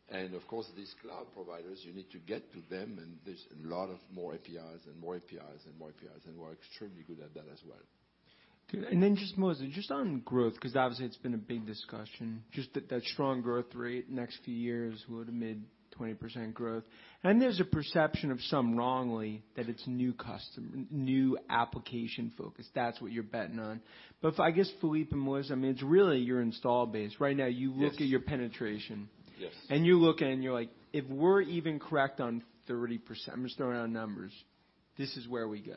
These cloud providers, you need to get to them, and there's a lot of more APIs and more APIs and more APIs, and we're extremely good at that as well. Moises, just on growth, because obviously it's been a big discussion, just that strong growth rate next few years, low to mid 20% growth. There's a perception of some wrongly that it's new customer, new application focus. That's what you're betting on. If I guess, Philippe and Moises, it's really your install base. Right now, you look at your penetration. Yes. You look and you're like, "If we're even correct on 30%," I'm just throwing out numbers, "This is where we go."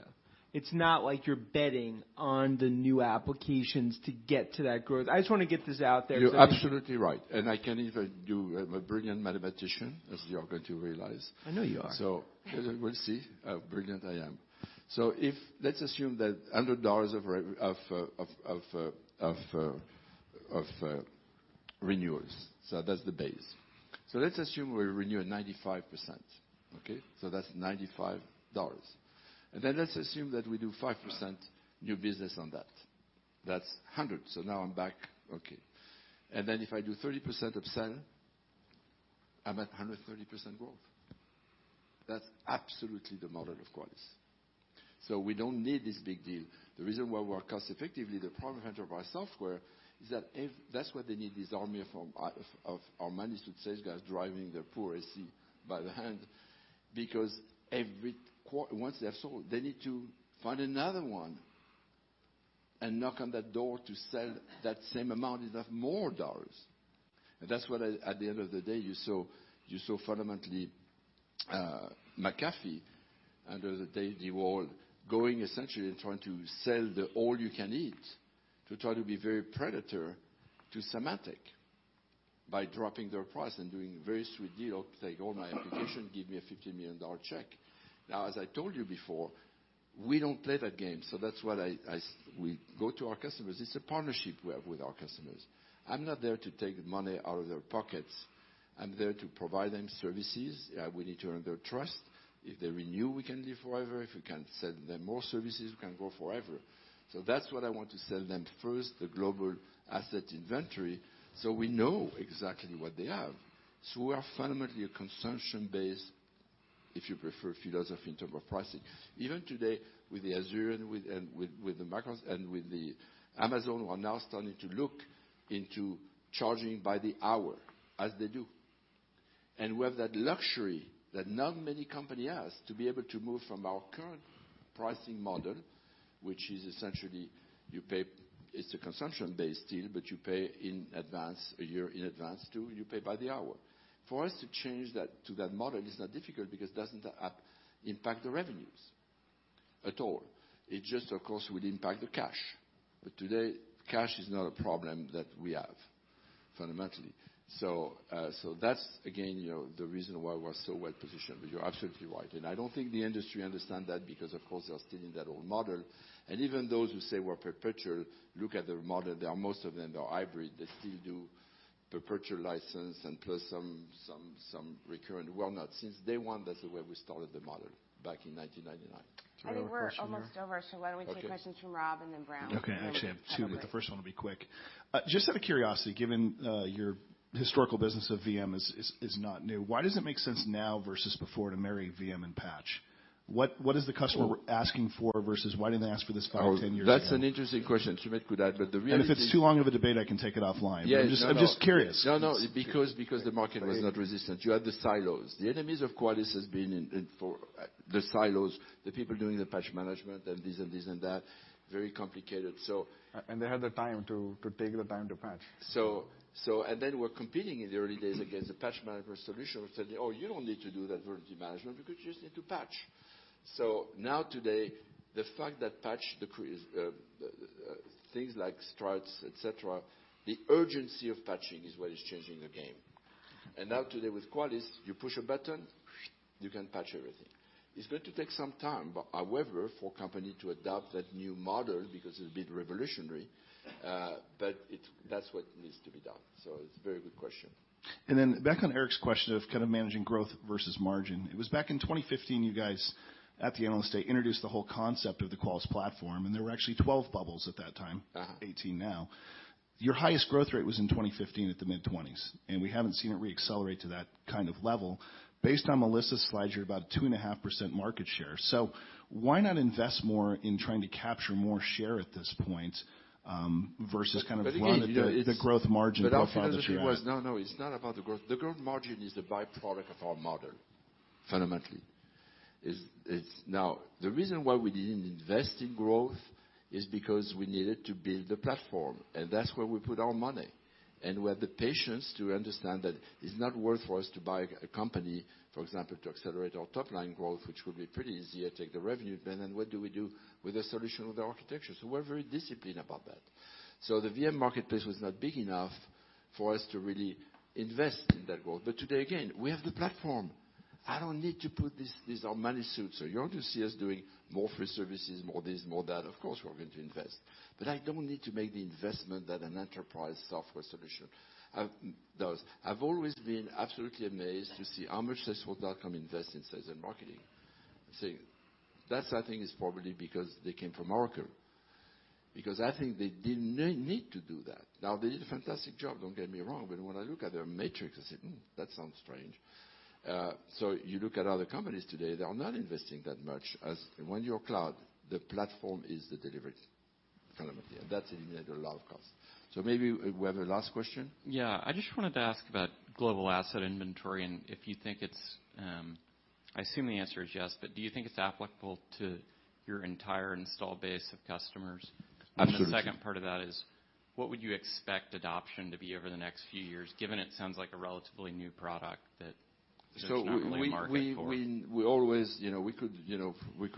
It's not like you're betting on the new applications to get to that growth. I just want to get this out there. You're absolutely right. I can even do, I'm a brilliant mathematician, as you are going to realize. I know you are. We'll see how brilliant I am. Let's assume that $100 of renewals. That's the base. Let's assume we renew at 95%. Okay. That's $95. Then let's assume that we do 5% new business on that. That's $100. Now I'm back, okay. Then if I do 30% upsell, I'm at 130% growth. That's absolutely the model of Qualys. We don't need this big deal. The reason why we are cost effective with the private enterprise software is that that's why they need this army of our managed sales guys driving their poor SE by the hand because every quarter, once they have sold, they need to find another one and knock on that door to sell that same amount of more dollars. That's why at the end of the day, you saw fundamentally McAfee under the day they were all going essentially trying to sell the all you can eat to try to be very predator to Symantec by dropping their price and doing a very sweet deal to take all my application. Give me a $50 million check. As I told you before, we don't play that game. That's why we go to our customers. It's a partnership we have with our customers. I'm not there to take money out of their pockets. I'm there to provide them services. We need to earn their trust. If they renew, we can live forever. If we can sell them more services, we can grow forever. That's what I want to sell them first, the Global Asset Inventory, so we know exactly what they have. We are fundamentally a consumption-based, if you prefer, philosophy in terms of pricing. Even today with the Azure and with the Microsoft and with the Amazon, we're now starting to look into charging by the hour as they do. We have that luxury that not many company has to be able to move from our current pricing model, which is essentially you pay, it's a consumption-based deal, but you pay in advance, a year in advance to you pay by the hour. For us to change that to that model is not difficult because it doesn't impact the revenues at all. It just, of course, will impact the cash. Today, cash is not a problem that we have fundamentally. That's again, the reason why we're so well positioned, but you're absolutely right. I don't think the industry understand that because of course, they are still in that old model. Even those who say we're perpetual, look at their model, most of them, they are hybrid. They still do perpetual license and plus some recurrent. Not since day one, that's the way we started the model back in 1999. I think we're almost over. Why don't we take questions from Rob and then Brown? Okay. I actually have two. The first one will be quick. Just out of curiosity, given your historical business of VM is not new, why does it make sense now versus before to marry VM and Patch? What is the customer asking for versus why didn't they ask for this five, 10 years ago? That's an interesting question. Sumedh could add. If it's too long of a debate, I can take it offline. Yeah. I'm just curious. No, no. The market was not resistant. You had the silos. The enemies of Qualys has been in for the silos, the people doing the patch management, and this and this and that, very complicated. They had the time to take the time to patch. We're competing in the early days against the patch management solution, which said, "Oh, you don't need to do that vulnerability management. You could just need to patch." Now today, the fact that patch, things like Struts, et cetera, the urgency of patching is what is changing the game. Now today with Qualys, you push a button, you can patch everything. It's going to take some time, however, for company to adopt that new model because it's a bit revolutionary. That's what needs to be done. It's a very good question. Back on Eric's question of kind of managing growth versus margin. It was back in 2015, you guys at the analyst day introduced the whole concept of the Qualys platform, and there were actually 12 bubbles at that time. 18 now. Your highest growth rate was in 2015 at the mid-20s, and we haven't seen it re-accelerate to that kind of level. Based on Melissa's slide, you're about 2.5% market share. Why not invest more in trying to capture more share at this point, versus kind of- Again, you know, it's- the growth margin profile that you have? Our philosophy was, no, it's not about the growth. The growth margin is the byproduct of our model, fundamentally. The reason why we didn't invest in growth is because we needed to build the platform, and that's where we put our money. We had the patience to understand that it's not worth for us to buy a company, for example, to accelerate our top-line growth, which would be pretty easy. I take the revenue, then what do we do with the solution or the architecture? We're very disciplined about that. The VM marketplace was not big enough for us to really invest in that growth. Today, again, we have the platform. I don't need to put this on money suit. You want to see us doing more free services, more this, more that, of course we are going to invest. I don't need to make the investment that an enterprise software solution does. I've always been absolutely amazed to see how much Salesforce.com invest in sales and marketing. See, that I think is probably because they came from Oracle. I think they didn't need to do that. They did a fantastic job, don't get me wrong. When I look at their matrix, I said, "Hmm, that sounds strange." You look at other companies today, they are not investing that much. As when you're cloud, the platform is the delivery, fundamentally, and that's eliminated a lot of costs. Maybe we have a last question. Yeah. I just wanted to ask about Global Asset Inventory, and if you think it's, I assume the answer is yes, but do you think it's applicable to your entire install base of customers? Absolutely. The second part of that is, what would you expect adoption to be over the next few years, given it sounds like a relatively new product that there's not really a market for? We could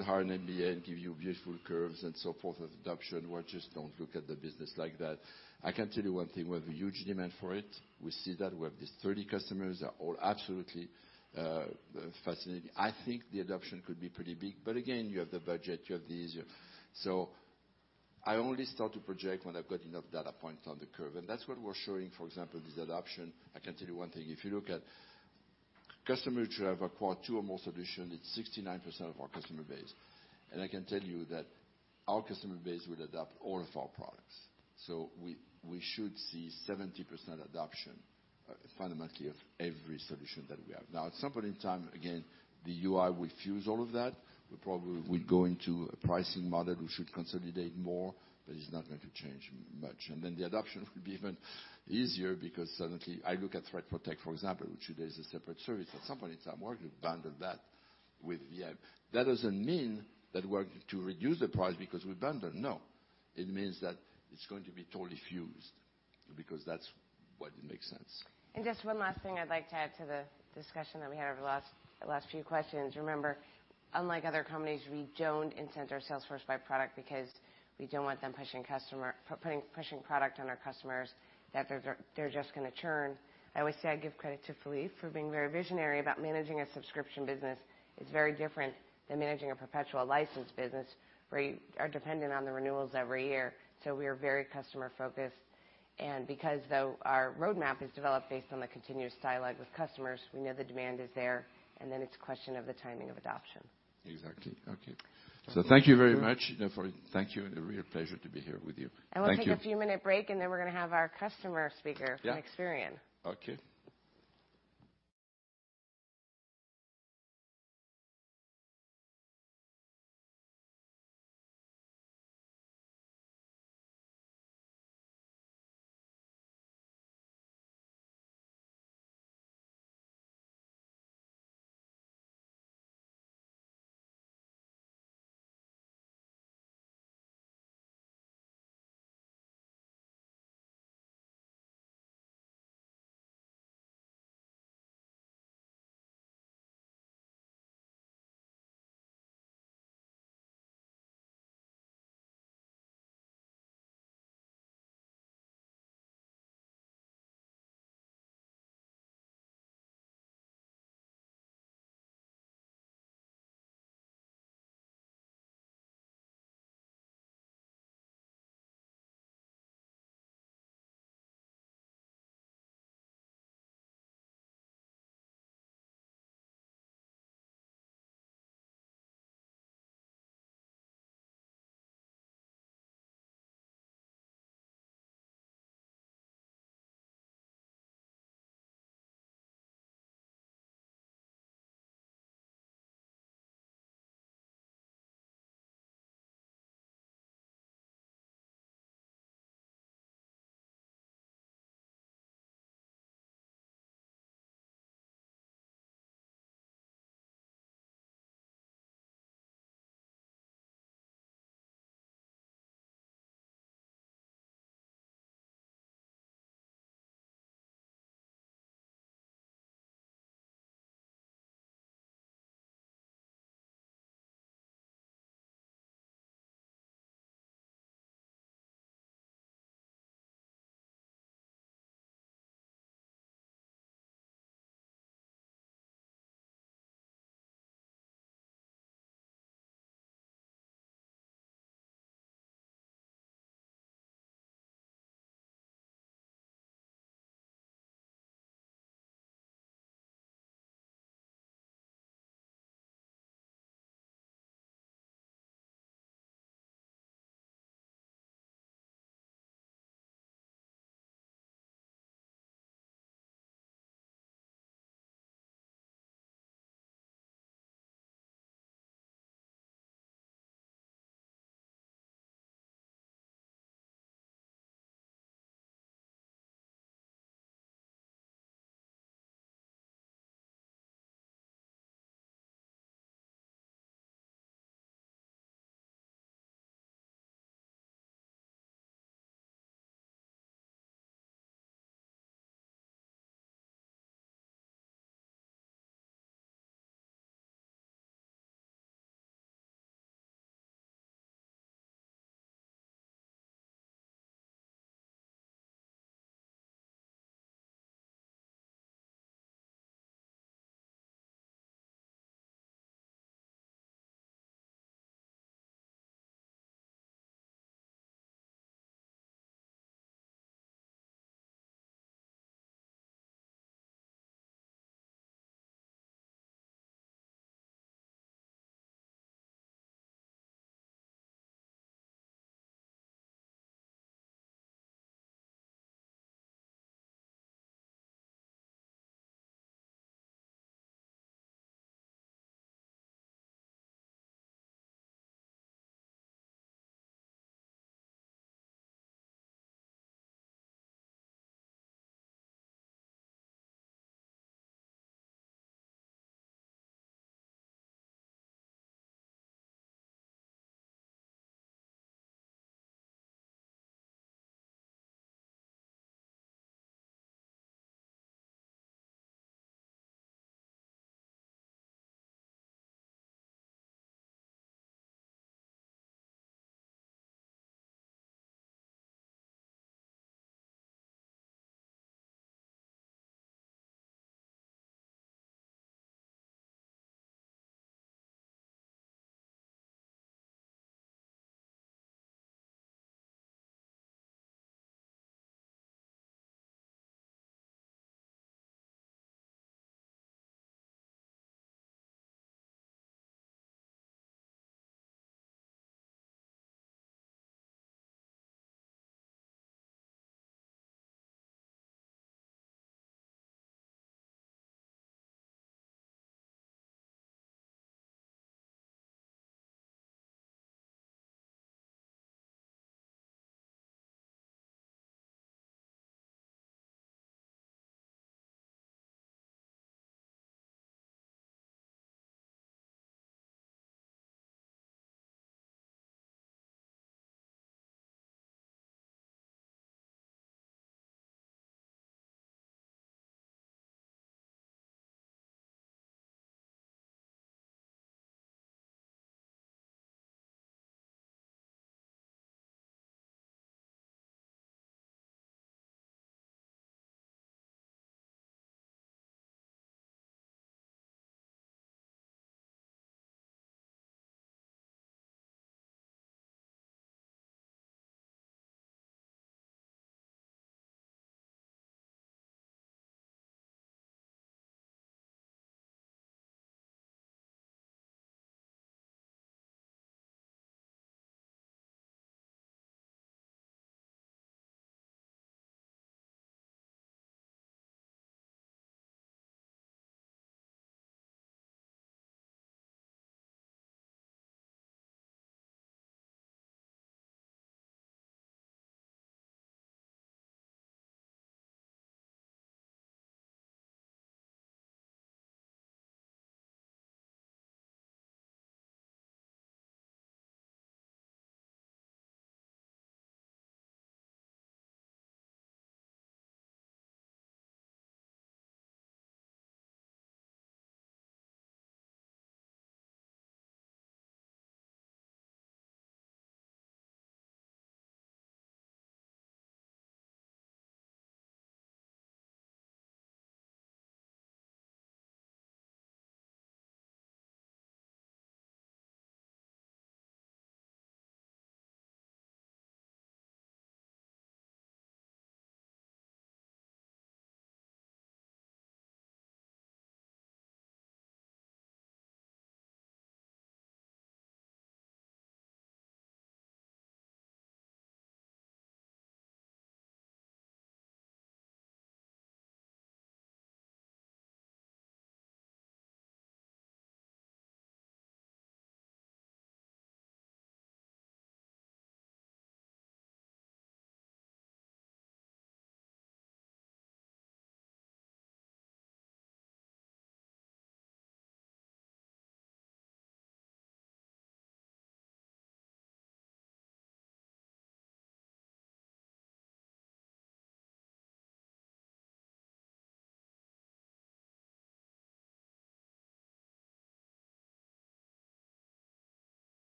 hire an MBA and give you beautiful curves and so forth of adoption. We just don't look at the business like that. I can tell you one thing, we have a huge demand for it. We see that. We have these 30 customers that are all absolutely fascinating. I think the adoption could be pretty big. Again, you have the budget, you have this. I only start to project when I've got enough data points on the curve. That's what we're showing, for example, this adoption. I can tell you one thing, if you look at customer who have acquired two or more solution, it's 69% of our customer base. I can tell you that our customer base will adopt all of our products. We should see 70% adoption, fundamentally of every solution that we have. At some point in time, again, the UI will fuse all of that. We probably will go into a pricing model. We should consolidate more, it's not going to change much. Then the adoption will be even easier because suddenly I look at ThreatPROTECT, for example, which today is a separate service. At some point in time, we're going to bundle that with VM. That doesn't mean that we're going to reduce the price because we bundle. No. It means that it's going to be totally fused because that's what makes sense. Just one last thing I'd like to add to the discussion that we had over the last few questions. Remember, unlike other companies, we don't incent our sales force by product because we don't want them pushing product on our customers that they're just gonna churn. I always say I give credit to Philippe for being very visionary about managing a subscription business. It's very different than managing a perpetual license business where you are dependent on the renewals every year. We are very customer-focused. Because though our roadmap is developed based on the continuous dialogue with customers, we know the demand is there, then it's a question of the timing of adoption. Exactly. Okay. Thank you very much. Thank you, a real pleasure to be here with you. Thank you. We'll take a few minute break, then we're gonna have our customer speaker Yeah from Experian. Okay.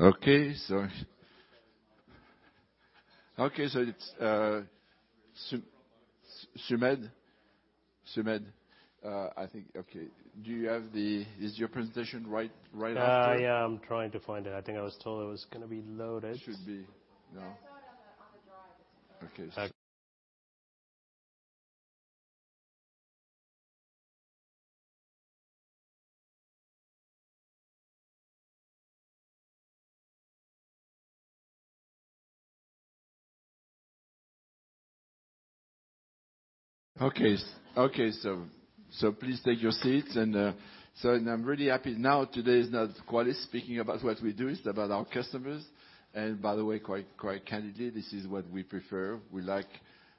It's Sumedh. Sumedh, I think. Okay. Is your presentation right after? I am trying to find it. I think I was told it was going to be loaded. It should be. No. It's not on the drive. Okay. Okay. Okay. Please take your seats, and I'm really happy now today is not Qualys speaking about what we do. It's about our customers, and by the way, quite candidly, this is what we prefer. We like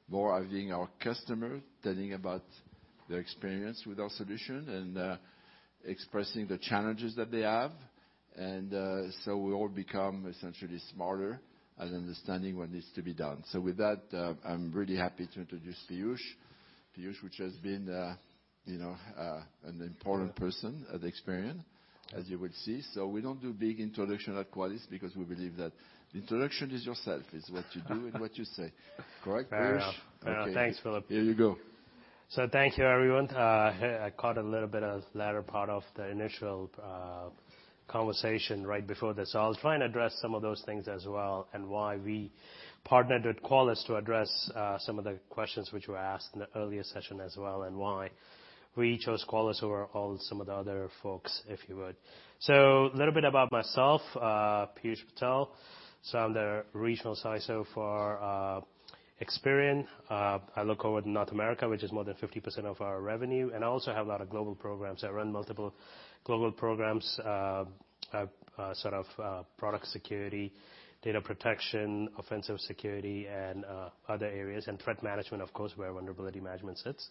more having our customer telling about their experience with our solution and expressing the challenges that they have. We all become essentially smarter at understanding what needs to be done. With that, I'm really happy to introduce Peeyush. Peeyush, which has been an important person at Experian, as you will see. We don't do big introduction at Qualys because we believe that introduction is yourself. It's what you do and what you say. Correct, Peeyush? Fair enough. Thanks, Philippe. Here you go. Thank you, everyone. I caught a little bit of latter part of the initial conversation right before this. I'll try and address some of those things as well and why we partnered with Qualys to address some of the questions which were asked in the earlier session as well, and why we chose Qualys over some of the other folks, if you would. A little bit about myself, Peeyush Patel. I'm the regional CISO for Experian. I look over North America, which is more than 50% of our revenue, and I also have a lot of global programs. I run multiple global programs, sort of product security, data protection, offensive security, and other areas, and threat management, of course, where vulnerability management sits.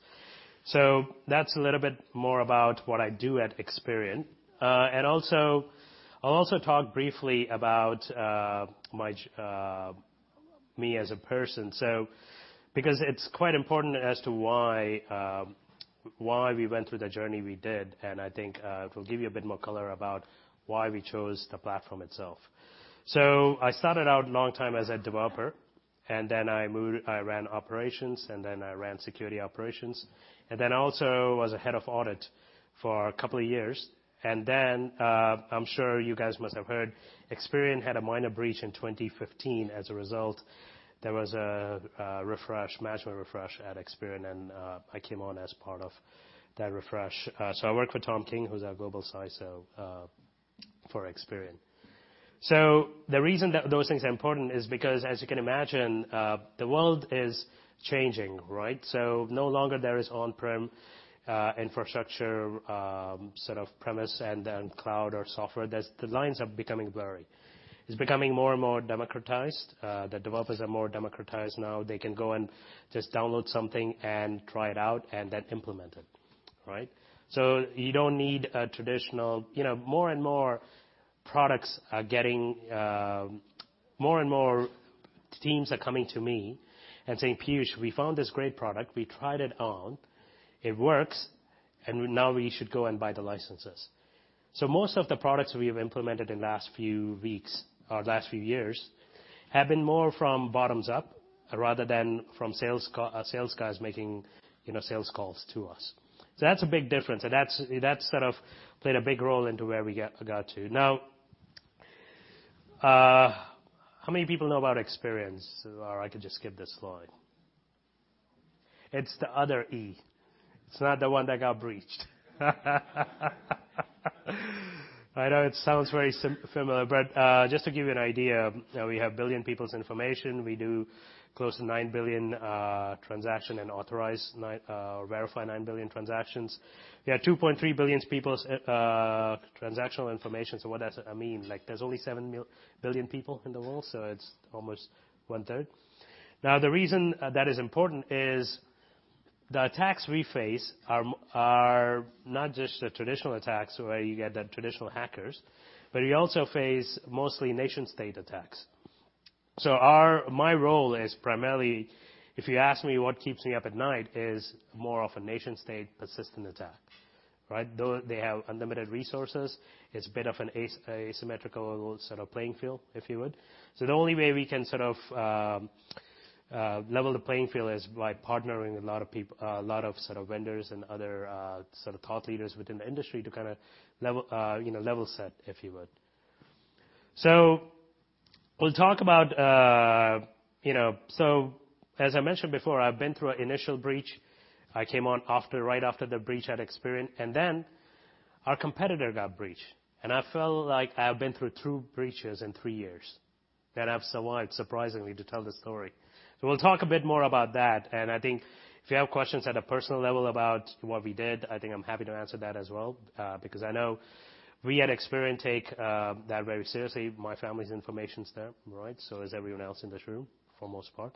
That's a little bit more about what I do at Experian. I'll also talk briefly about me as a person. Because it's quite important as to why we went through the journey we did, and I think it will give you a bit more color about why we chose the platform itself. I started out long time as a developer, and then I ran operations, and then I ran security operations, and then also was a head of audit for a couple of years. I'm sure you guys must have heard, Experian had a minor breach in 2015. As a result, there was a management refresh at Experian, and I came on as part of that refresh. I work with Tom King, who's our global CISO for Experian. The reason that those things are important is because, as you can imagine, the world is changing, right? No longer there is on-prem infrastructure, sort of premise and then cloud or software. The lines are becoming blurry. It's becoming more and more democratized. The developers are more democratized now. They can go and just download something and try it out and then implement it. Right? More and more teams are coming to me and saying, "Peeyush, we found this great product. We tried it on, it works, and now we should go and buy the licenses." Most of the products we have implemented in last few weeks or last few years have been more from bottoms up rather than from sales guys making sales calls to us. That's a big difference, and that's played a big role into where we got to. Now, how many people know about Experian? Or I could just skip this slide. It's the other E. It's not the one that got breached. I know it sounds very similar, but just to give you an idea, we have billion people's information. We do close to 9 billion transactions and authorize or verify 9 billion transactions. We have 2.3 billion people's transactional information. What does it mean? There's only 7 billion people in the world, it's almost one third. The reason that is important is the attacks we face are not just the traditional attacks where you get the traditional hackers, but we also face mostly nation-state attacks. My role is primarily, if you ask me what keeps me up at night, is more of a nation-state persistent attack. Right? They have unlimited resources. It's a bit of an asymmetrical sort of playing field, if you would. The only way we can sort of level the playing field is by partnering a lot of vendors and other thought leaders within the industry to level set, if you would. We'll talk about. As I mentioned before, I've been through an initial breach. I came on right after the breach at Experian, our competitor got breached. I felt like I have been through two breaches in three years, that I've survived, surprisingly, to tell the story. We'll talk a bit more about that, and I think if you have questions at a personal level about what we did, I think I'm happy to answer that as well. Because I know we at Experian take that very seriously. My family's information's there, right? Is everyone else in this room, for most part.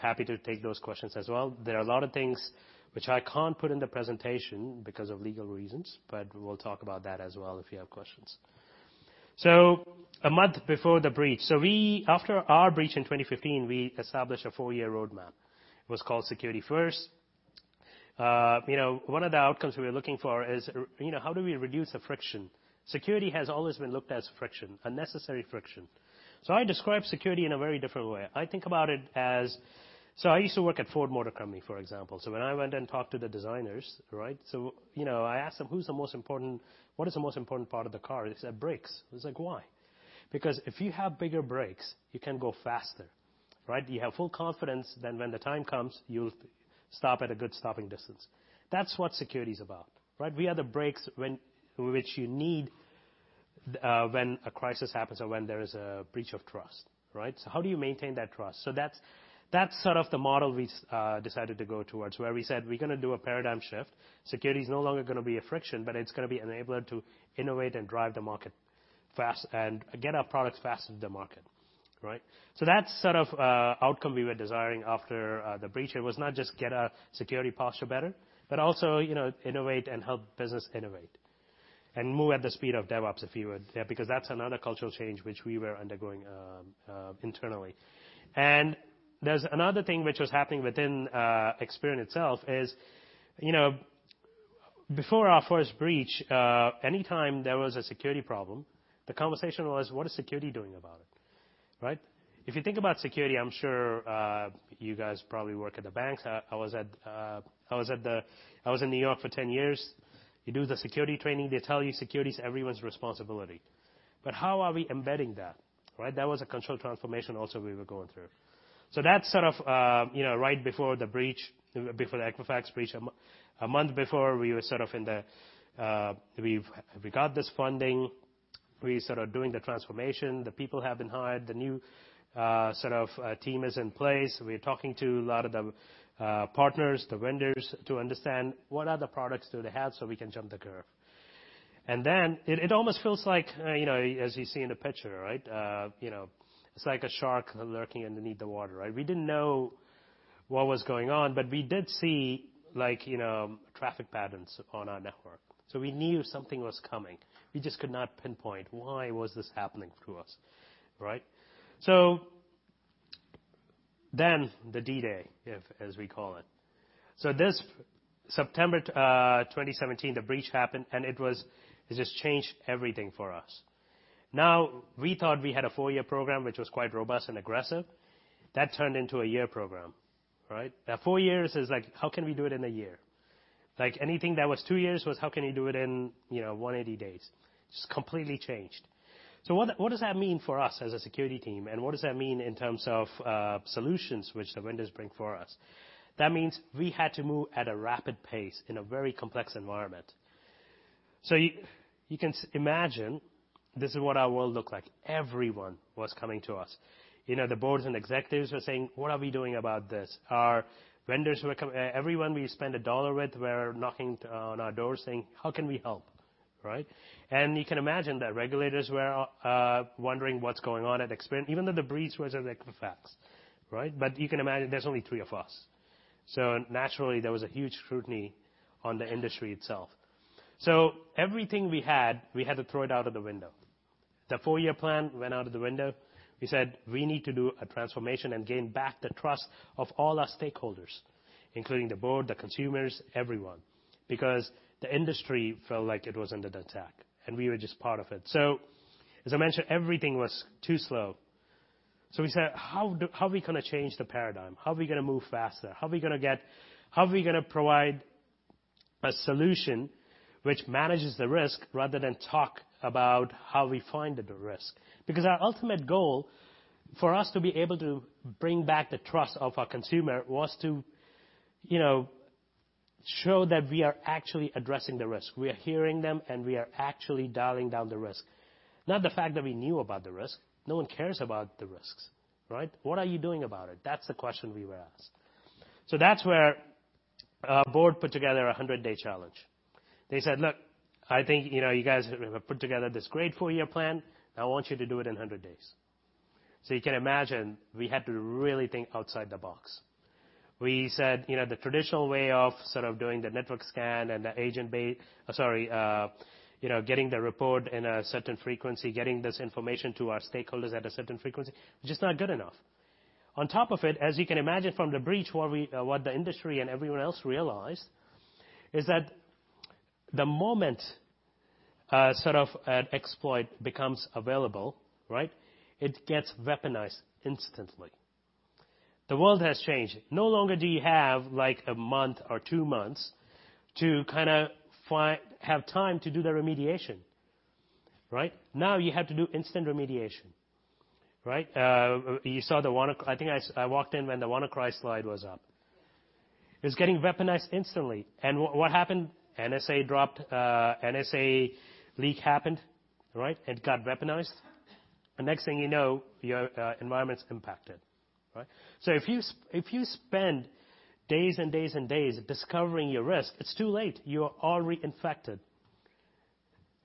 Happy to take those questions as well. There are a lot of things which I can't put in the presentation because of legal reasons, we'll talk about that as well if you have questions. A month before the breach. After our breach in 2015, we established a four-year roadmap. It was called Security First. One of the outcomes we were looking for is how do we reduce the friction? Security has always been looked as friction, unnecessary friction. I describe security in a very different way. I think about it as. I used to work at Ford Motor Company, for example. When I went and talked to the designers, right? I asked them, "What is the most important part of the car?" They said, "Brakes." I was like, "Why?" Because if you have bigger brakes, you can go faster, right? You have full confidence that when the time comes, you'll stop at a good stopping distance. That's what security is about, right? We are the brakes which you need when a crisis happens or when there is a breach of trust, right? How do you maintain that trust? That's sort of the model we decided to go towards, where we said, we're going to do a paradigm shift. Security is no longer going to be a friction, but it's going to be enabler to innovate and drive the market fast and get our products fast to the market. Right? That's sort of outcome we were desiring after the breach. It was not just get our security posture better, but also innovate and help business innovate and move at the speed of DevOps, if you would. Because that's another cultural change which we were undergoing internally. There's another thing which was happening within Experian itself is, before our first breach, anytime there was a security problem, the conversation was, what is security doing about it, right? If you think about security, I'm sure you guys probably work at the banks. I was in New York for 10 years. You do the security training, they tell you security is everyone's responsibility. How are we embedding that, right? That was a control transformation also we were going through. That's sort of right before the breach, before the Equifax breach. A month before, we got this funding. We started doing the transformation. The people have been hired. The new team is in place. We are talking to a lot of the partners, the vendors to understand what other products do they have so we can jump the curve. It almost feels like, as you see in the picture, right? It's like a shark lurking underneath the water, right? We didn't know what was going on, but we did see traffic patterns on our network. We knew something was coming. We just could not pinpoint why was this happening to us. Right? The D-Day, as we call it. This September 2017, the breach happened, and it just changed everything for us. Now, we thought we had a four-year program, which was quite robust and aggressive. That turned into a year program, right? Four years is like, how can we do it in a year? Anything that was two years was, how can you do it in 180 days? Just completely changed. What does that mean for us as a security team, and what does that mean in terms of solutions which the vendors bring for us? That means we had to move at a rapid pace in a very complex environment. You can imagine this is what our world looked like. Everyone was coming to us. The boards and executives were saying, "What are we doing about this?" Our vendors who were Everyone we spend $1 with were knocking on our doors saying, "How can we help?" You can imagine that regulators were wondering what's going on at Experian, even though the breach was at Equifax. You can imagine there's only three of us. Naturally, there was a huge scrutiny on the industry itself. Everything we had, we had to throw it out of the window. The four-year plan went out of the window. We said we need to do a transformation and gain back the trust of all our stakeholders, including the board, the consumers, everyone, because the industry felt like it was under attack, and we were just part of it. As I mentioned, everything was too slow. We said, how are we going to change the paradigm? How are we going to move faster? How are we going to provide a solution which manages the risk rather than talk about how we find the risk? Because our ultimate goal for us to be able to bring back the trust of our consumer was to show that we are actually addressing the risk. We are hearing them, and we are actually dialing down the risk. Not the fact that we knew about the risk. No one cares about the risks, right? What are you doing about it? That's the question we were asked. That's where our board put together a 100-day challenge. They said, "Look, I think you guys have put together this great four-year plan. I want you to do it in 100 days." You can imagine we had to really think outside the box. We said the traditional way of doing the network scan and the agent-based, sorry, getting the report in a certain frequency, getting this information to our stakeholders at a certain frequency, which is not good enough. On top of it, as you can imagine from the breach, what the industry and everyone else realized is that the moment an exploit becomes available, it gets weaponized instantly. The world has changed. No longer do you have a month or two months to have time to do the remediation. Now you have to do instant remediation. You saw the I think I walked in when the WannaCry slide was up. Yeah. It was getting weaponized instantly. What happened? NSA leak happened. It got weaponized, next thing you know, your environment's impacted. If you spend days and days and days discovering your risk, it's too late. You are already infected.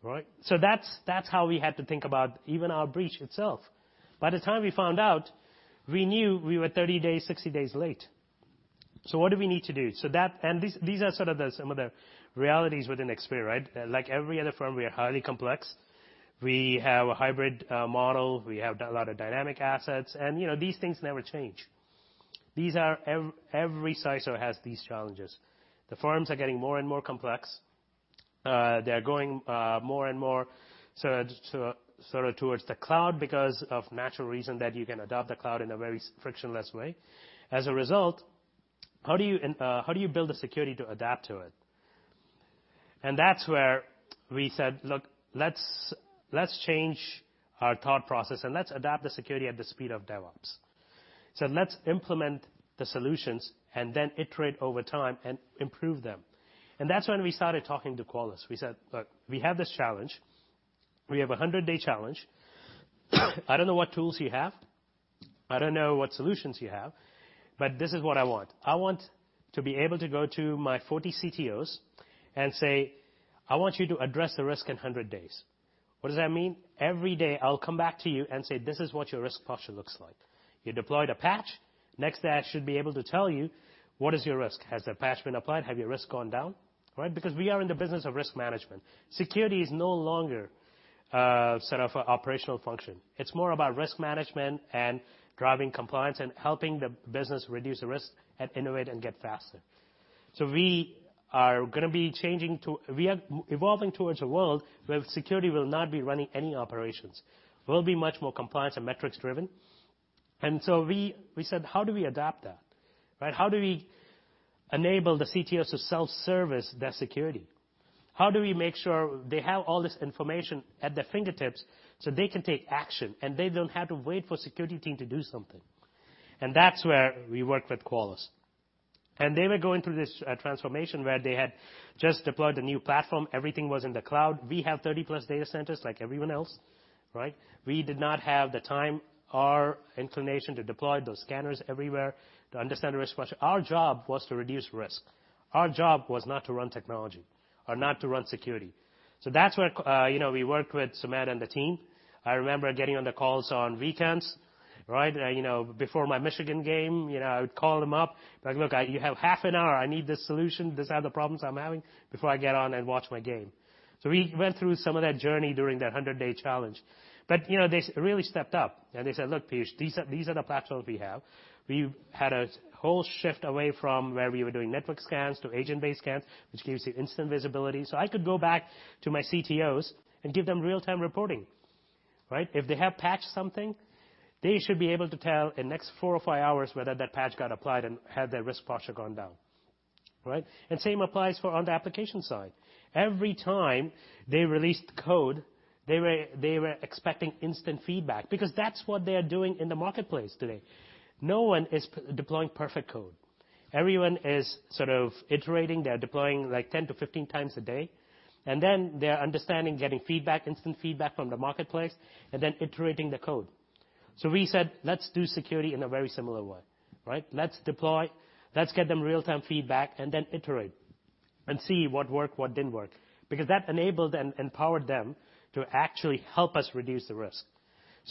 That's how we had to think about even our breach itself. By the time we found out, we knew we were 30 days, 60 days late. What do we need to do? These are sort of some of the realities within Experian. Like every other firm, we are highly complex. We have a hybrid model. We have a lot of dynamic assets, and these things never change. Every CISO has these challenges. The firms are getting more and more complex. They are going more and more towards the cloud because of natural reason that you can adopt the cloud in a very frictionless way. As a result, how do you build the security to adapt to it? That's where we said, "Look, let's change our thought process, and let's adapt the security at the speed of DevOps." Said, "Let's implement the solutions and then iterate over time and improve them." That's when we started talking to Qualys. We said, "Look, we have this challenge. We have a 100-day challenge. I don't know what tools you have. I don't know what solutions you have, but this is what I want. I want to be able to go to my 40 CTOs and say, 'I want you to address the risk in 100 days.' What does that mean? Every day, I'll come back to you and say, 'This is what your risk posture looks like.' You deployed a patch. Next day, I should be able to tell you what is your risk. Has the patch been applied? Have your risk gone down? We are in the business of risk management. Security is no longer set up for operational function. It's more about risk management and driving compliance and helping the business reduce the risk and innovate and get faster. We are evolving towards a world where security will not be running any operations. We'll be much more compliance and metrics driven. We said, how do we adapt that? How do we enable the CTOs to self-service their security? How do we make sure they have all this information at their fingertips so they can take action, and they don't have to wait for security team to do something? That's where we worked with Qualys. They were going through this transformation where they had just deployed a new platform. Everything was in the cloud. We have 30 plus data centers like everyone else. We did not have the time or inclination to deploy those scanners everywhere to understand the risk posture. Our job was to reduce risk. Our job was not to run technology or not to run security. That's where we worked with Sumedh and the team. I remember getting on the calls on weekends. Before my Michigan game, I would call him up. Like, "Look, you have half an hour. I need this solution. These are the problems I'm having before I get on and watch my game." We went through some of that journey during that 100-day challenge. They really stepped up, and they said, "Look, Peeyush, these are the platforms we have." We had a whole shift away from where we were doing network scans to agent-based scans, which gives you instant visibility. I could go back to my CTOs and give them real-time reporting. If they have patched something, they should be able to tell in next four or five hours whether that patch got applied and had their risk posture gone down. Same applies for on the application side. Every time they released code, they were expecting instant feedback because that's what they are doing in the marketplace today. No one is deploying perfect code. Everyone is sort of iterating. They're deploying 10 to 15 times a day, and then they're understanding, getting feedback, instant feedback from the marketplace, and then iterating the code. We said, let's do security in a very similar way, right? Let's deploy, let's get them real-time feedback, and then iterate and see what worked, what didn't work. That enabled and empowered them to actually help us reduce the risk.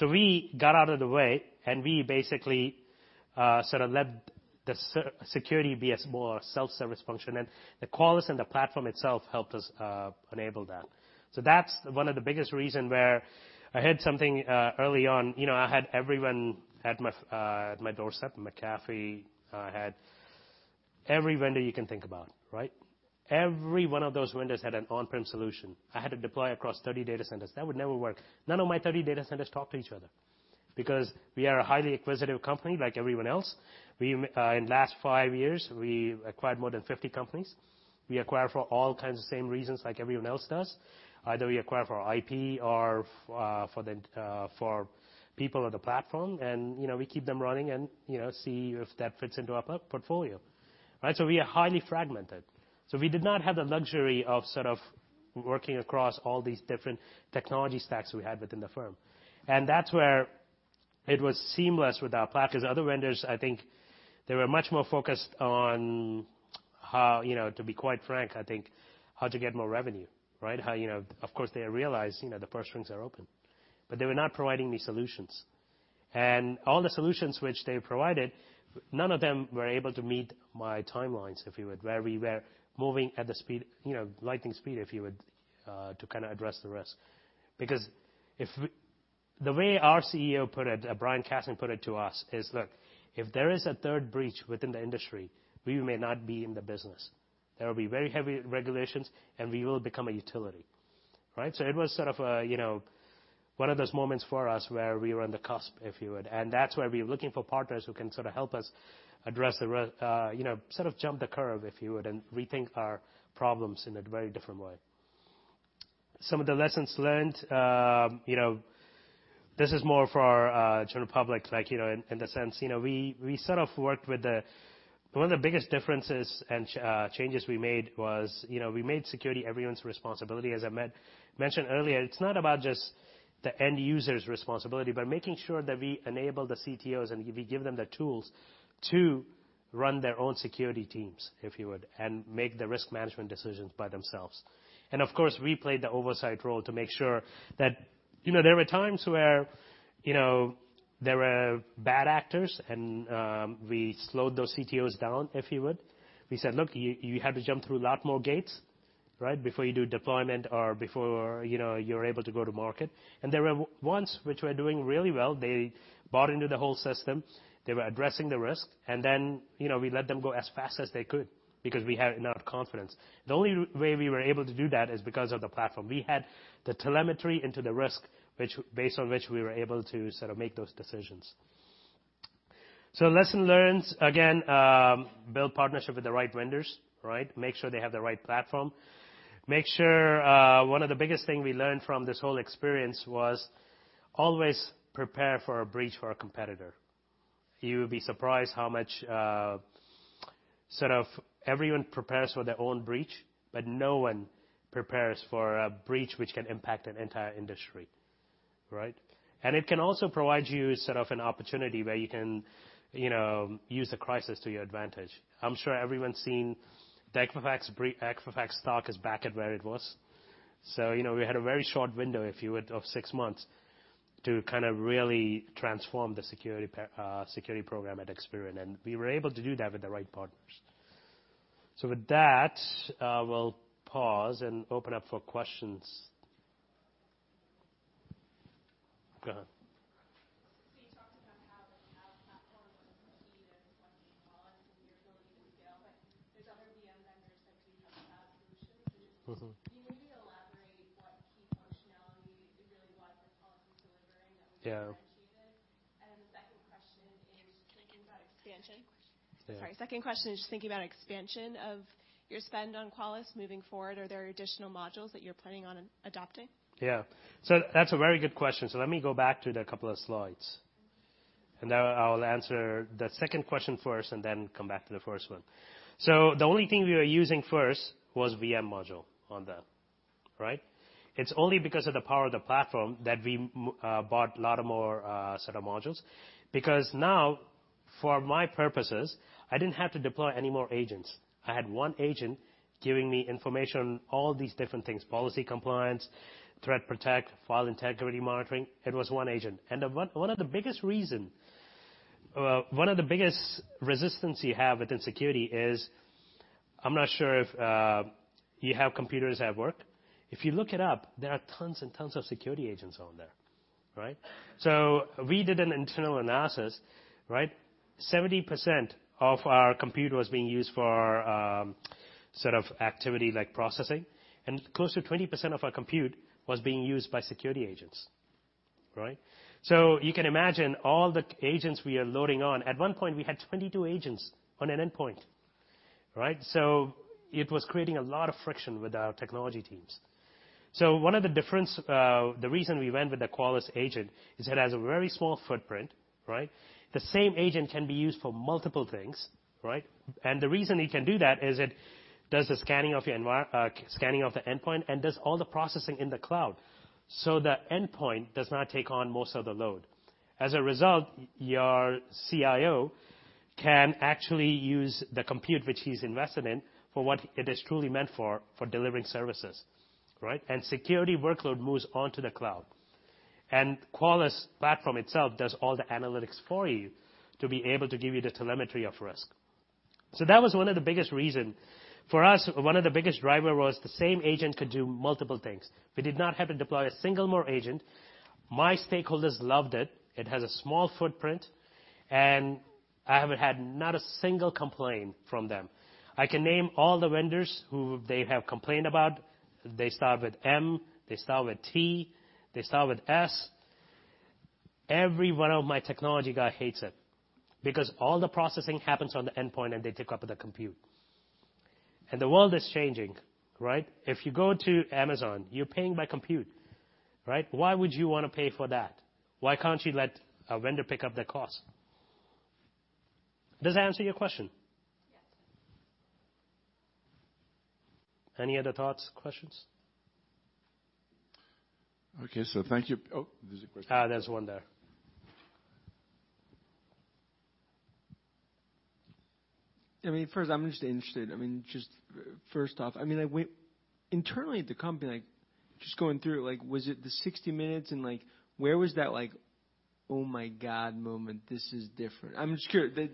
We got out of the way, and we basically let the security be a more self-service function. The Qualys and the platform itself helped us enable that. That's one of the biggest reason where I had something early on. I had everyone at my doorstep, McAfee. I had every vendor you can think about, right? Every one of those vendors had an on-prem solution. I had to deploy across 30 data centers. That would never work. None of my 30 data centers talk to each other because we are a highly acquisitive company like everyone else. In last five years, we've acquired more than 50 companies. We acquire for all kinds of same reasons like everyone else does, either we acquire for IP or for people on the platform, and we keep them running and see if that fits into our portfolio, right? We are highly fragmented. We did not have the luxury of working across all these different technology stacks we had within the firm. That's where it was seamless with our platform, because other vendors, they were much more focused on how, to be quite frank, how to get more revenue, right? They realized the purse strings are open, but they were not providing me solutions. All the solutions which they provided, none of them were able to meet my timelines, if you would, where we were moving at the lightning speed, if you would, to kind of address the risk. The way our CEO put it, Brian Cassin put it to us is, look, if there is a third breach within the industry, we may not be in the business. There will be very heavy regulations, and we will become a utility, right? It was sort of one of those moments for us where we were on the cusp, if you would, and that's where we're looking for partners who can sort of help us address the risk, sort of jump the curve, if you would, and rethink our problems in a very different way. Some of the lessons learned, this is more for our general public, in the sense, we sort of worked with One of the biggest differences and changes we made was, we made security everyone's responsibility. As I mentioned earlier, it's not about just the end user's responsibility, but making sure that we enable the CTOs, and we give them the tools to run their own security teams, if you would, and make the risk management decisions by themselves. We played the oversight role to make sure that There were times where there were bad actors, and we slowed those CTOs down, if you would. We said, 'Look, you have to jump through a lot more gates, right? Before you do deployment or before you're able to go to market.' There were ones which were doing really well. They bought into the whole system. They were addressing the risk, we let them go as fast as they could because we had enough confidence. The only way we were able to do that is because of the platform. We had the telemetry into the risk, based on which we were able to make those decisions. Lessons learned, again, build partnership with the right vendors, right? Make sure they have the right platform. One of the biggest thing we learned from this whole experience was always prepare for a breach for a competitor. You will be surprised how much everyone prepares for their own breach, but no one prepares for a breach which can impact an entire industry, right? It can also provide you an opportunity where you can use the crisis to your advantage. I'm sure everyone's seen the Equifax stock is back at where it was. We had a very short window, if you would, of 6 months to kind of really transform the security program at Experian, and we were able to do that with the right partners. With that, I will pause and open up for questions. Go ahead. You talked about how the cloud platform was key to collecting Qualys and your ability to scale, but there's other VM vendors that do have cloud solutions. Can you maybe elaborate what key functionality it really was that Qualys was delivering that was differentiated? Yeah. The second question is just thinking about expansion of your spend on Qualys moving forward. Are there additional modules that you're planning on adopting? That's a very good question. Let me go back to the couple of slides, and now I'll answer the second question first and then come back to the first one. The only thing we were using first was VM module on that, right? It's only because of the power of the platform that we bought a lot of more set of modules because now, for my purposes, I didn't have to deploy any more agents. I had one agent giving me information on all these different things, policy compliance, ThreatPROTECT, file integrity monitoring. It was one agent. One of the biggest reasons, one of the biggest resistance you have within security is, I'm not sure if you have computers at work. If you look it up, there are tons and tons of security agents on there, right? We did an internal analysis, right? 70% of our compute was being used for activity like processing, and close to 20% of our compute was being used by security agents, right? You can imagine all the agents we are loading on. At one point, we had 22 agents on an endpoint, right? It was creating a lot of friction with our technology teams. One of the differences, the reason we went with the Qualys agent is it has a very small footprint, right? The same agent can be used for multiple things, right? The reason it can do that is it does the scanning of the endpoint and does all the processing in the cloud, so the endpoint does not take on most of the load. As a result, your CIO can actually use the compute which he's invested in for what it is truly meant for delivering services. Right? Security workload moves onto the cloud. Qualys platform itself does all the analytics for you to be able to give you the telemetry of risk. That was one of the biggest reasons. For us, one of the biggest drivers was the same agent could do multiple things. We did not have to deploy a single more agent. My stakeholders loved it. It has a small footprint, and I haven't had not a single complaint from them. I can name all the vendors who they have complained about. They start with M, they start with T, they start with S. Every one of my technology guys hates it because all the processing happens on the endpoint and they take up the compute. The world is changing. Right? If you go to Amazon, you're paying by compute. Right? Why would you want to pay for that? Why can't you let a vendor pick up the cost? Does that answer your question? Yes. Any other thoughts, questions? Okay, thank you. Oh, there's a question. There's one there. I mean, first, I'm just interested, first off, internally at the company, just going through, was it the 60 Minutes and where was that like, "Oh my God" moment, this is different? I'm just curious. The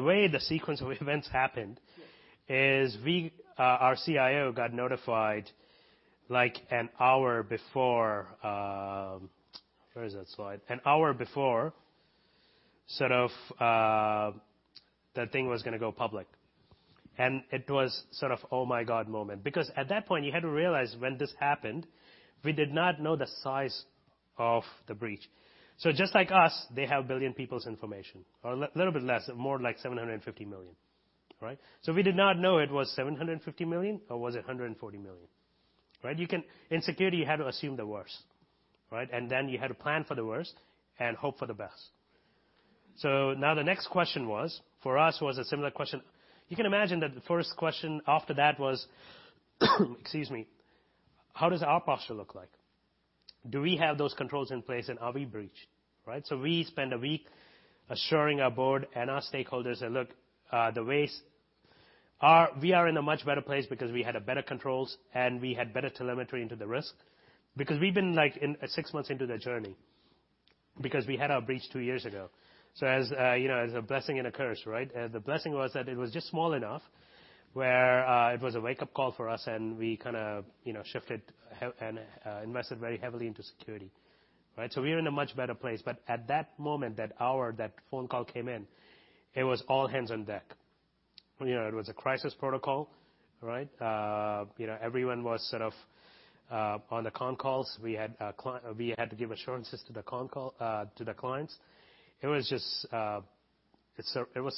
way the sequence of events happened is our CIO got notified like an hour before. Where is that slide? An hour before the thing was going to go public. It was oh my God moment. At that point you had to realize when this happened, we did not know the size of the breach. Just like us, they have billion people's information or a little bit less, more like $750 million. Right? We did not know it was $750 million or was it $140 million. Right? In security, you had to assume the worst, right? You had to plan for the worst and hope for the best. The next question was, for us was a similar question. You can imagine that the first question after that was, excuse me, how does our posture look like? Do we have those controls in place and are we breached? Right? We spent a week assuring our board and our stakeholders that, look, the ways, we are in a much better place because we had a better controls and we had better telemetry into the risk. We'd been like six months into the journey because we had our breach two years ago. As you know, as a blessing and a curse, right? The blessing was that it was just small enough where it was a wake-up call for us, and we kind of shifted and invested very heavily into security. Right? We are in a much better place, but at that moment, that hour, that phone call came in, it was all hands on deck. It was a crisis protocol, right? Everyone was on the con calls. We had to give assurances to the clients. It was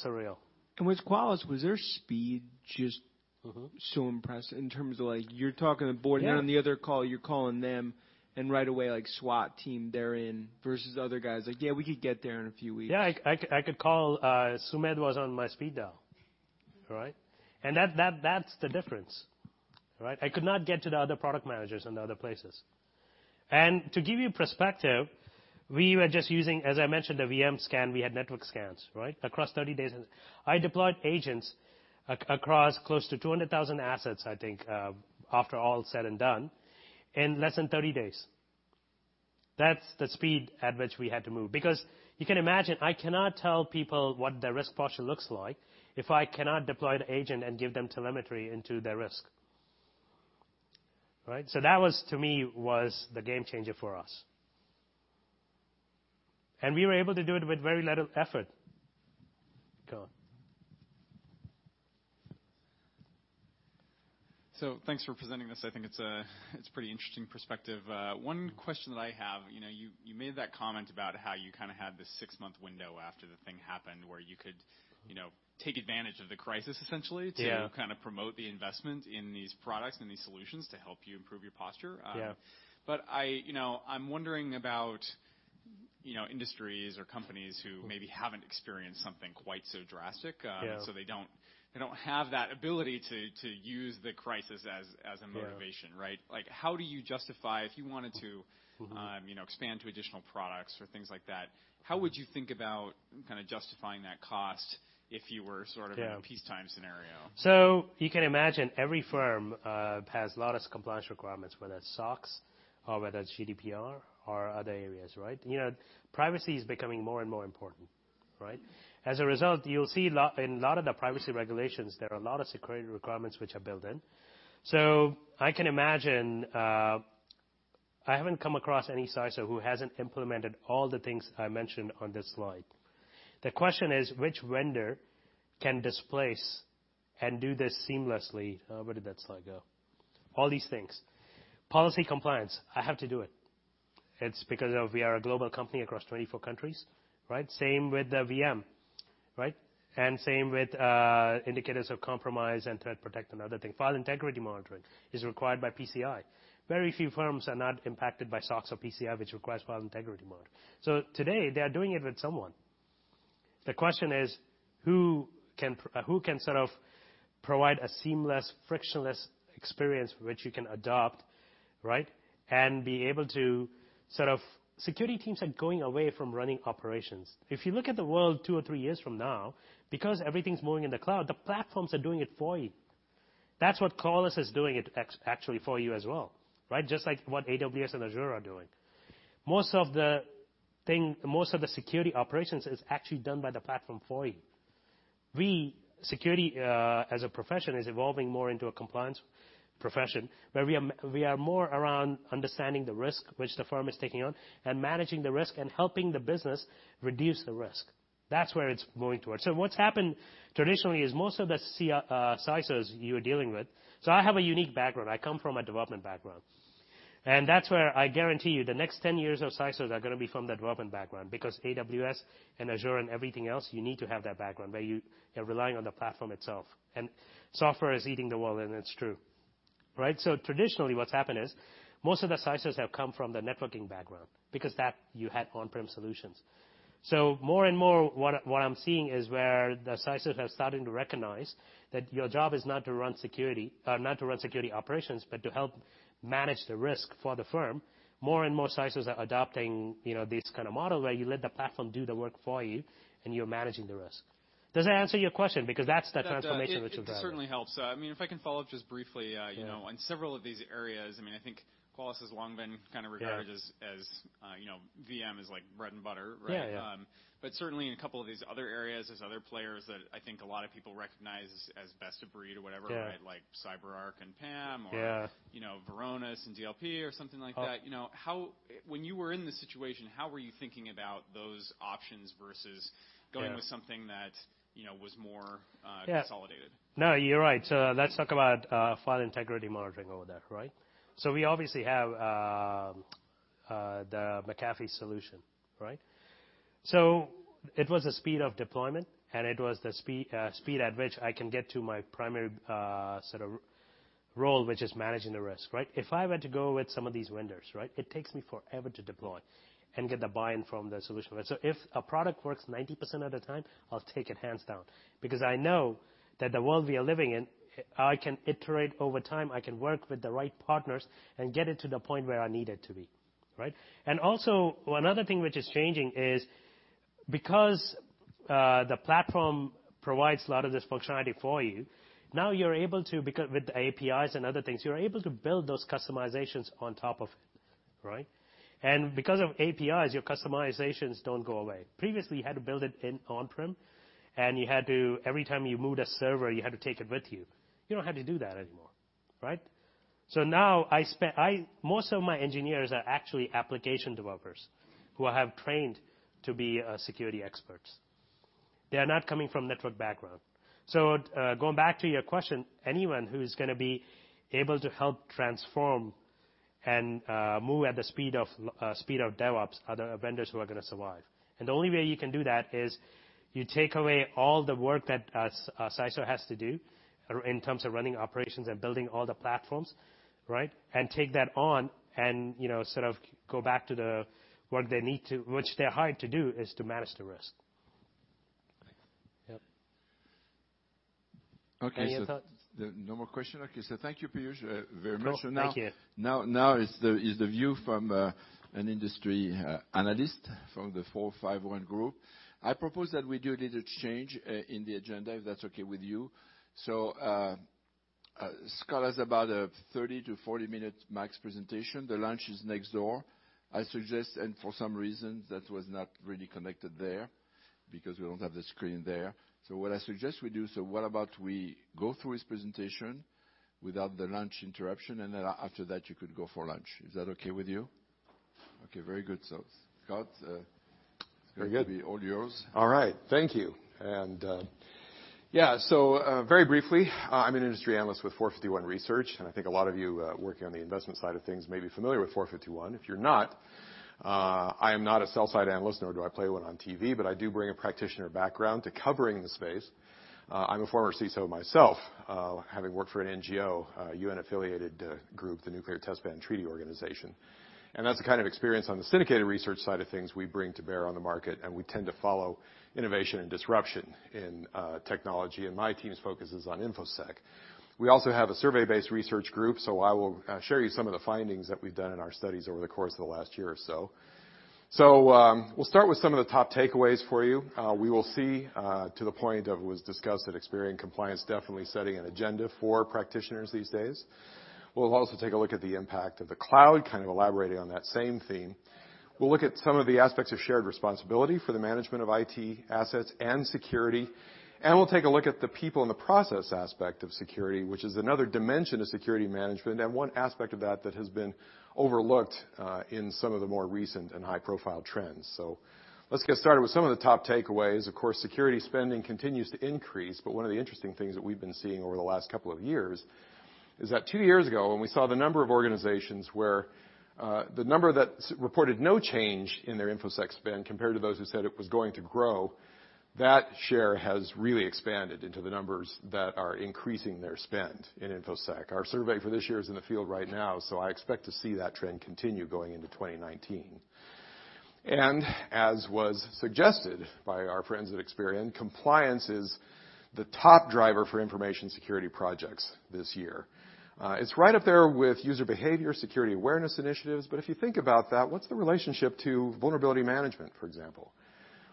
surreal. With Qualys, was their speed just- so impressed in terms of like, you're talking to the board. Yeah you're on the other call, you're calling them, and right away, like SWAT team, they're in, versus other guys, like, "Yeah, we could get there in a few weeks. Yeah, I could call, Sumedh was on my speed dial. Right? That's the difference. Right? I could not get to the other product managers in the other places. To give you perspective, we were just using, as I mentioned, the VM scan. We had network scans, right? Across 30 days. I deployed agents across close to 200,000 assets, I think, after all is said and done, in less than 30 days. That's the speed at which we had to move, because you can imagine, I cannot tell people what their risk posture looks like if I cannot deploy the agent and give them telemetry into their risk. Right? That was to me, was the game changer for us. We were able to do it with very little effort. Go on. Thanks for presenting this. I think it's pretty interesting perspective. One question that I have, you made that comment about how you kind of had this six-month window after the thing happened where you could take advantage of the crisis, essentially. Yeah to kind of promote the investment in these products and these solutions to help you improve your posture. Yeah. I'm wondering about industries or companies who maybe haven't experienced something quite so drastic. Yeah. They don't have that ability to use the crisis as a motivation, right? Yeah. Like how do you justify if you wanted to. expand to additional products or things like that, how would you think about kind of justifying that cost if you were sort of- Yeah in peacetime scenario? You can imagine every firm has a lot of compliance requirements, whether it's SOX or whether it's GDPR or other areas, right? Privacy is becoming more and more important. Right? As a result, you'll see in a lot of the privacy regulations, there are a lot of security requirements which are built in. I can imagine, I haven't come across any CISO who hasn't implemented all the things I mentioned on this slide. The question is, which vendor can displace and do this seamlessly. Where did that slide go? All these things. Policy compliance, I have to do it. It's because we are a global company across 24 countries, right? Same with the VM. Right? And same with indicators of compromise and ThreatPROTECT and other things. File integrity monitoring is required by PCI. Very few firms are not impacted by SOX or PCI, which requires file integrity monitoring. Today, they are doing it with someone. The question is, who can provide a seamless, frictionless experience which you can adopt, right? Security teams are going away from running operations. If you look at the world two or three years from now, because everything's moving in the cloud, the platforms are doing it for you. That's what Qualys is doing it actually for you as well, right? Just like what AWS and Azure are doing. Most of the security operations is actually done by the platform for you. Security as a profession is evolving more into a compliance profession, where we are more around understanding the risk which the firm is taking on, and managing the risk and helping the business reduce the risk. That's where it's moving towards. What's happened traditionally is most of the CISOs you're dealing with. I have a unique background. I come from a development background. That's where I guarantee you the next 10 years of CISOs are going to be from the development background, because AWS and Azure and everything else, you need to have that background where you are relying on the platform itself. Software is eating the world, and it's true. Right? Traditionally what's happened is, most of the CISOs have come from the networking background, because that you had on-prem solutions. More and more, what I'm seeing is where the CISOs have started to recognize that your job is not to run security operations, but to help manage the risk for the firm. More and more CISOs are adopting this kind of model, where you let the platform do the work for you, and you're managing the risk. Does that answer your question? That's the transformation which will drive. It certainly helps. If I can follow up just briefly. Yeah on several of these areas. I think Qualys has long been regarded as VM is like bread and butter, right? Yeah. Certainly in a couple of these other areas, there's other players that I think a lot of people recognize as best of breed or whatever. Yeah like CyberArk and PAM. Yeah Varonis and DLP or something like that. When you were in this situation, how were you thinking about those options versus going. Yeah with something that was more. Yeah consolidated? No, you're right. Let's talk about file integrity monitoring over there, right? We obviously have the McAfee solution, right? It was the speed of deployment, and it was the speed at which I can get to my primary role, which is managing the risk, right? If I were to go with some of these vendors, right? It takes me forever to deploy and get the buy-in from the solution. If a product works 90% of the time, I'll take it hands down, because I know that the world we are living in, I can iterate over time. I can work with the right partners and get it to the point where I need it to be. Right? Also, another thing which is changing is because the platform provides a lot of this functionality for you, with APIs and other things, you're able to build those customizations on top of it, right? Because of APIs, your customizations don't go away. Previously, you had to build it in on-prem, and every time you moved a server, you had to take it with you. You don't have to do that anymore, right? Now, most of my engineers are actually application developers who I have trained to be security experts. They are not coming from network background. Going back to your question, anyone who's going to be able to help transform and move at the speed of DevOps are the vendors who are going to survive. The only way you can do that is you take away all the work that a CISO has to do in terms of running operations and building all the platforms, right? Take that on and go back to the work they're hired to do, is to manage the risk. Yep. Okay. Any other thoughts? No more questions. Okay. Thank you, Peeyush, very much. No, thank you. Now is the view from an industry analyst from The 451 Group. I propose that we do a little change in the agenda, if that's okay with you. Scott has about a 30-40 minute max presentation. The lunch is next door. I suggest, and for some reason, that was not really connected there because we don't have the screen there. What I suggest we do, so what about we go through his presentation without the lunch interruption, and then after that, you could go for lunch. Is that okay with you? Okay, very good. Scott- Very good It's going to be all yours. All right. Thank you. Yeah. Very briefly, I'm an industry analyst with 451 Research, and I think a lot of you working on the investment side of things may be familiar with 451. If you're not, I am not a sell-side analyst, nor do I play one on TV, but I do bring a practitioner background to covering the space. I'm a former CISO myself, having worked for an NGO, a UN-affiliated group, the Nuclear Test Ban Treaty Organization. That's the kind of experience on the syndicated research side of things we bring to bear on the market, and we tend to follow innovation and disruption in technology. My team's focus is on InfoSec. We also have a survey-based research group, so I will share you some of the findings that we've done in our studies over the course of the last year or so. We'll start with some of the top takeaways for you. We will see to the point of it was discussed that Experian and compliance definitely setting an agenda for practitioners these days. We'll also take a look at the impact of the cloud, kind of elaborating on that same theme. We'll look at some of the aspects of shared responsibility for the management of IT assets and security. We'll take a look at the people and the process aspect of security, which is another dimension of security management, and one aspect of that has been overlooked in some of the more recent and high-profile trends. Let's get started with some of the top takeaways. Of course, security spending continues to increase, one of the interesting things that we've been seeing over the last couple of years is that two years ago, when we saw the number of organizations where the number that reported no change in their InfoSec spend compared to those who said it was going to grow, that share has really expanded into the numbers that are increasing their spend in InfoSec. Our survey for this year is in the field right now, I expect to see that trend continue going into 2019. As was suggested by our friends at Experian, compliance is the top driver for information security projects this year. It's right up there with user behavior, security awareness initiatives. If you think about that, what's the relationship to vulnerability management, for example?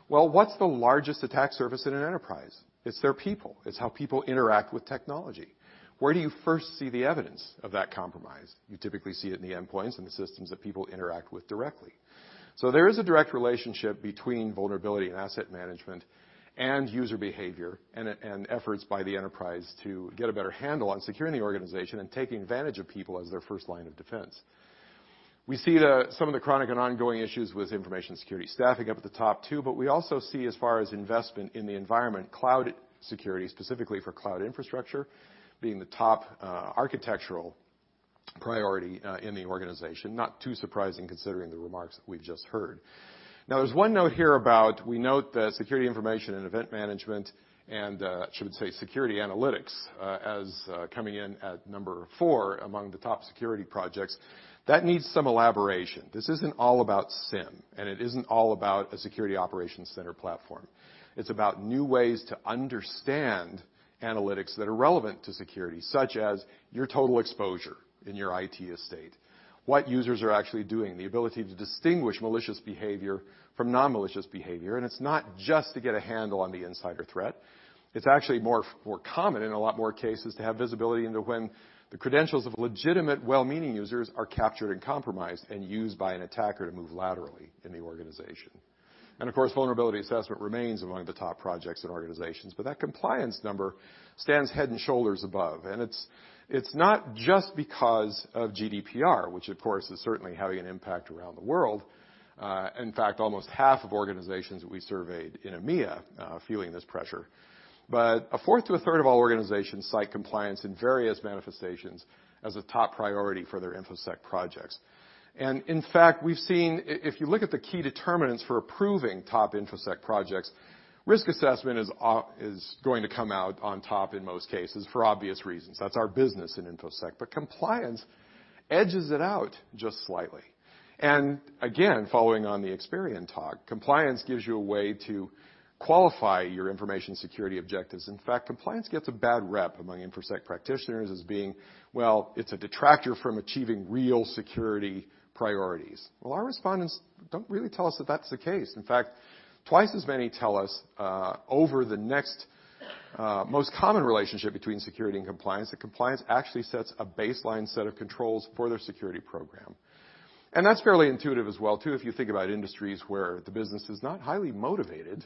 What's the largest attack surface in an enterprise? It's their people. It's how people interact with technology. Where do you first see the evidence of that compromise? You typically see it in the endpoints and the systems that people interact with directly. There is a direct relationship between vulnerability and asset management and user behavior and efforts by the enterprise to get a better handle on securing the organization and taking advantage of people as their first line of defense. We see some of the chronic and ongoing issues with information security staffing up at the top too, but we also see as far as investment in the environment, cloud security, specifically for cloud infrastructure, being the top architectural priority in the organization. Not too surprising considering the remarks that we've just heard. There's one note here about, we note that security information and event management and, I should say, security analytics as coming in at number 4 among the top security projects. That needs some elaboration. This isn't all about SIEM, and it isn't all about a security operations center platform. It's about new ways to understand analytics that are relevant to security, such as your total exposure in your IT estate. What users are actually doing, the ability to distinguish malicious behavior from non-malicious behavior. It's not just to get a handle on the insider threat. It's actually more common in a lot more cases to have visibility into when the credentials of legitimate, well-meaning users are captured and compromised and used by an attacker to move laterally in the organization. Of course, vulnerability assessment remains among the top projects in organizations, but that compliance number stands head and shoulders above. It's not just because of GDPR, which of course is certainly having an impact around the world. In fact, almost half of organizations that we surveyed in EMEA are feeling this pressure. A fourth to a third of all organizations cite compliance in various manifestations as a top priority for their InfoSec projects. In fact, we've seen, if you look at the key determinants for approving top InfoSec projects, risk assessment is going to come out on top in most cases for obvious reasons. That's our business in InfoSec. Compliance edges it out just slightly. Again, following on the Experian talk, compliance gives you a way to qualify your information security objectives. In fact, compliance gets a bad rep among InfoSec practitioners as being, well, it's a detractor from achieving real security priorities. Well, our respondents don't really tell us that that's the case. In fact, twice as many tell us, over the next most common relationship between security and compliance, that compliance actually sets a baseline set of controls for their security program. That's fairly intuitive as well too, if you think about industries where the business is not highly motivated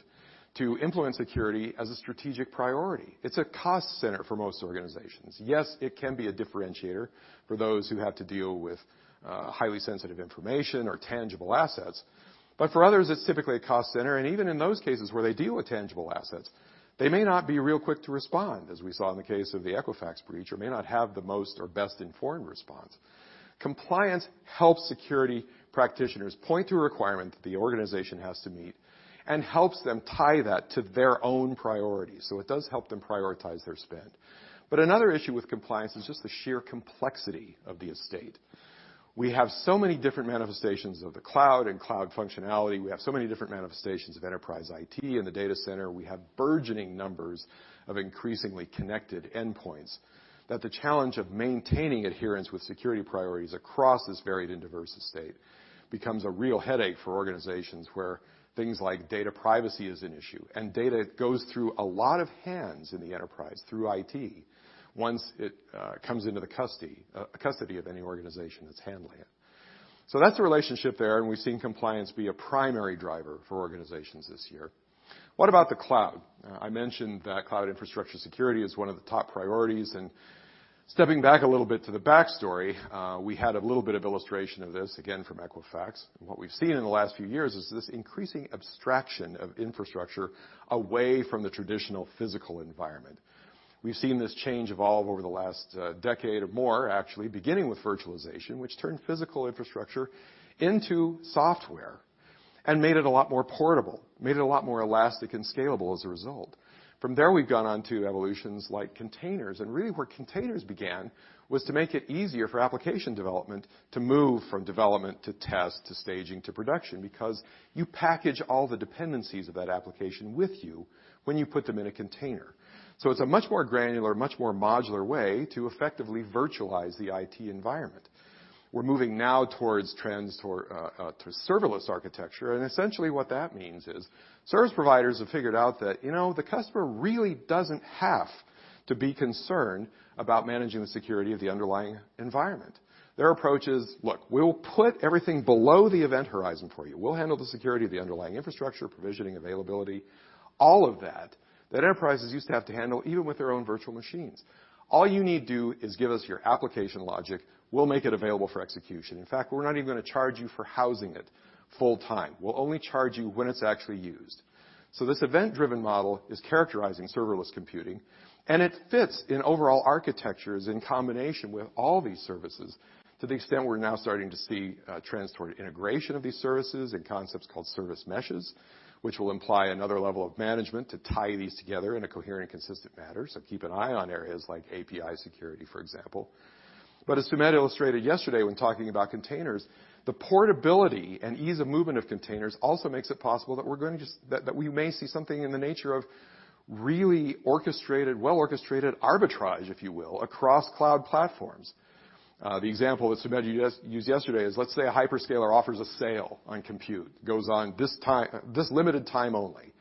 to influence security as a strategic priority. It's a cost center for most organizations. Yes, it can be a differentiator for those who have to deal with highly sensitive information or tangible assets. For others, it's typically a cost center, and even in those cases where they deal with tangible assets, they may not be real quick to respond, as we saw in the case of the Equifax breach, or may not have the most or best informed response. Compliance helps security practitioners point to a requirement that the organization has to meet and helps them tie that to their own priorities. It does help them prioritize their spend. Another issue with compliance is just the sheer complexity of the estate. We have so many different manifestations of the cloud and cloud functionality. We have so many different manifestations of enterprise IT in the data center. We have burgeoning numbers of increasingly connected endpoints. That the challenge of maintaining adherence with security priorities across this varied and diverse estate becomes a real headache for organizations where things like data privacy is an issue, and data goes through a lot of hands in the enterprise, through IT, once it comes into the custody of any organization that's handling it. That's the relationship there, and we've seen compliance be a primary driver for organizations this year. What about the cloud? I mentioned that cloud infrastructure security is one of the top priorities, and stepping back a little bit to the backstory, we had a little bit of illustration of this, again, from Equifax. What we've seen in the last few years is this increasing abstraction of infrastructure away from the traditional physical environment. We've seen this change evolve over the last decade or more, actually, beginning with virtualization, which turned physical infrastructure into software and made it a lot more portable, made it a lot more elastic and scalable as a result. From there, we've gone on to evolutions like containers. Really where containers began was to make it easier for application development to move from development to test, to staging, to production, because you package all the dependencies of that application with you when you put them in a container. It's a much more granular, much more modular way to effectively virtualize the IT environment. We're moving now towards trends to serverless architecture. Essentially what that means is service providers have figured out that the customer really doesn't have to be concerned about managing the security of the underlying environment. Their approach is, look, we'll put everything below the event horizon for you. We'll handle the security of the underlying infrastructure, provisioning, availability, all of that enterprises used to have to handle, even with their own virtual machines. All you need do is give us your application logic. We'll make it available for execution. In fact, we're not even going to charge you for housing it full time. We'll only charge you when it's actually used. This event-driven model is characterizing serverless computing, and it fits in overall architectures in combination with all these services, to the extent we're now starting to see trends toward integration of these services and concepts called service meshes, which will imply another level of management to tie these together in a coherent and consistent manner. Keep an eye on areas like API security, for example. As Sumedh illustrated yesterday when talking about containers, the portability and ease of movement of containers also makes it possible that we may see something in the nature of really well-orchestrated arbitrage, if you will, across cloud platforms. The example that Sumedh used yesterday is, let's say a hyperscaler offers a sale on compute. Goes on this limited time only.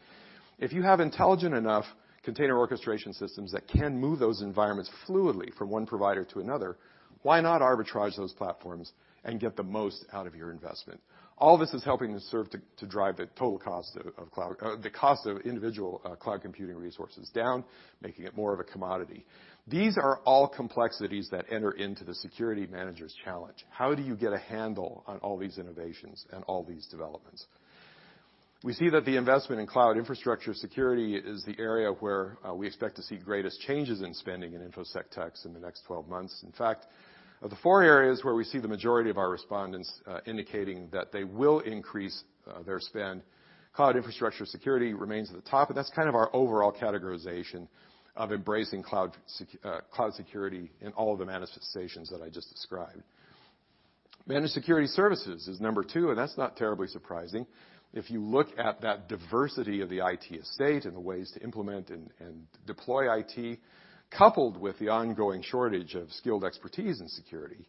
If you have intelligent enough container orchestration systems that can move those environments fluidly from one provider to another, why not arbitrage those platforms and get the most out of your investment? This is helping to serve to drive the cost of individual cloud computing resources down, making it more of a commodity. These are all complexities that enter into the security manager's challenge. How do you get a handle on all these innovations and all these developments? We see that the investment in cloud infrastructure security is the area where we expect to see greatest changes in spending in InfoSec techs in the next 12 months. In fact, of the four areas where we see the majority of our respondents indicating that they will increase their spend, cloud infrastructure security remains at the top, and that's kind of our overall categorization of embracing cloud security in all of the manifestations that I just described. Managed security services is number two, and that's not terribly surprising. If you look at that diversity of the IT estate and the ways to implement and deploy IT, coupled with the ongoing shortage of skilled expertise in security.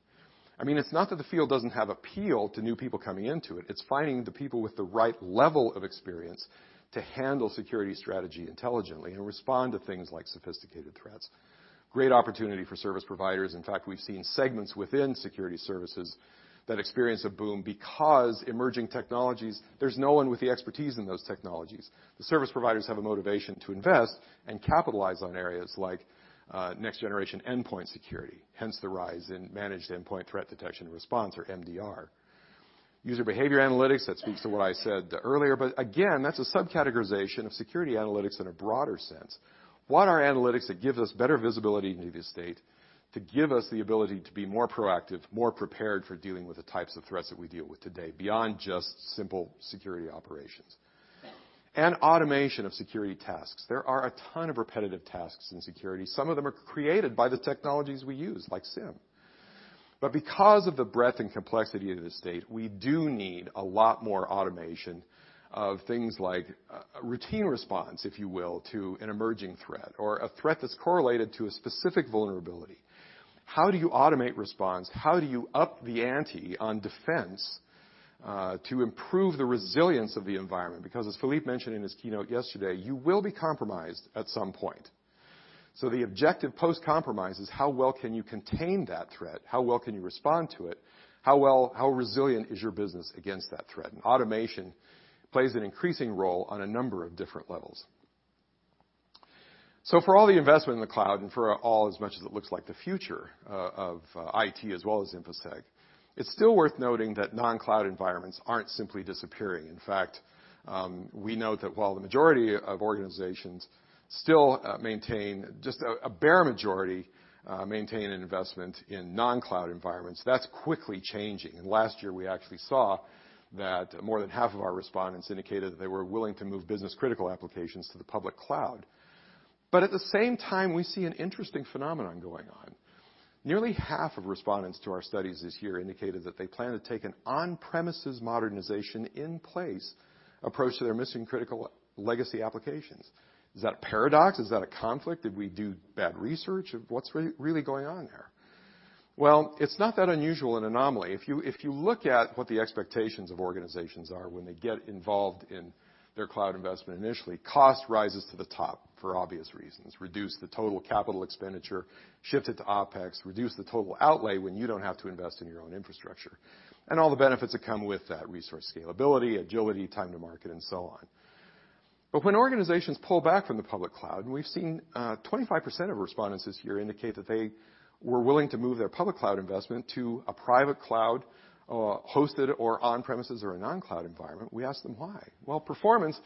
It's not that the field doesn't have appeal to new people coming into it. It's finding the people with the right level of experience to handle security strategy intelligently and respond to things like sophisticated threats. Great opportunity for service providers. In fact, we've seen segments within security services that experience a boom because emerging technologies, there's no one with the expertise in those technologies. The service providers have a motivation to invest and capitalize on areas like next generation endpoint security, hence the rise in managed endpoint threat detection and response, or MDR. User behavior analytics, that speaks to what I said earlier, but again, that's a sub-categorization of security analytics in a broader sense. What are analytics that gives us better visibility into the estate to give us the ability to be more proactive, more prepared for dealing with the types of threats that we deal with today, beyond just simple security operations? Automation of security tasks. There are a ton of repetitive tasks in security. Some of them are created by the technologies we use, like SIEM. Because of the breadth and complexity of the estate, we do need a lot more automation of things like a routine response, if you will, to an emerging threat or a threat that's correlated to a specific vulnerability. How do you automate response? How do you up the ante on defense to improve the resilience of the environment? Because as Philippe mentioned in his keynote yesterday, you will be compromised at some point. The objective post compromise is how well can you contain that threat? How well can you respond to it? How resilient is your business against that threat? Automation plays an increasing role on a number of different levels. For all the investment in the cloud and for all as much as it looks like the future of IT as well as InfoSec, it's still worth noting that non-cloud environments aren't simply disappearing. In fact, we note that while the majority of organizations still maintain, just a bare majority, maintain an investment in non-cloud environments, that's quickly changing. Last year, we actually saw that more than half of our respondents indicated that they were willing to move business-critical applications to the public cloud. At the same time, we see an interesting phenomenon going on. Nearly half of respondents to our studies this year indicated that they plan to take an on-premises modernization in place approach to their missing-critical legacy applications. Is that a paradox? Is that a conflict? Did we do bad research? What's really going on there? It's not that unusual an anomaly. If you look at what the expectations of organizations are when they get involved in their cloud investment initially, cost rises to the top for obvious reasons. Reduce the total capital expenditure, shift it to OpEx, reduce the total outlay when you don't have to invest in your own infrastructure, and all the benefits that come with that resource, scalability, agility, time to market, and so on. When organizations pull back from the public cloud, and we've seen 25% of respondents this year indicate that they were willing to move their public cloud investment to a private cloud, hosted or on-premises or a non-cloud environment, we ask them why. Performance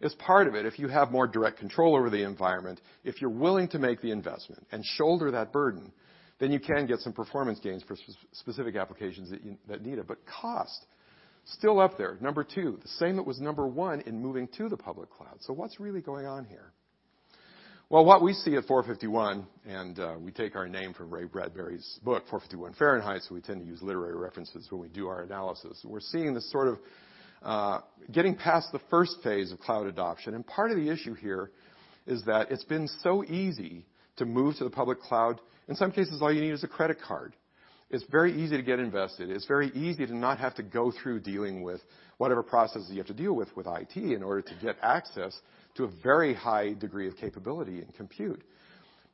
is part of it. If you have more direct control over the environment, if you're willing to make the investment and shoulder that burden, then you can get some performance gains for specific applications that need it. Cost, still up there. Number two, the same that was number one in moving to the public cloud. What's really going on here? What we see at 451 Research, and we take our name from Ray Bradbury's book "Fahrenheit 451," we tend to use literary references when we do our analysis. We're seeing this sort of getting past the first phase of cloud adoption, and part of the issue here is that it's been so easy to move to the public cloud. In some cases, all you need is a credit card. It's very easy to get invested. It's very easy to not have to go through dealing with whatever processes you have to deal with IT in order to get access to a very high degree of capability and compute.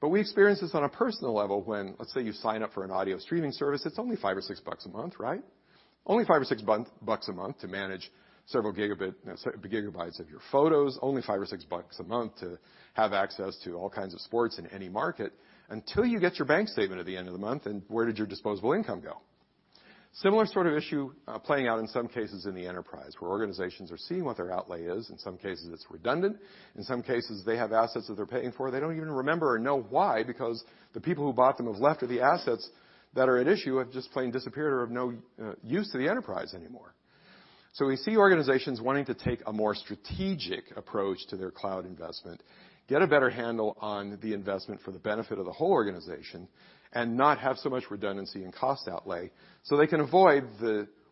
We experience this on a personal level when, let's say, you sign up for an audio streaming service, it's only $5 or $6 a month, right? Only $5 or $6 a month to manage several gigabytes of your photos. Only $5 or $6 a month to have access to all kinds of sports in any market, until you get your bank statement at the end of the month, and where did your disposable income go? Similar sort of issue playing out in some cases in the enterprise, where organizations are seeing what their outlay is. In some cases, it's redundant. In some cases, they have assets that they're paying for, they don't even remember or know why, because the people who bought them have left, or the assets that are at issue have just plain disappeared or are of no use to the enterprise anymore. We see organizations wanting to take a more strategic approach to their cloud investment, get a better handle on the investment for the benefit of the whole organization, and not have so much redundancy and cost outlay so they can avoid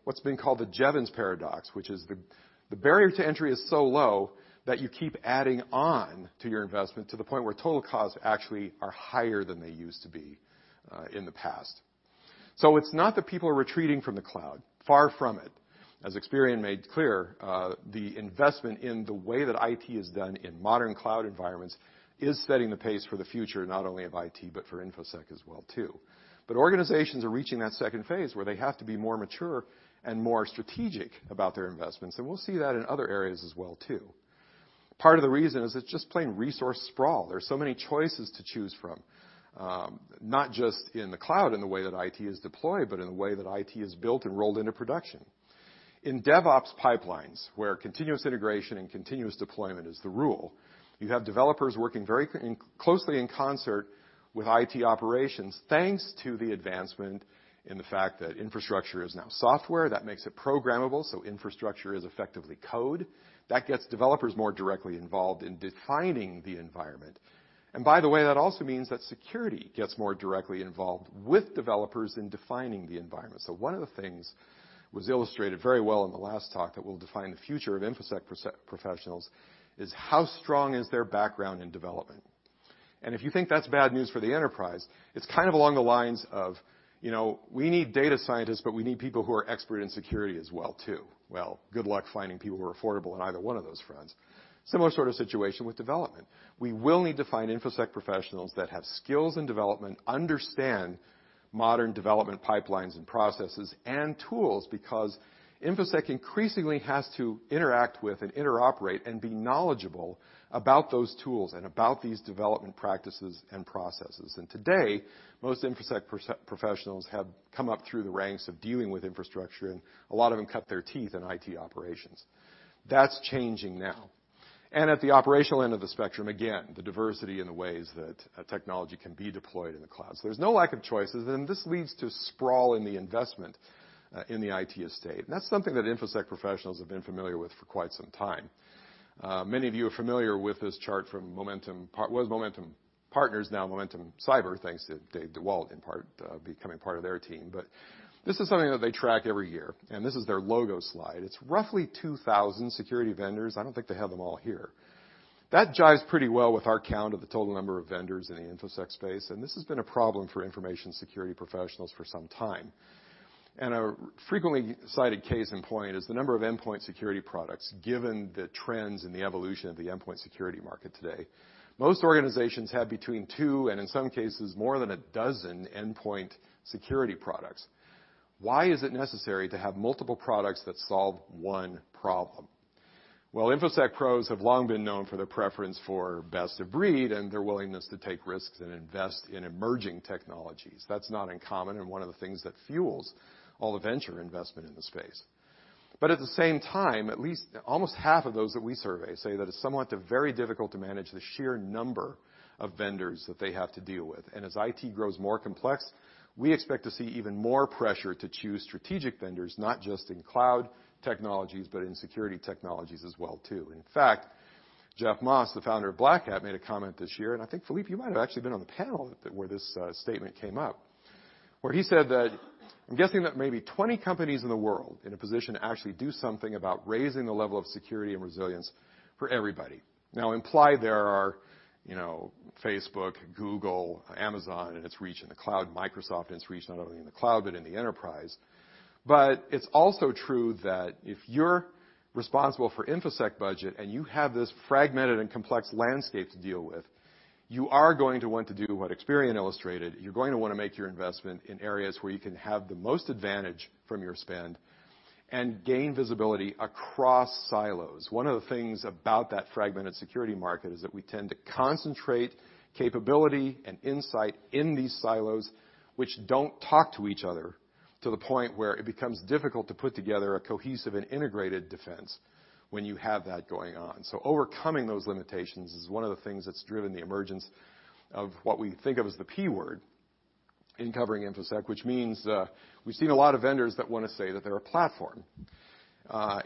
what's been called the Jevons paradox. Which is the barrier to entry is so low that you keep adding on to your investment to the point where total costs actually are higher than they used to be in the past. It's not that people are retreating from the cloud. Far from it. As Experian made clear, the investment in the way that IT is done in modern cloud environments is setting the pace for the future not only of IT, but for InfoSec as well too. Organizations are reaching that second phase where they have to be more mature and more strategic about their investments, and we'll see that in other areas as well too. Part of the reason is it's just plain resource sprawl. There's so many choices to choose from. Not just in the cloud in the way that IT is deployed, but in the way that IT is built and rolled into production. In DevOps pipelines, where continuous integration and continuous deployment is the rule, you have developers working very closely in concert with IT operations, thanks to the advancement in the fact that infrastructure is now software. That makes it programmable, so infrastructure is effectively code. That gets developers more directly involved in defining the environment. By the way, that also means that security gets more directly involved with developers in defining the environment. One of the things was illustrated very well in the last talk that will define the future of InfoSec professionals is how strong is their background in development. If you think that's bad news for the enterprise, it's kind of along the lines of, we need data scientists, but we need people who are expert in security as well too. Well, good luck finding people who are affordable in either one of those fronts. Similar sort of situation with development. We will need to find InfoSec professionals that have skills in development, understand modern development pipelines and processes and tools, because InfoSec increasingly has to interact with and interoperate and be knowledgeable about those tools and about these development practices and processes. Today, most InfoSec professionals have come up through the ranks of dealing with infrastructure, and a lot of them cut their teeth in IT operations. That's changing now. At the operational end of the spectrum, again, the diversity in the ways that technology can be deployed in the cloud. There's no lack of choices, and this leads to sprawl in the investment, in the IT estate. That's something that InfoSec professionals have been familiar with for quite some time. Many of you are familiar with this chart from what was Momentum Partners, now Momentum Cyber, thanks to Dave DeWalt, in part, becoming part of their team. This is something that they track every year. This is their logo slide. It's roughly 2,000 security vendors. I don't think they have them all here. That jives pretty well with our count of the total number of vendors in the InfoSec space, this has been a problem for information security professionals for some time. A frequently cited case in point is the number of endpoint security products, given the trends and the evolution of the endpoint security market today. Most organizations have between two and, in some cases, more than a dozen endpoint security products. Why is it necessary to have multiple products that solve one problem? Well, InfoSec pros have long been known for their preference for best of breed and their willingness to take risks and invest in emerging technologies. That's not uncommon, and one of the things that fuels all the venture investment in the space. At the same time, at least almost half of those that we survey say that it's somewhat to very difficult to manage the sheer number of vendors that they have to deal with. As IT grows more complex, we expect to see even more pressure to choose strategic vendors, not just in cloud technologies but in security technologies as well too. In fact, Jeff Moss, the founder of Black Hat, made a comment this year, and I think, Philippe, you might have actually been on the panel where this statement came up. Where he said that, "I'm guessing that maybe 20 companies in the world are in a position to actually do something about raising the level of security and resilience for everybody." Now implied there are Facebook, Google, Amazon, and its reach in the cloud. Microsoft and its reach not only in the cloud but in the enterprise. It's also true that if you're responsible for InfoSec budget and you have this fragmented and complex landscape to deal with, you are going to want to do what Experian illustrated. You're going to want to make your investment in areas where you can have the most advantage from your spend and gain visibility across silos. One of the things about that fragmented security market is that we tend to concentrate capability and insight in these silos, which don't talk to each other to the point where it becomes difficult to put together a cohesive and integrated defense when you have that going on. Overcoming those limitations is one of the things that's driven the emergence of what we think of as the P word in covering InfoSec, which means we've seen a lot of vendors that want to say that they're a platform.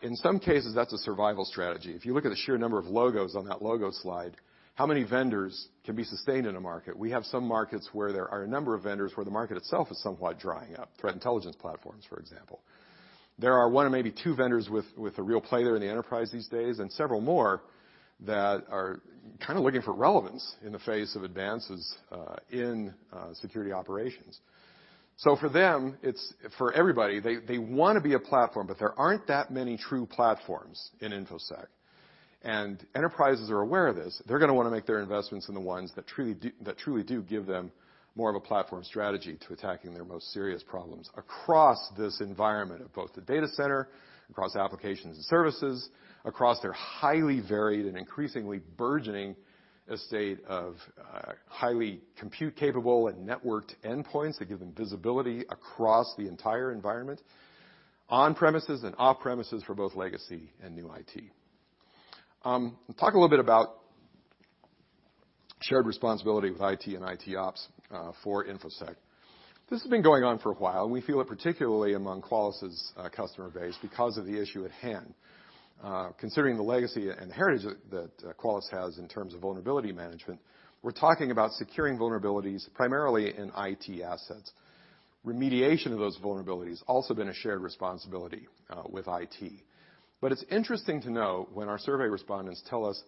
In some cases, that's a survival strategy. If you look at the sheer number of logos on that logo slide, how many vendors can be sustained in a market? We have some markets where there are a number of vendors where the market itself is somewhat drying up. Threat intelligence platforms, for example. There are one or maybe two vendors with a real play there in the enterprise these days, and several more that are kind of looking for relevance in the face of advances in security operations. For them, for everybody, they want to be a platform, but there aren't that many true platforms in InfoSec. And enterprises are aware of this. They're going to want to make their investments in the ones that truly do give them more of a platform strategy to attacking their most serious problems across this environment of both the data center, across applications and services, across their highly varied and increasingly burgeoning estate of highly compute-capable and networked endpoints that give them visibility across the entire environment, on-premises and off-premises for both legacy and new IT. Talk a little bit about shared responsibility with IT and IT ops for InfoSec. This has been going on for a while. We feel it particularly among Qualys' customer base because of the issue at hand. Considering the legacy and heritage that Qualys has in terms of vulnerability management, we're talking about securing vulnerabilities primarily in IT assets. Remediation of those vulnerabilities also been a shared responsibility with IT. It's interesting to know when our survey respondents tell us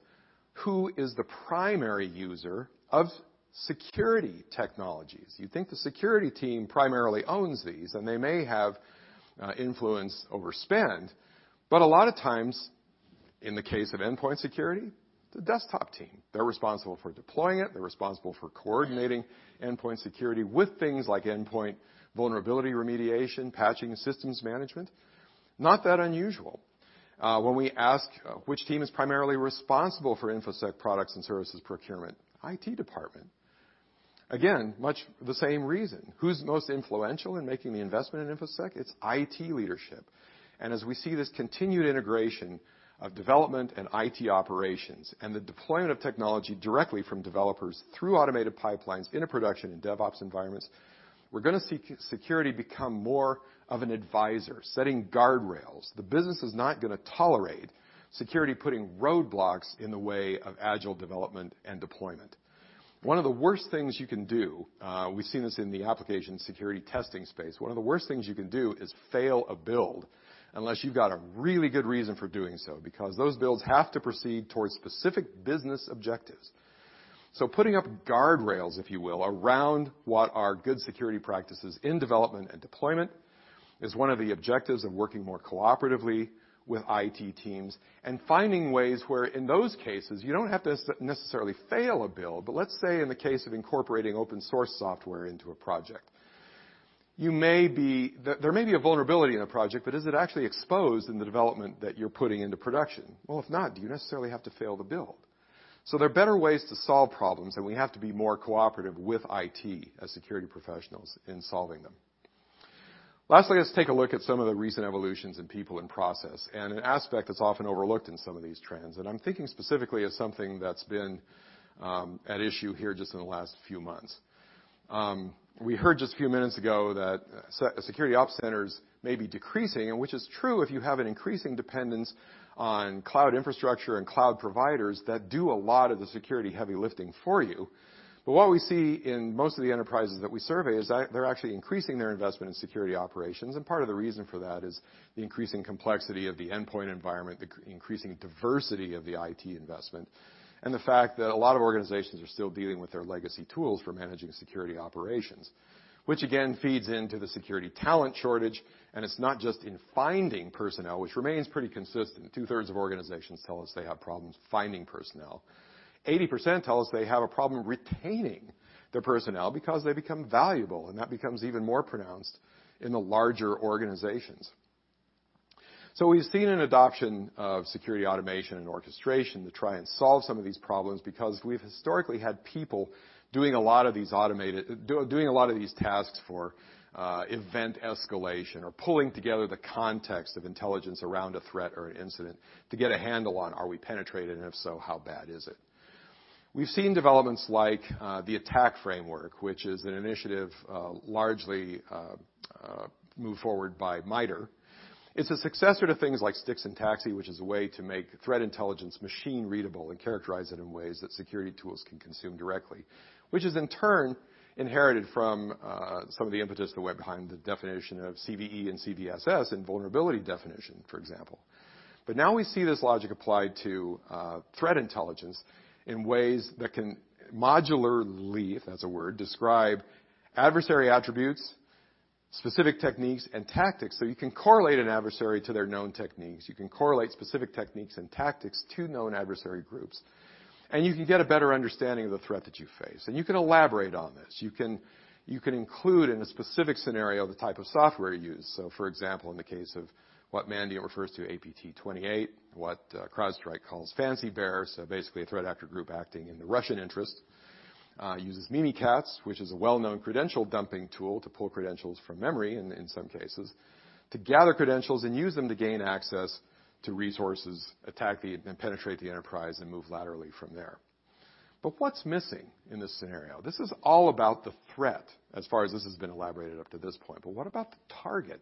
who is the primary user of security technologies. You'd think the security team primarily owns these, and they may have influence over spend, but a lot of times, in the case of endpoint security, the desktop team. They're responsible for deploying it. They're responsible for coordinating endpoint security with things like endpoint vulnerability remediation, patching, and systems management. Not that unusual. When we ask which team is primarily responsible for InfoSec products and services procurement, IT department. Again, much the same reason. Who's most influential in making the investment in InfoSec? It's IT leadership. As we see this continued integration of development and IT operations and the deployment of technology directly from developers through automated pipelines into production in DevOps environments, we're going to see security become more of an advisor, setting guardrails. The business is not going to tolerate security putting roadblocks in the way of agile development and deployment. One of the worst things you can do, we've seen this in the application security testing space, one of the worst things you can do is fail a build unless you've got a really good reason for doing so, because those builds have to proceed towards specific business objectives. Putting up guardrails, if you will, around what are good security practices in development and deployment is one of the objectives of working more cooperatively with IT teams and finding ways where, in those cases, you don't have to necessarily fail a build. Let's say in the case of incorporating open source software into a project. There may be a vulnerability in a project, but is it actually exposed in the development that you're putting into production? Well, if not, do you necessarily have to fail the build? There are better ways to solve problems, and we have to be more cooperative with IT as security professionals in solving them. Lastly, let's take a look at some of the recent evolutions in people and process, and an aspect that's often overlooked in some of these trends. I'm thinking specifically of something that's been at issue here just in the last few months. We heard just a few minutes ago that security op centers may be decreasing, which is true if you have an increasing dependence on cloud infrastructure and cloud providers that do a lot of the security heavy lifting for you. What we see in most of the enterprises that we survey is that they're actually increasing their investment in security operations. Part of the reason for that is the increasing complexity of the endpoint environment, the increasing diversity of the IT investment, and the fact that a lot of organizations are still dealing with their legacy tools for managing security operations, which again feeds into the security talent shortage. It's not just in finding personnel, which remains pretty consistent. Two-thirds of organizations tell us they have problems finding personnel. 80% tell us they have a problem retaining their personnel because they become valuable, and that becomes even more pronounced in the larger organizations. We've seen an adoption of security automation and orchestration to try and solve some of these problems because we've historically had people doing a lot of these tasks for event escalation or pulling together the context of intelligence around a threat or an incident to get a handle on are we penetrated, and if so, how bad is it? We've seen developments like the ATT&CK framework, which is an initiative largely moved forward by MITRE. It's a successor to things like STIX and TAXII, which is a way to make threat intelligence machine-readable and characterize it in ways that security tools can consume directly, which is in turn inherited from some of the impetus, the way behind the definition of CVE and CVSS and vulnerability definition, for example. Now we see this logic applied to threat intelligence in ways that can modularly, if that's a word, describe adversary attributes, specific techniques, and tactics, so you can correlate an adversary to their known techniques. You can correlate specific techniques and tactics to known adversary groups. You can get a better understanding of the threat that you face. You can elaborate on this. You can include in a specific scenario the type of software you use. For example, in the case of what Mandiant refers to APT28, what CrowdStrike calls Fancy Bear, basically a threat actor group acting in the Russian interest, uses Mimikatz, which is a well-known credential dumping tool to pull credentials from memory in some cases, to gather credentials and use them to gain access to resources, attack and penetrate the enterprise, and move laterally from there. What's missing in this scenario? This is all about the threat as far as this has been elaborated up to this point. What about the target?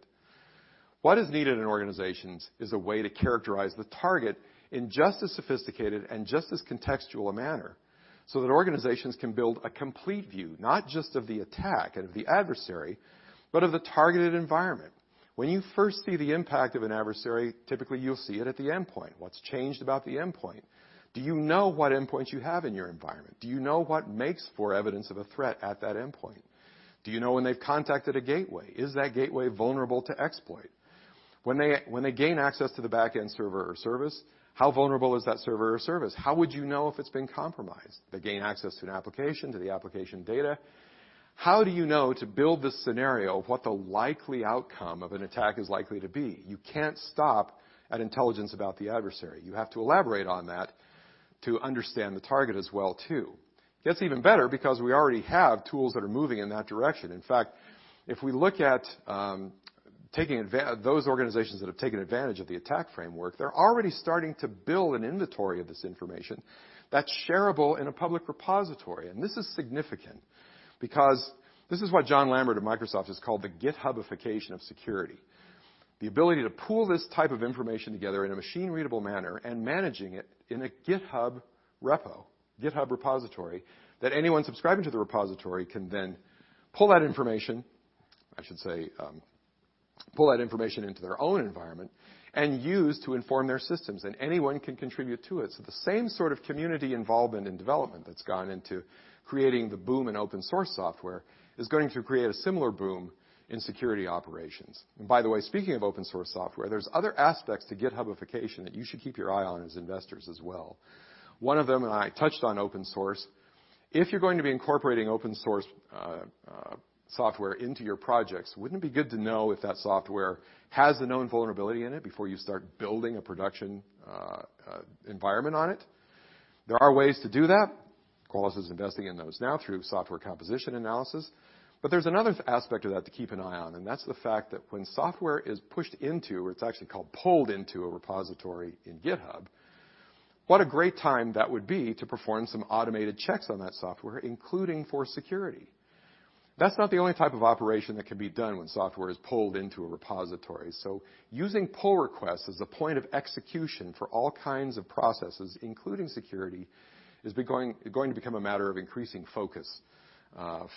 What is needed in organizations is a way to characterize the target in just as sophisticated and just as contextual a manner so that organizations can build a complete view, not just of the attack and of the adversary, but of the targeted environment. When you first see the impact of an adversary, typically, you'll see it at the endpoint. What's changed about the endpoint? Do you know what endpoints you have in your environment? Do you know what makes for evidence of a threat at that endpoint? Do you know when they've contacted a gateway? Is that gateway vulnerable to exploit? When they gain access to the back-end server or service, how vulnerable is that server or service? How would you know if it's been compromised? They gain access to an application, to the application data. How do you know to build the scenario of what the likely outcome of an attack is likely to be? You can't stop at intelligence about the adversary. You have to elaborate on that to understand the target as well, too. It gets even better because we already have tools that are moving in that direction. In fact, if we look at taking those organizations that have taken advantage of the ATT&CK framework, they're already starting to build an inventory of this information that's shareable in a public repository. This is significant because this is what John Lambert of Microsoft has called the Githubification of security. The ability to pool this type of information together in a machine-readable manner and managing it in a GitHub repo, GitHub repository, that anyone subscribing to the repository can then pull that information, I should say, pull that information into their own environment and use to inform their systems, and anyone can contribute to it. The same sort of community involvement and development that's gone into creating the boom in open source software is going to create a similar boom in security operations. By the way, speaking of open source software, there's other aspects to Githubification that you should keep your eye on as investors as well. One of them. I touched on open source. If you're going to be incorporating open source software into your projects, wouldn't it be good to know if that software has a known vulnerability in it before you start building a production environment on it? There are ways to do that. Qualys is investing in those now through software composition analysis. There's another aspect of that to keep an eye on, and that's the fact that when software is pushed into, or it's actually called pulled into a repository in GitHub, what a great time that would be to perform some automated checks on that software, including for security. That's not the only type of operation that can be done when software is pulled into a repository. Using pull requests as a point of execution for all kinds of processes, including security, is going to become a matter of increasing focus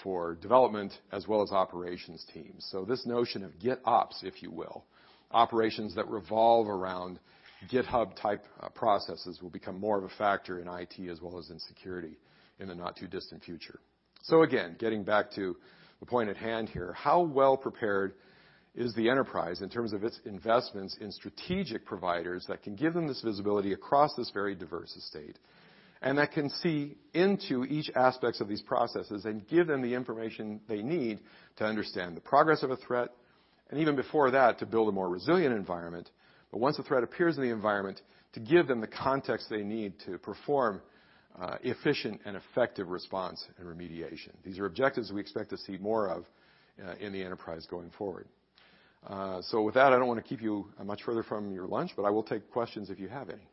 for development as well as operations teams. This notion of GitOps, if you will, operations that revolve around GitHub-type processes will become more of a factor in IT as well as in security in the not-too-distant future. Again, getting back to the point at hand here, how well prepared is the enterprise in terms of its investments in strategic providers that can give them this visibility across this very diverse estate, and that can see into each aspect of these processes and give them the information they need to understand the progress of a threat, and even before that, to build a more resilient environment, once a threat appears in the environment, to give them the context they need to perform efficient and effective response and remediation? These are objectives we expect to see more of in the enterprise going forward. With that, I don't want to keep you much further from your lunch, I will take questions if you have any.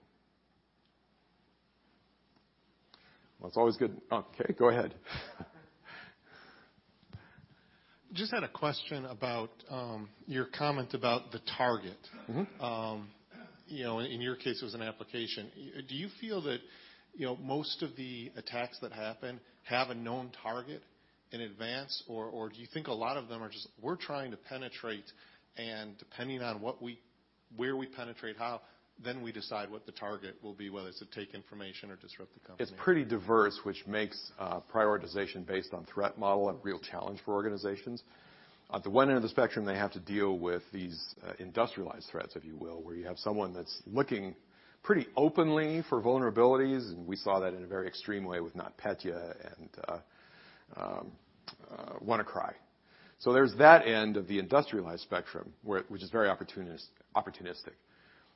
Well, it's always good. Okay, go ahead. Just had a question about your comment about the target. In your case, it was an application. Do you feel that most of the attacks that happen have a known target in advance, or do you think a lot of them are just we're trying to penetrate and depending on where we penetrate how, then we decide what the target will be, whether it's to take information or disrupt the company? It's pretty diverse, which makes prioritization based on threat model a real challenge for organizations. On the one end of the spectrum, they have to deal with these industrialized threats, if you will, where you have someone that's looking pretty openly for vulnerabilities, and we saw that in a very extreme way with NotPetya and WannaCry. There's that end of the industrialized spectrum, which is very opportunistic.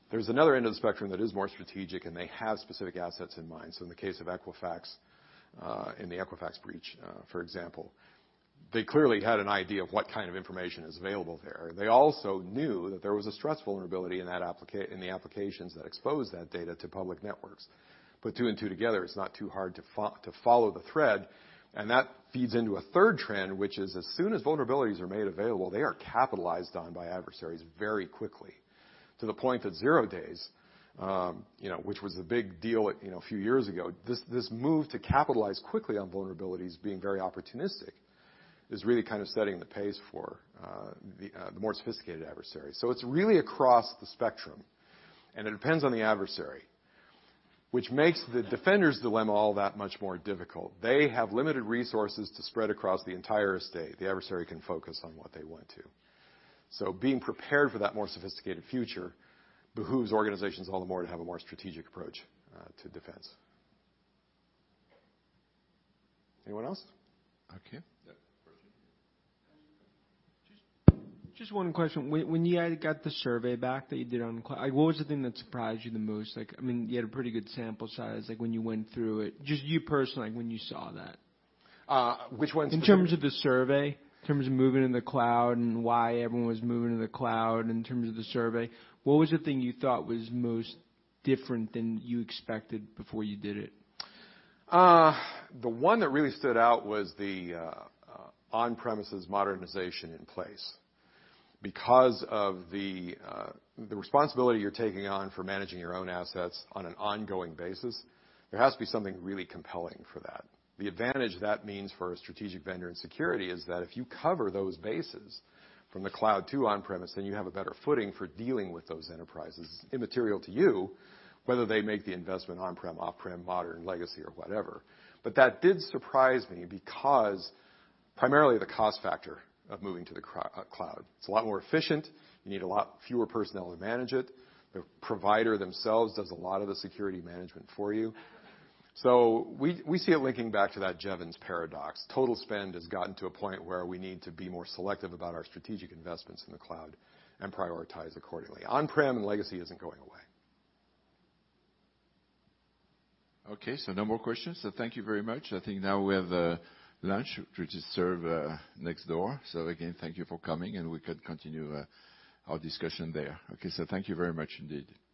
There's another end of the spectrum that is more strategic, and they have specific assets in mind. In the case of Equifax, in the Equifax breach, for example, they clearly had an idea of what kind of information is available there. They also knew that there was an Apache Struts vulnerability in the applications that exposed that data to public networks. Put two and two together, it's not too hard to follow the thread, and that feeds into a third trend, which is as soon as vulnerabilities are made available, they are capitalized on by adversaries very quickly, to the point that zero days, which was a big deal a few years ago. This move to capitalize quickly on vulnerabilities being very opportunistic is really setting the pace for the more sophisticated adversaries. It's really across the spectrum, and it depends on the adversary, which makes the defender's dilemma all that much more difficult. They have limited resources to spread across the entire estate. The adversary can focus on what they want to. Being prepared for that more sophisticated future behooves organizations all the more to have a more strategic approach to defense. Anyone else? Okay. Just one question. When you got the survey back that you did on cloud, what was the thing that surprised you the most? You had a pretty good sample size, when you went through it. Just you personally, when you saw that. Which ones? In terms of the survey, in terms of moving to the cloud, and why everyone was moving to the cloud in terms of the survey. What was the thing you thought was most different than you expected before you did it? The one that really stood out was the on-premises modernization in place. Because of the responsibility you're taking on for managing your own assets on an ongoing basis, there has to be something really compelling for that. The advantage that means for a strategic vendor in security is that if you cover those bases from the cloud to on-premise, then you have a better footing for dealing with those enterprises. Immaterial to you whether they make the investment on-prem, off-prem, modern, legacy, or whatever. That did surprise me because primarily the cost factor of moving to the cloud. It's a lot more efficient. You need a lot fewer personnel to manage it. The provider themselves does a lot of the security management for you. We see it linking back to that Jevons paradox. Total spend has gotten to a point where we need to be more selective about our strategic investments in the cloud and prioritize accordingly. On-prem and legacy isn't going away. No more questions. Thank you very much. I think now we have lunch, which is served next door. Again, thank you for coming, and we can continue our discussion there. Thank you very much indeed.